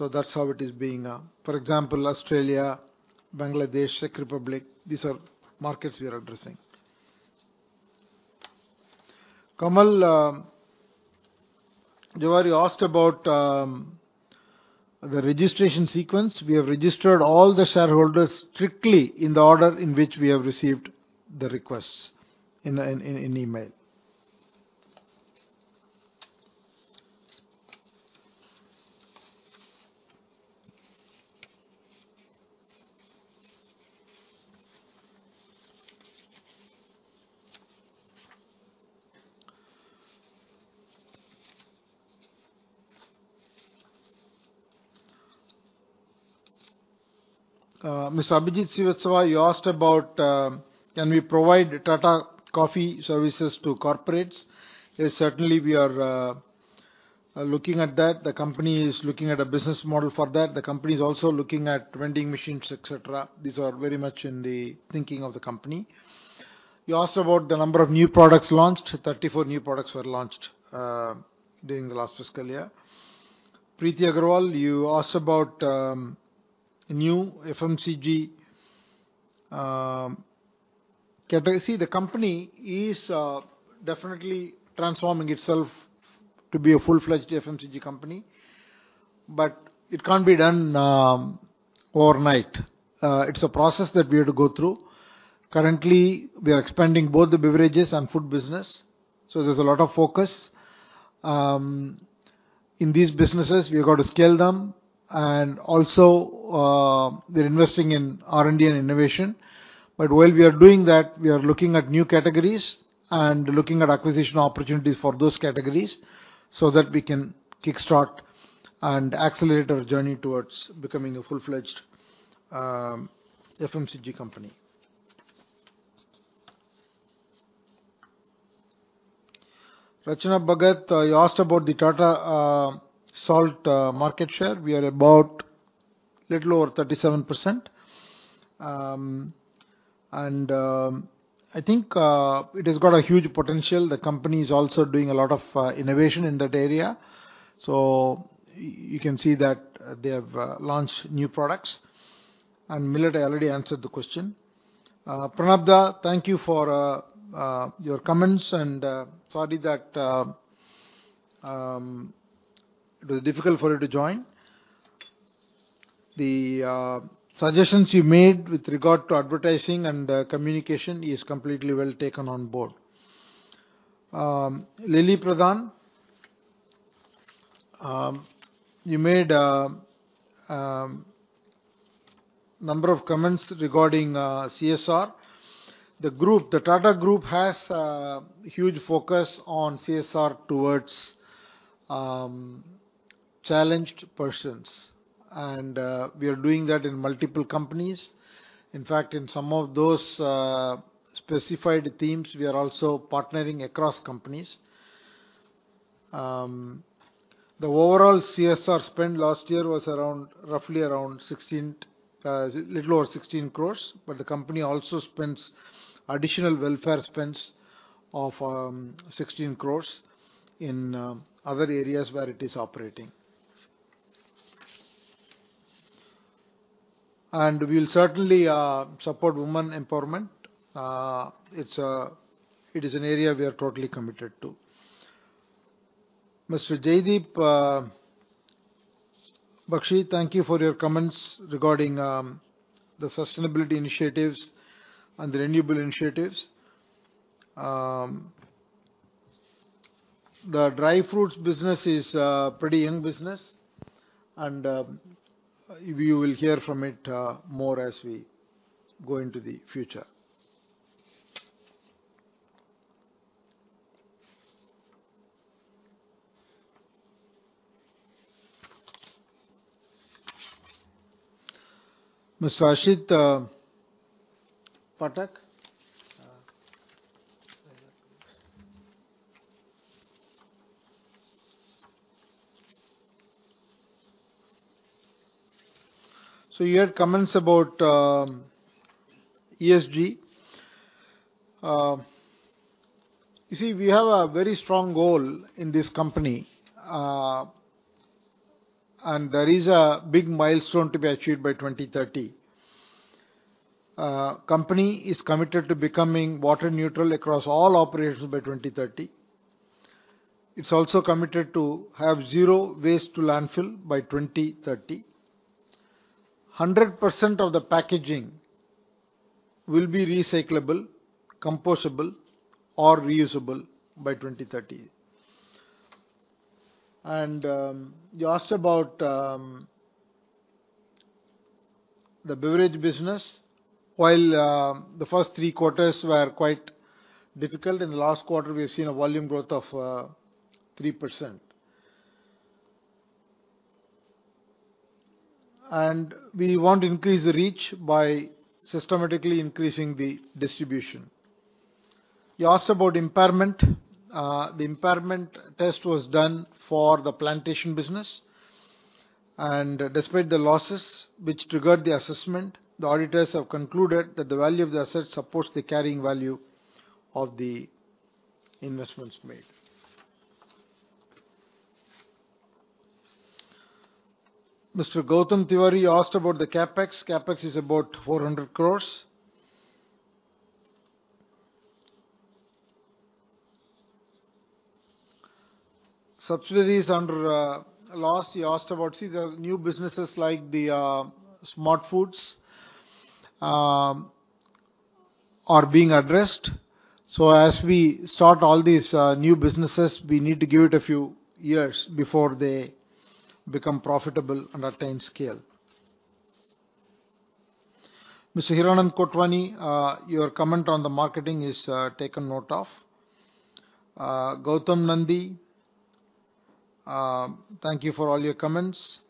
That's how it is being. For example, Australia, Bangladesh, Czech Republic, these are markets we are addressing. Kamal Jhawar, you asked about the registration sequence. We have registered all the shareholders strictly in the order in which we have received the requests in email. Mr. Abhijit Sawant, you asked about, can we provide Tata Coffee services to corporates? Yes, certainly, we are looking at that. The company is looking at a business model for that. The company is also looking at vending machines, et cetera. These are very much in the thinking of the company. You asked about the number of new products launched. 34 new products were launched during the last fiscal year. Preeti Agarwal, you asked about new FMCG category. The company is definitely transforming itself to be a full-fledged FMCG company. It can't be done overnight. It's a process that we have to go through. Currently, we are expanding both the beverages and food business. There's a lot of focus. In these businesses, we have got to scale them. We're investing in R&D and innovation. While we are doing that, we are looking at new categories and looking at acquisition opportunities for those categories, so that we can kickstart and accelerate our journey towards becoming a full-fledged FMCG company. Rachana Bhagat, you asked about the Tata Salt market share. We are about little over 37%. It has got a huge potential. The company is also doing a lot of innovation in that area, so you can see that they have launched new products, and Millet, I already answered the question. Pranab a, thank you for your comments, and sorry that it was difficult for you to join. The suggestions you made with regard to advertising and communication is completely well taken on board. Lily Pradhan, you made a number of comments regarding CSR. The group, the Tata Group, has a huge focus on CSR towards challenged persons, and we are doing that in multiple companies. In fact, in some of those specified themes, we are also partnering across companies. The overall CSR spend last year was around, roughly around 16, little over 16 crores, but the company also spends additional welfare spends of 16 crores in other areas where it is operating. We will certainly support women empowerment. It is an area we are totally committed to. Mr. Jaydeep Bakshi, thank you for your comments regarding the sustainability initiatives and the renewable initiatives. The dry fruits business is a pretty young business, you will hear from it more as we go into the future. Mr. Ashit Pathak? You had comments about ESG. We have a very strong goal in this company, and there is a big milestone to be achieved by 2030. Company is committed to becoming water neutral across all operations by 2030. It's also committed to have zero waste to landfill by 2030. 100% of the packaging will be recyclable, compostable, or reusable by 2030. You asked about the beverage business. While the first three quarters were quite difficult, in the last quarter, we have seen a volume growth of 3%. We want to increase the reach by systematically increasing the distribution. You asked about impairment. The impairment test was done for the plantation business, despite the losses which triggered the assessment, the auditors have concluded that the value of the assets supports the carrying value of the investments made. Mr. Gautam Tiwari, you asked about the CapEx. CapEx is about 400 crores. Subsidiaries under loss, you asked about. There are new businesses like the SmartFoodz are being addressed. As we start all these new businesses, we need to give it a few years before they become profitable and attain scale. Mr. Hiranand Kotwani, your comment on the marketing is taken note of. Gautam Nandi, thank you for all your comments.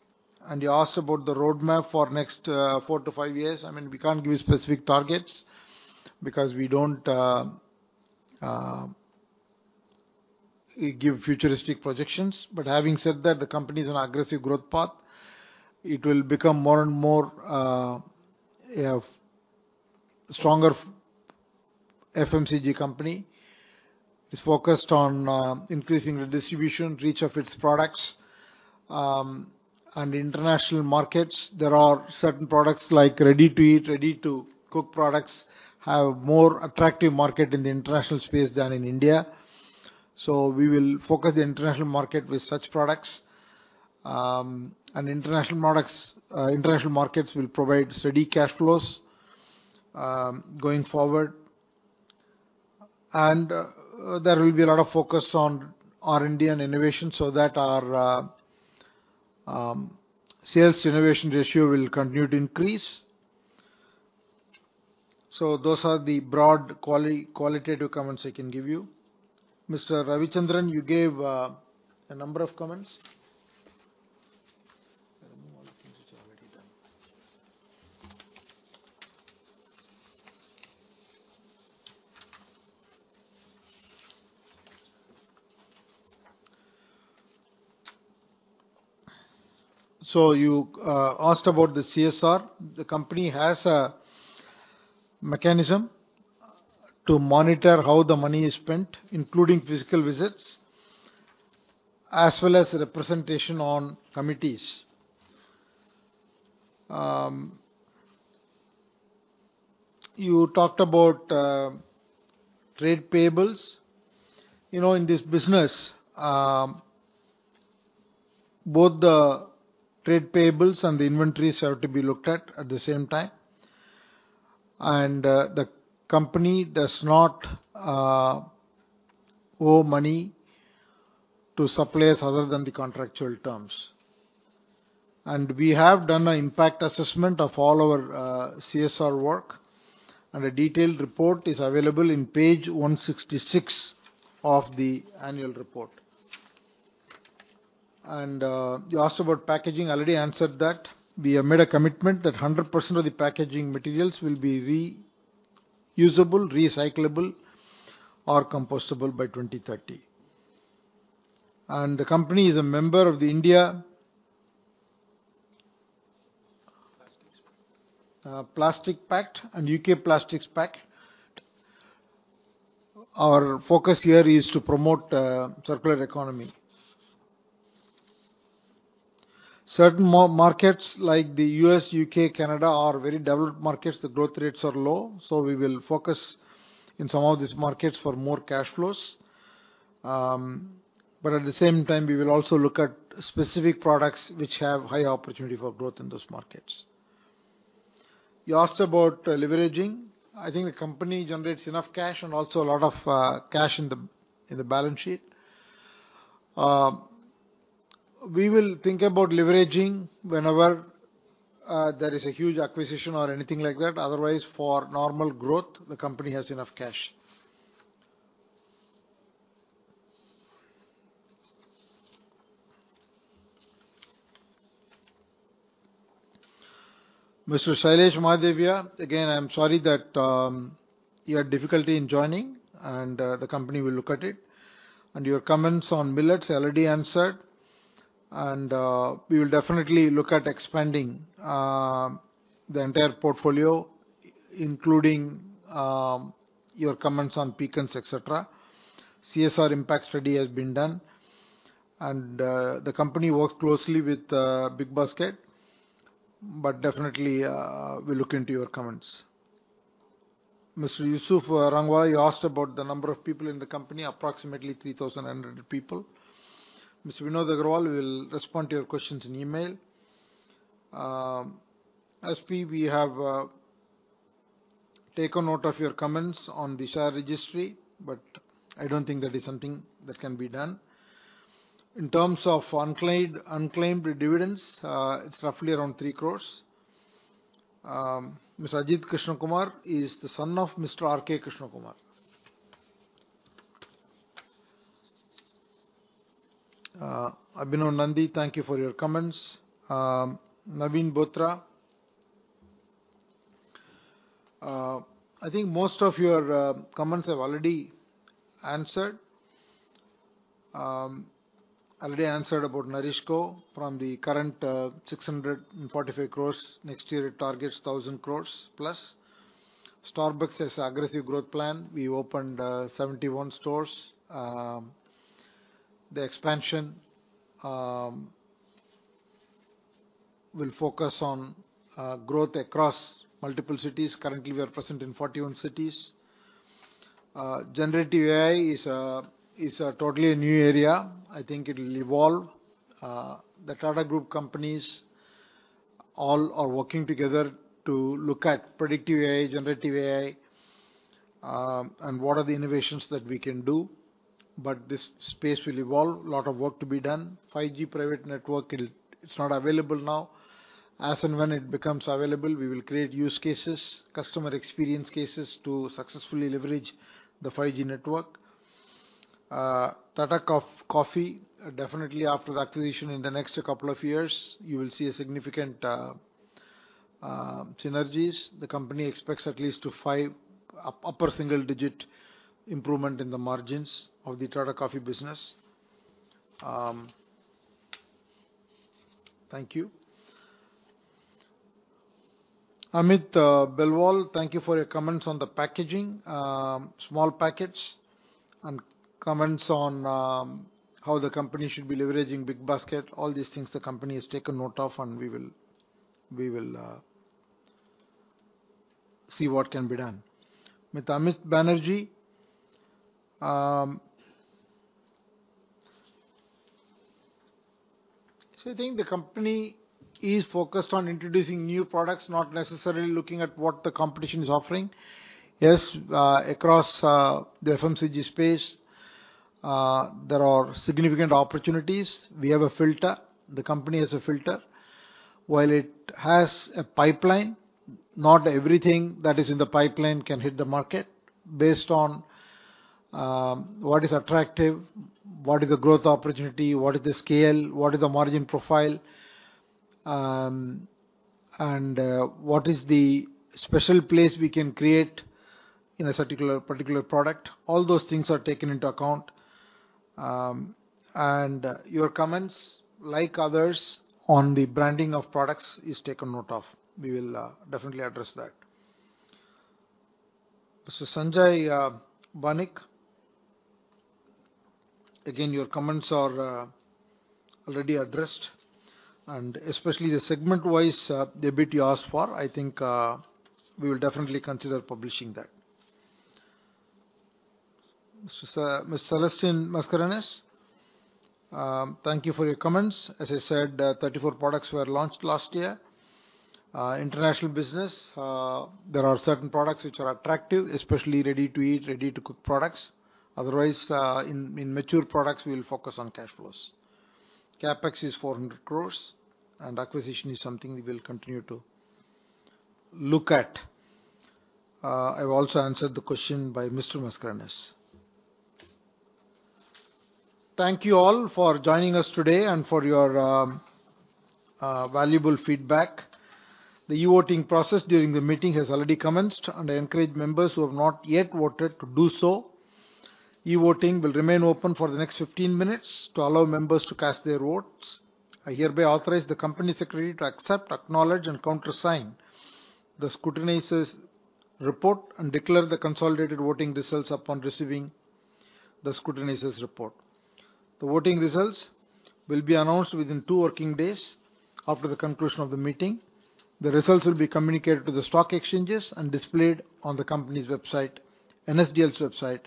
You asked about the roadmap for next four to five years. I mean, we can't give you specific targets because we don't give futuristic projections. Having said that, the company is on aggressive growth path. It will become more and more a stronger FMCG company. It's focused on increasing the distribution, reach of its products. International markets, there are certain products, like ready-to-eat, ready-to-cook products, have more attractive market in the international space than in India. We will focus the international market with such products. International products, international markets will provide steady cash flows going forward. There will be a lot of focus on our Indian innovation so that our sales innovation ratio will continue to increase. Those are the broad qualitative comments I can give you. Mr. Ravichandran, you gave a number of comments. I remove all the things which are already done. You asked about the CSR. The company has a mechanism to monitor how the money is spent, including physical visits, as well as representation on committees. You talked about trade payables. You know, in this business, both the trade payables and the inventories have to be looked at at the same time, the company does not owe money to suppliers other than the contractual terms. We have done an impact assessment of all our CSR work, and a detailed report is available in page 166 of the annual report. You asked about packaging. I already answered that. We have made a commitment that 100% of the packaging materials will be reusable, recyclable, or compostable by 2030. The company is a member of the India- Plastics Pact. India Plastics Pact and UK Plastics Pact. Our focus here is to promote circular economy. Certain markets like the U.S., U.K., Canada, are very developed markets. The growth rates are low, we will focus in some of these markets for more cash flows. We will also look at specific products which have high opportunity for growth in those markets. You asked about leveraging. I think the company generates enough cash and also a lot of cash in the balance sheet. We will think about leveraging whenever there is a huge acquisition or anything like that. For normal growth, the company has enough cash. Mr. Sailesh Mahadevia, again, I'm sorry that you had difficulty in joining, the company will look at it. Your comments on millets, I already answered. We will definitely look at expanding the entire portfolio, including your comments on pecans, etc. CSR impact study has been done. The company works closely with bigbasket, definitely we'll look into your comments. Mr. Yusuf Rangwala, you asked about the number of people in the company, approximately 3,100 people. Mr. Vinod Agarwal, we will respond to your questions in email. SP, we have taken note of your comments on the share registry. I don't think there is something that can be done. In terms of unclaimed dividends, it's roughly around 3 crores. Mr. Ajit Krishnakumar is the son of Mr. R. K. Krishna Kumar. Abhinav Nandi, thank you for your comments. Naveen Bothra, I think most of your comments I've already answered. I already answered about NourishCo from the current 645 crores. Next year, it targets 1,000 crores plus. Starbucks has aggressive growth plan. We opened 71 stores. The expansion will focus on growth across multiple cities. Currently, we are present in 41 cities. Generative AI is a totally new area. I think it will evolve. The Tata Group companies all are working together to look at predictive AI, generative AI, and what are the innovations that we can do, but this space will evolve. A lot of work to be done. 5G private network, it's not available now. As and when it becomes available, we will create use cases, customer experience cases, to successfully leverage the 5G network. Tata Coffee, definitely after the acquisition in the next couple of years, you will see a significant synergies. The company expects at least upper single digit improvement in the margins of the Tata Coffee business. Thank you. Amit Belwal, thank you for your comments on the packaging. Small packets and comments on how the company should be leveraging bigbasket. All these things the company has taken note of, and we will see what can be done. Amit Kumar Banerjee, I think the company is focused on introducing new products, not necessarily looking at what the competition is offering. Yes, across the FMCG space, there are significant opportunities. We have a filter. The company has a filter. While it has a pipeline, not everything that is in the pipeline can hit the market based on what is attractive, what is the growth opportunity, what is the scale, what is the margin profile, and what is the special place we can create in a particular product. All those things are taken into account. Your comments, like others, on the branding of products, is taken note of. We will definitely address that. Mr. Sanjay Banik, again, your comments are already addressed, and especially the segment-wise debit you asked for, I think, we will definitely consider publishing that. Mr. Celestine Mascarenhas, thank you for your comments. As I said, 34 products were launched last year. International business, there are certain products which are attractive, especially ready-to-eat, ready-to-cook products. Otherwise, in mature products, we will focus on cash flows. CapEx is 400 crores. Acquisition is something we will continue to look at. I've also answered the question by Mr. Mascarenhas. Thank you all for joining us today and for your valuable feedback. The e-voting process during the meeting has already commenced. I encourage members who have not yet voted to do so. E-voting will remain open for the next 15 minutes to allow members to cast their votes. I hereby authorize the Company Secretary to accept, acknowledge, and counter sign the scrutinizer's report and declare the consolidated voting results upon receiving the scrutinizer's report. The voting results will be announced within 2 working days after the conclusion of the meeting. The results will be communicated to the stock exchanges and displayed on the company's website, NSDL's website,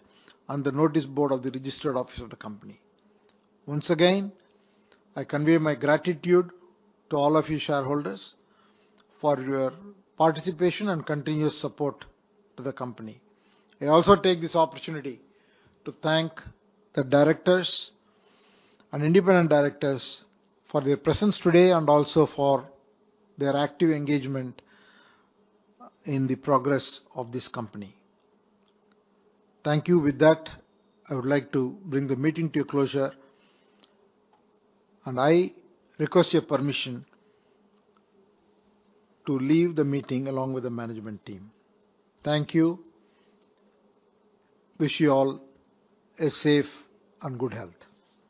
and the notice board of the registered office of the company. Once again, I convey my gratitude to all of you shareholders for your participation and continuous support to the company. I also take this opportunity to thank the directors and independent directors for their presence today and also for their active engagement in the progress of this company. Thank you. With that, I would like to bring the meeting to a closure, and I request your permission to leave the meeting along with the management team. Thank you. Wish you all a safe and good health.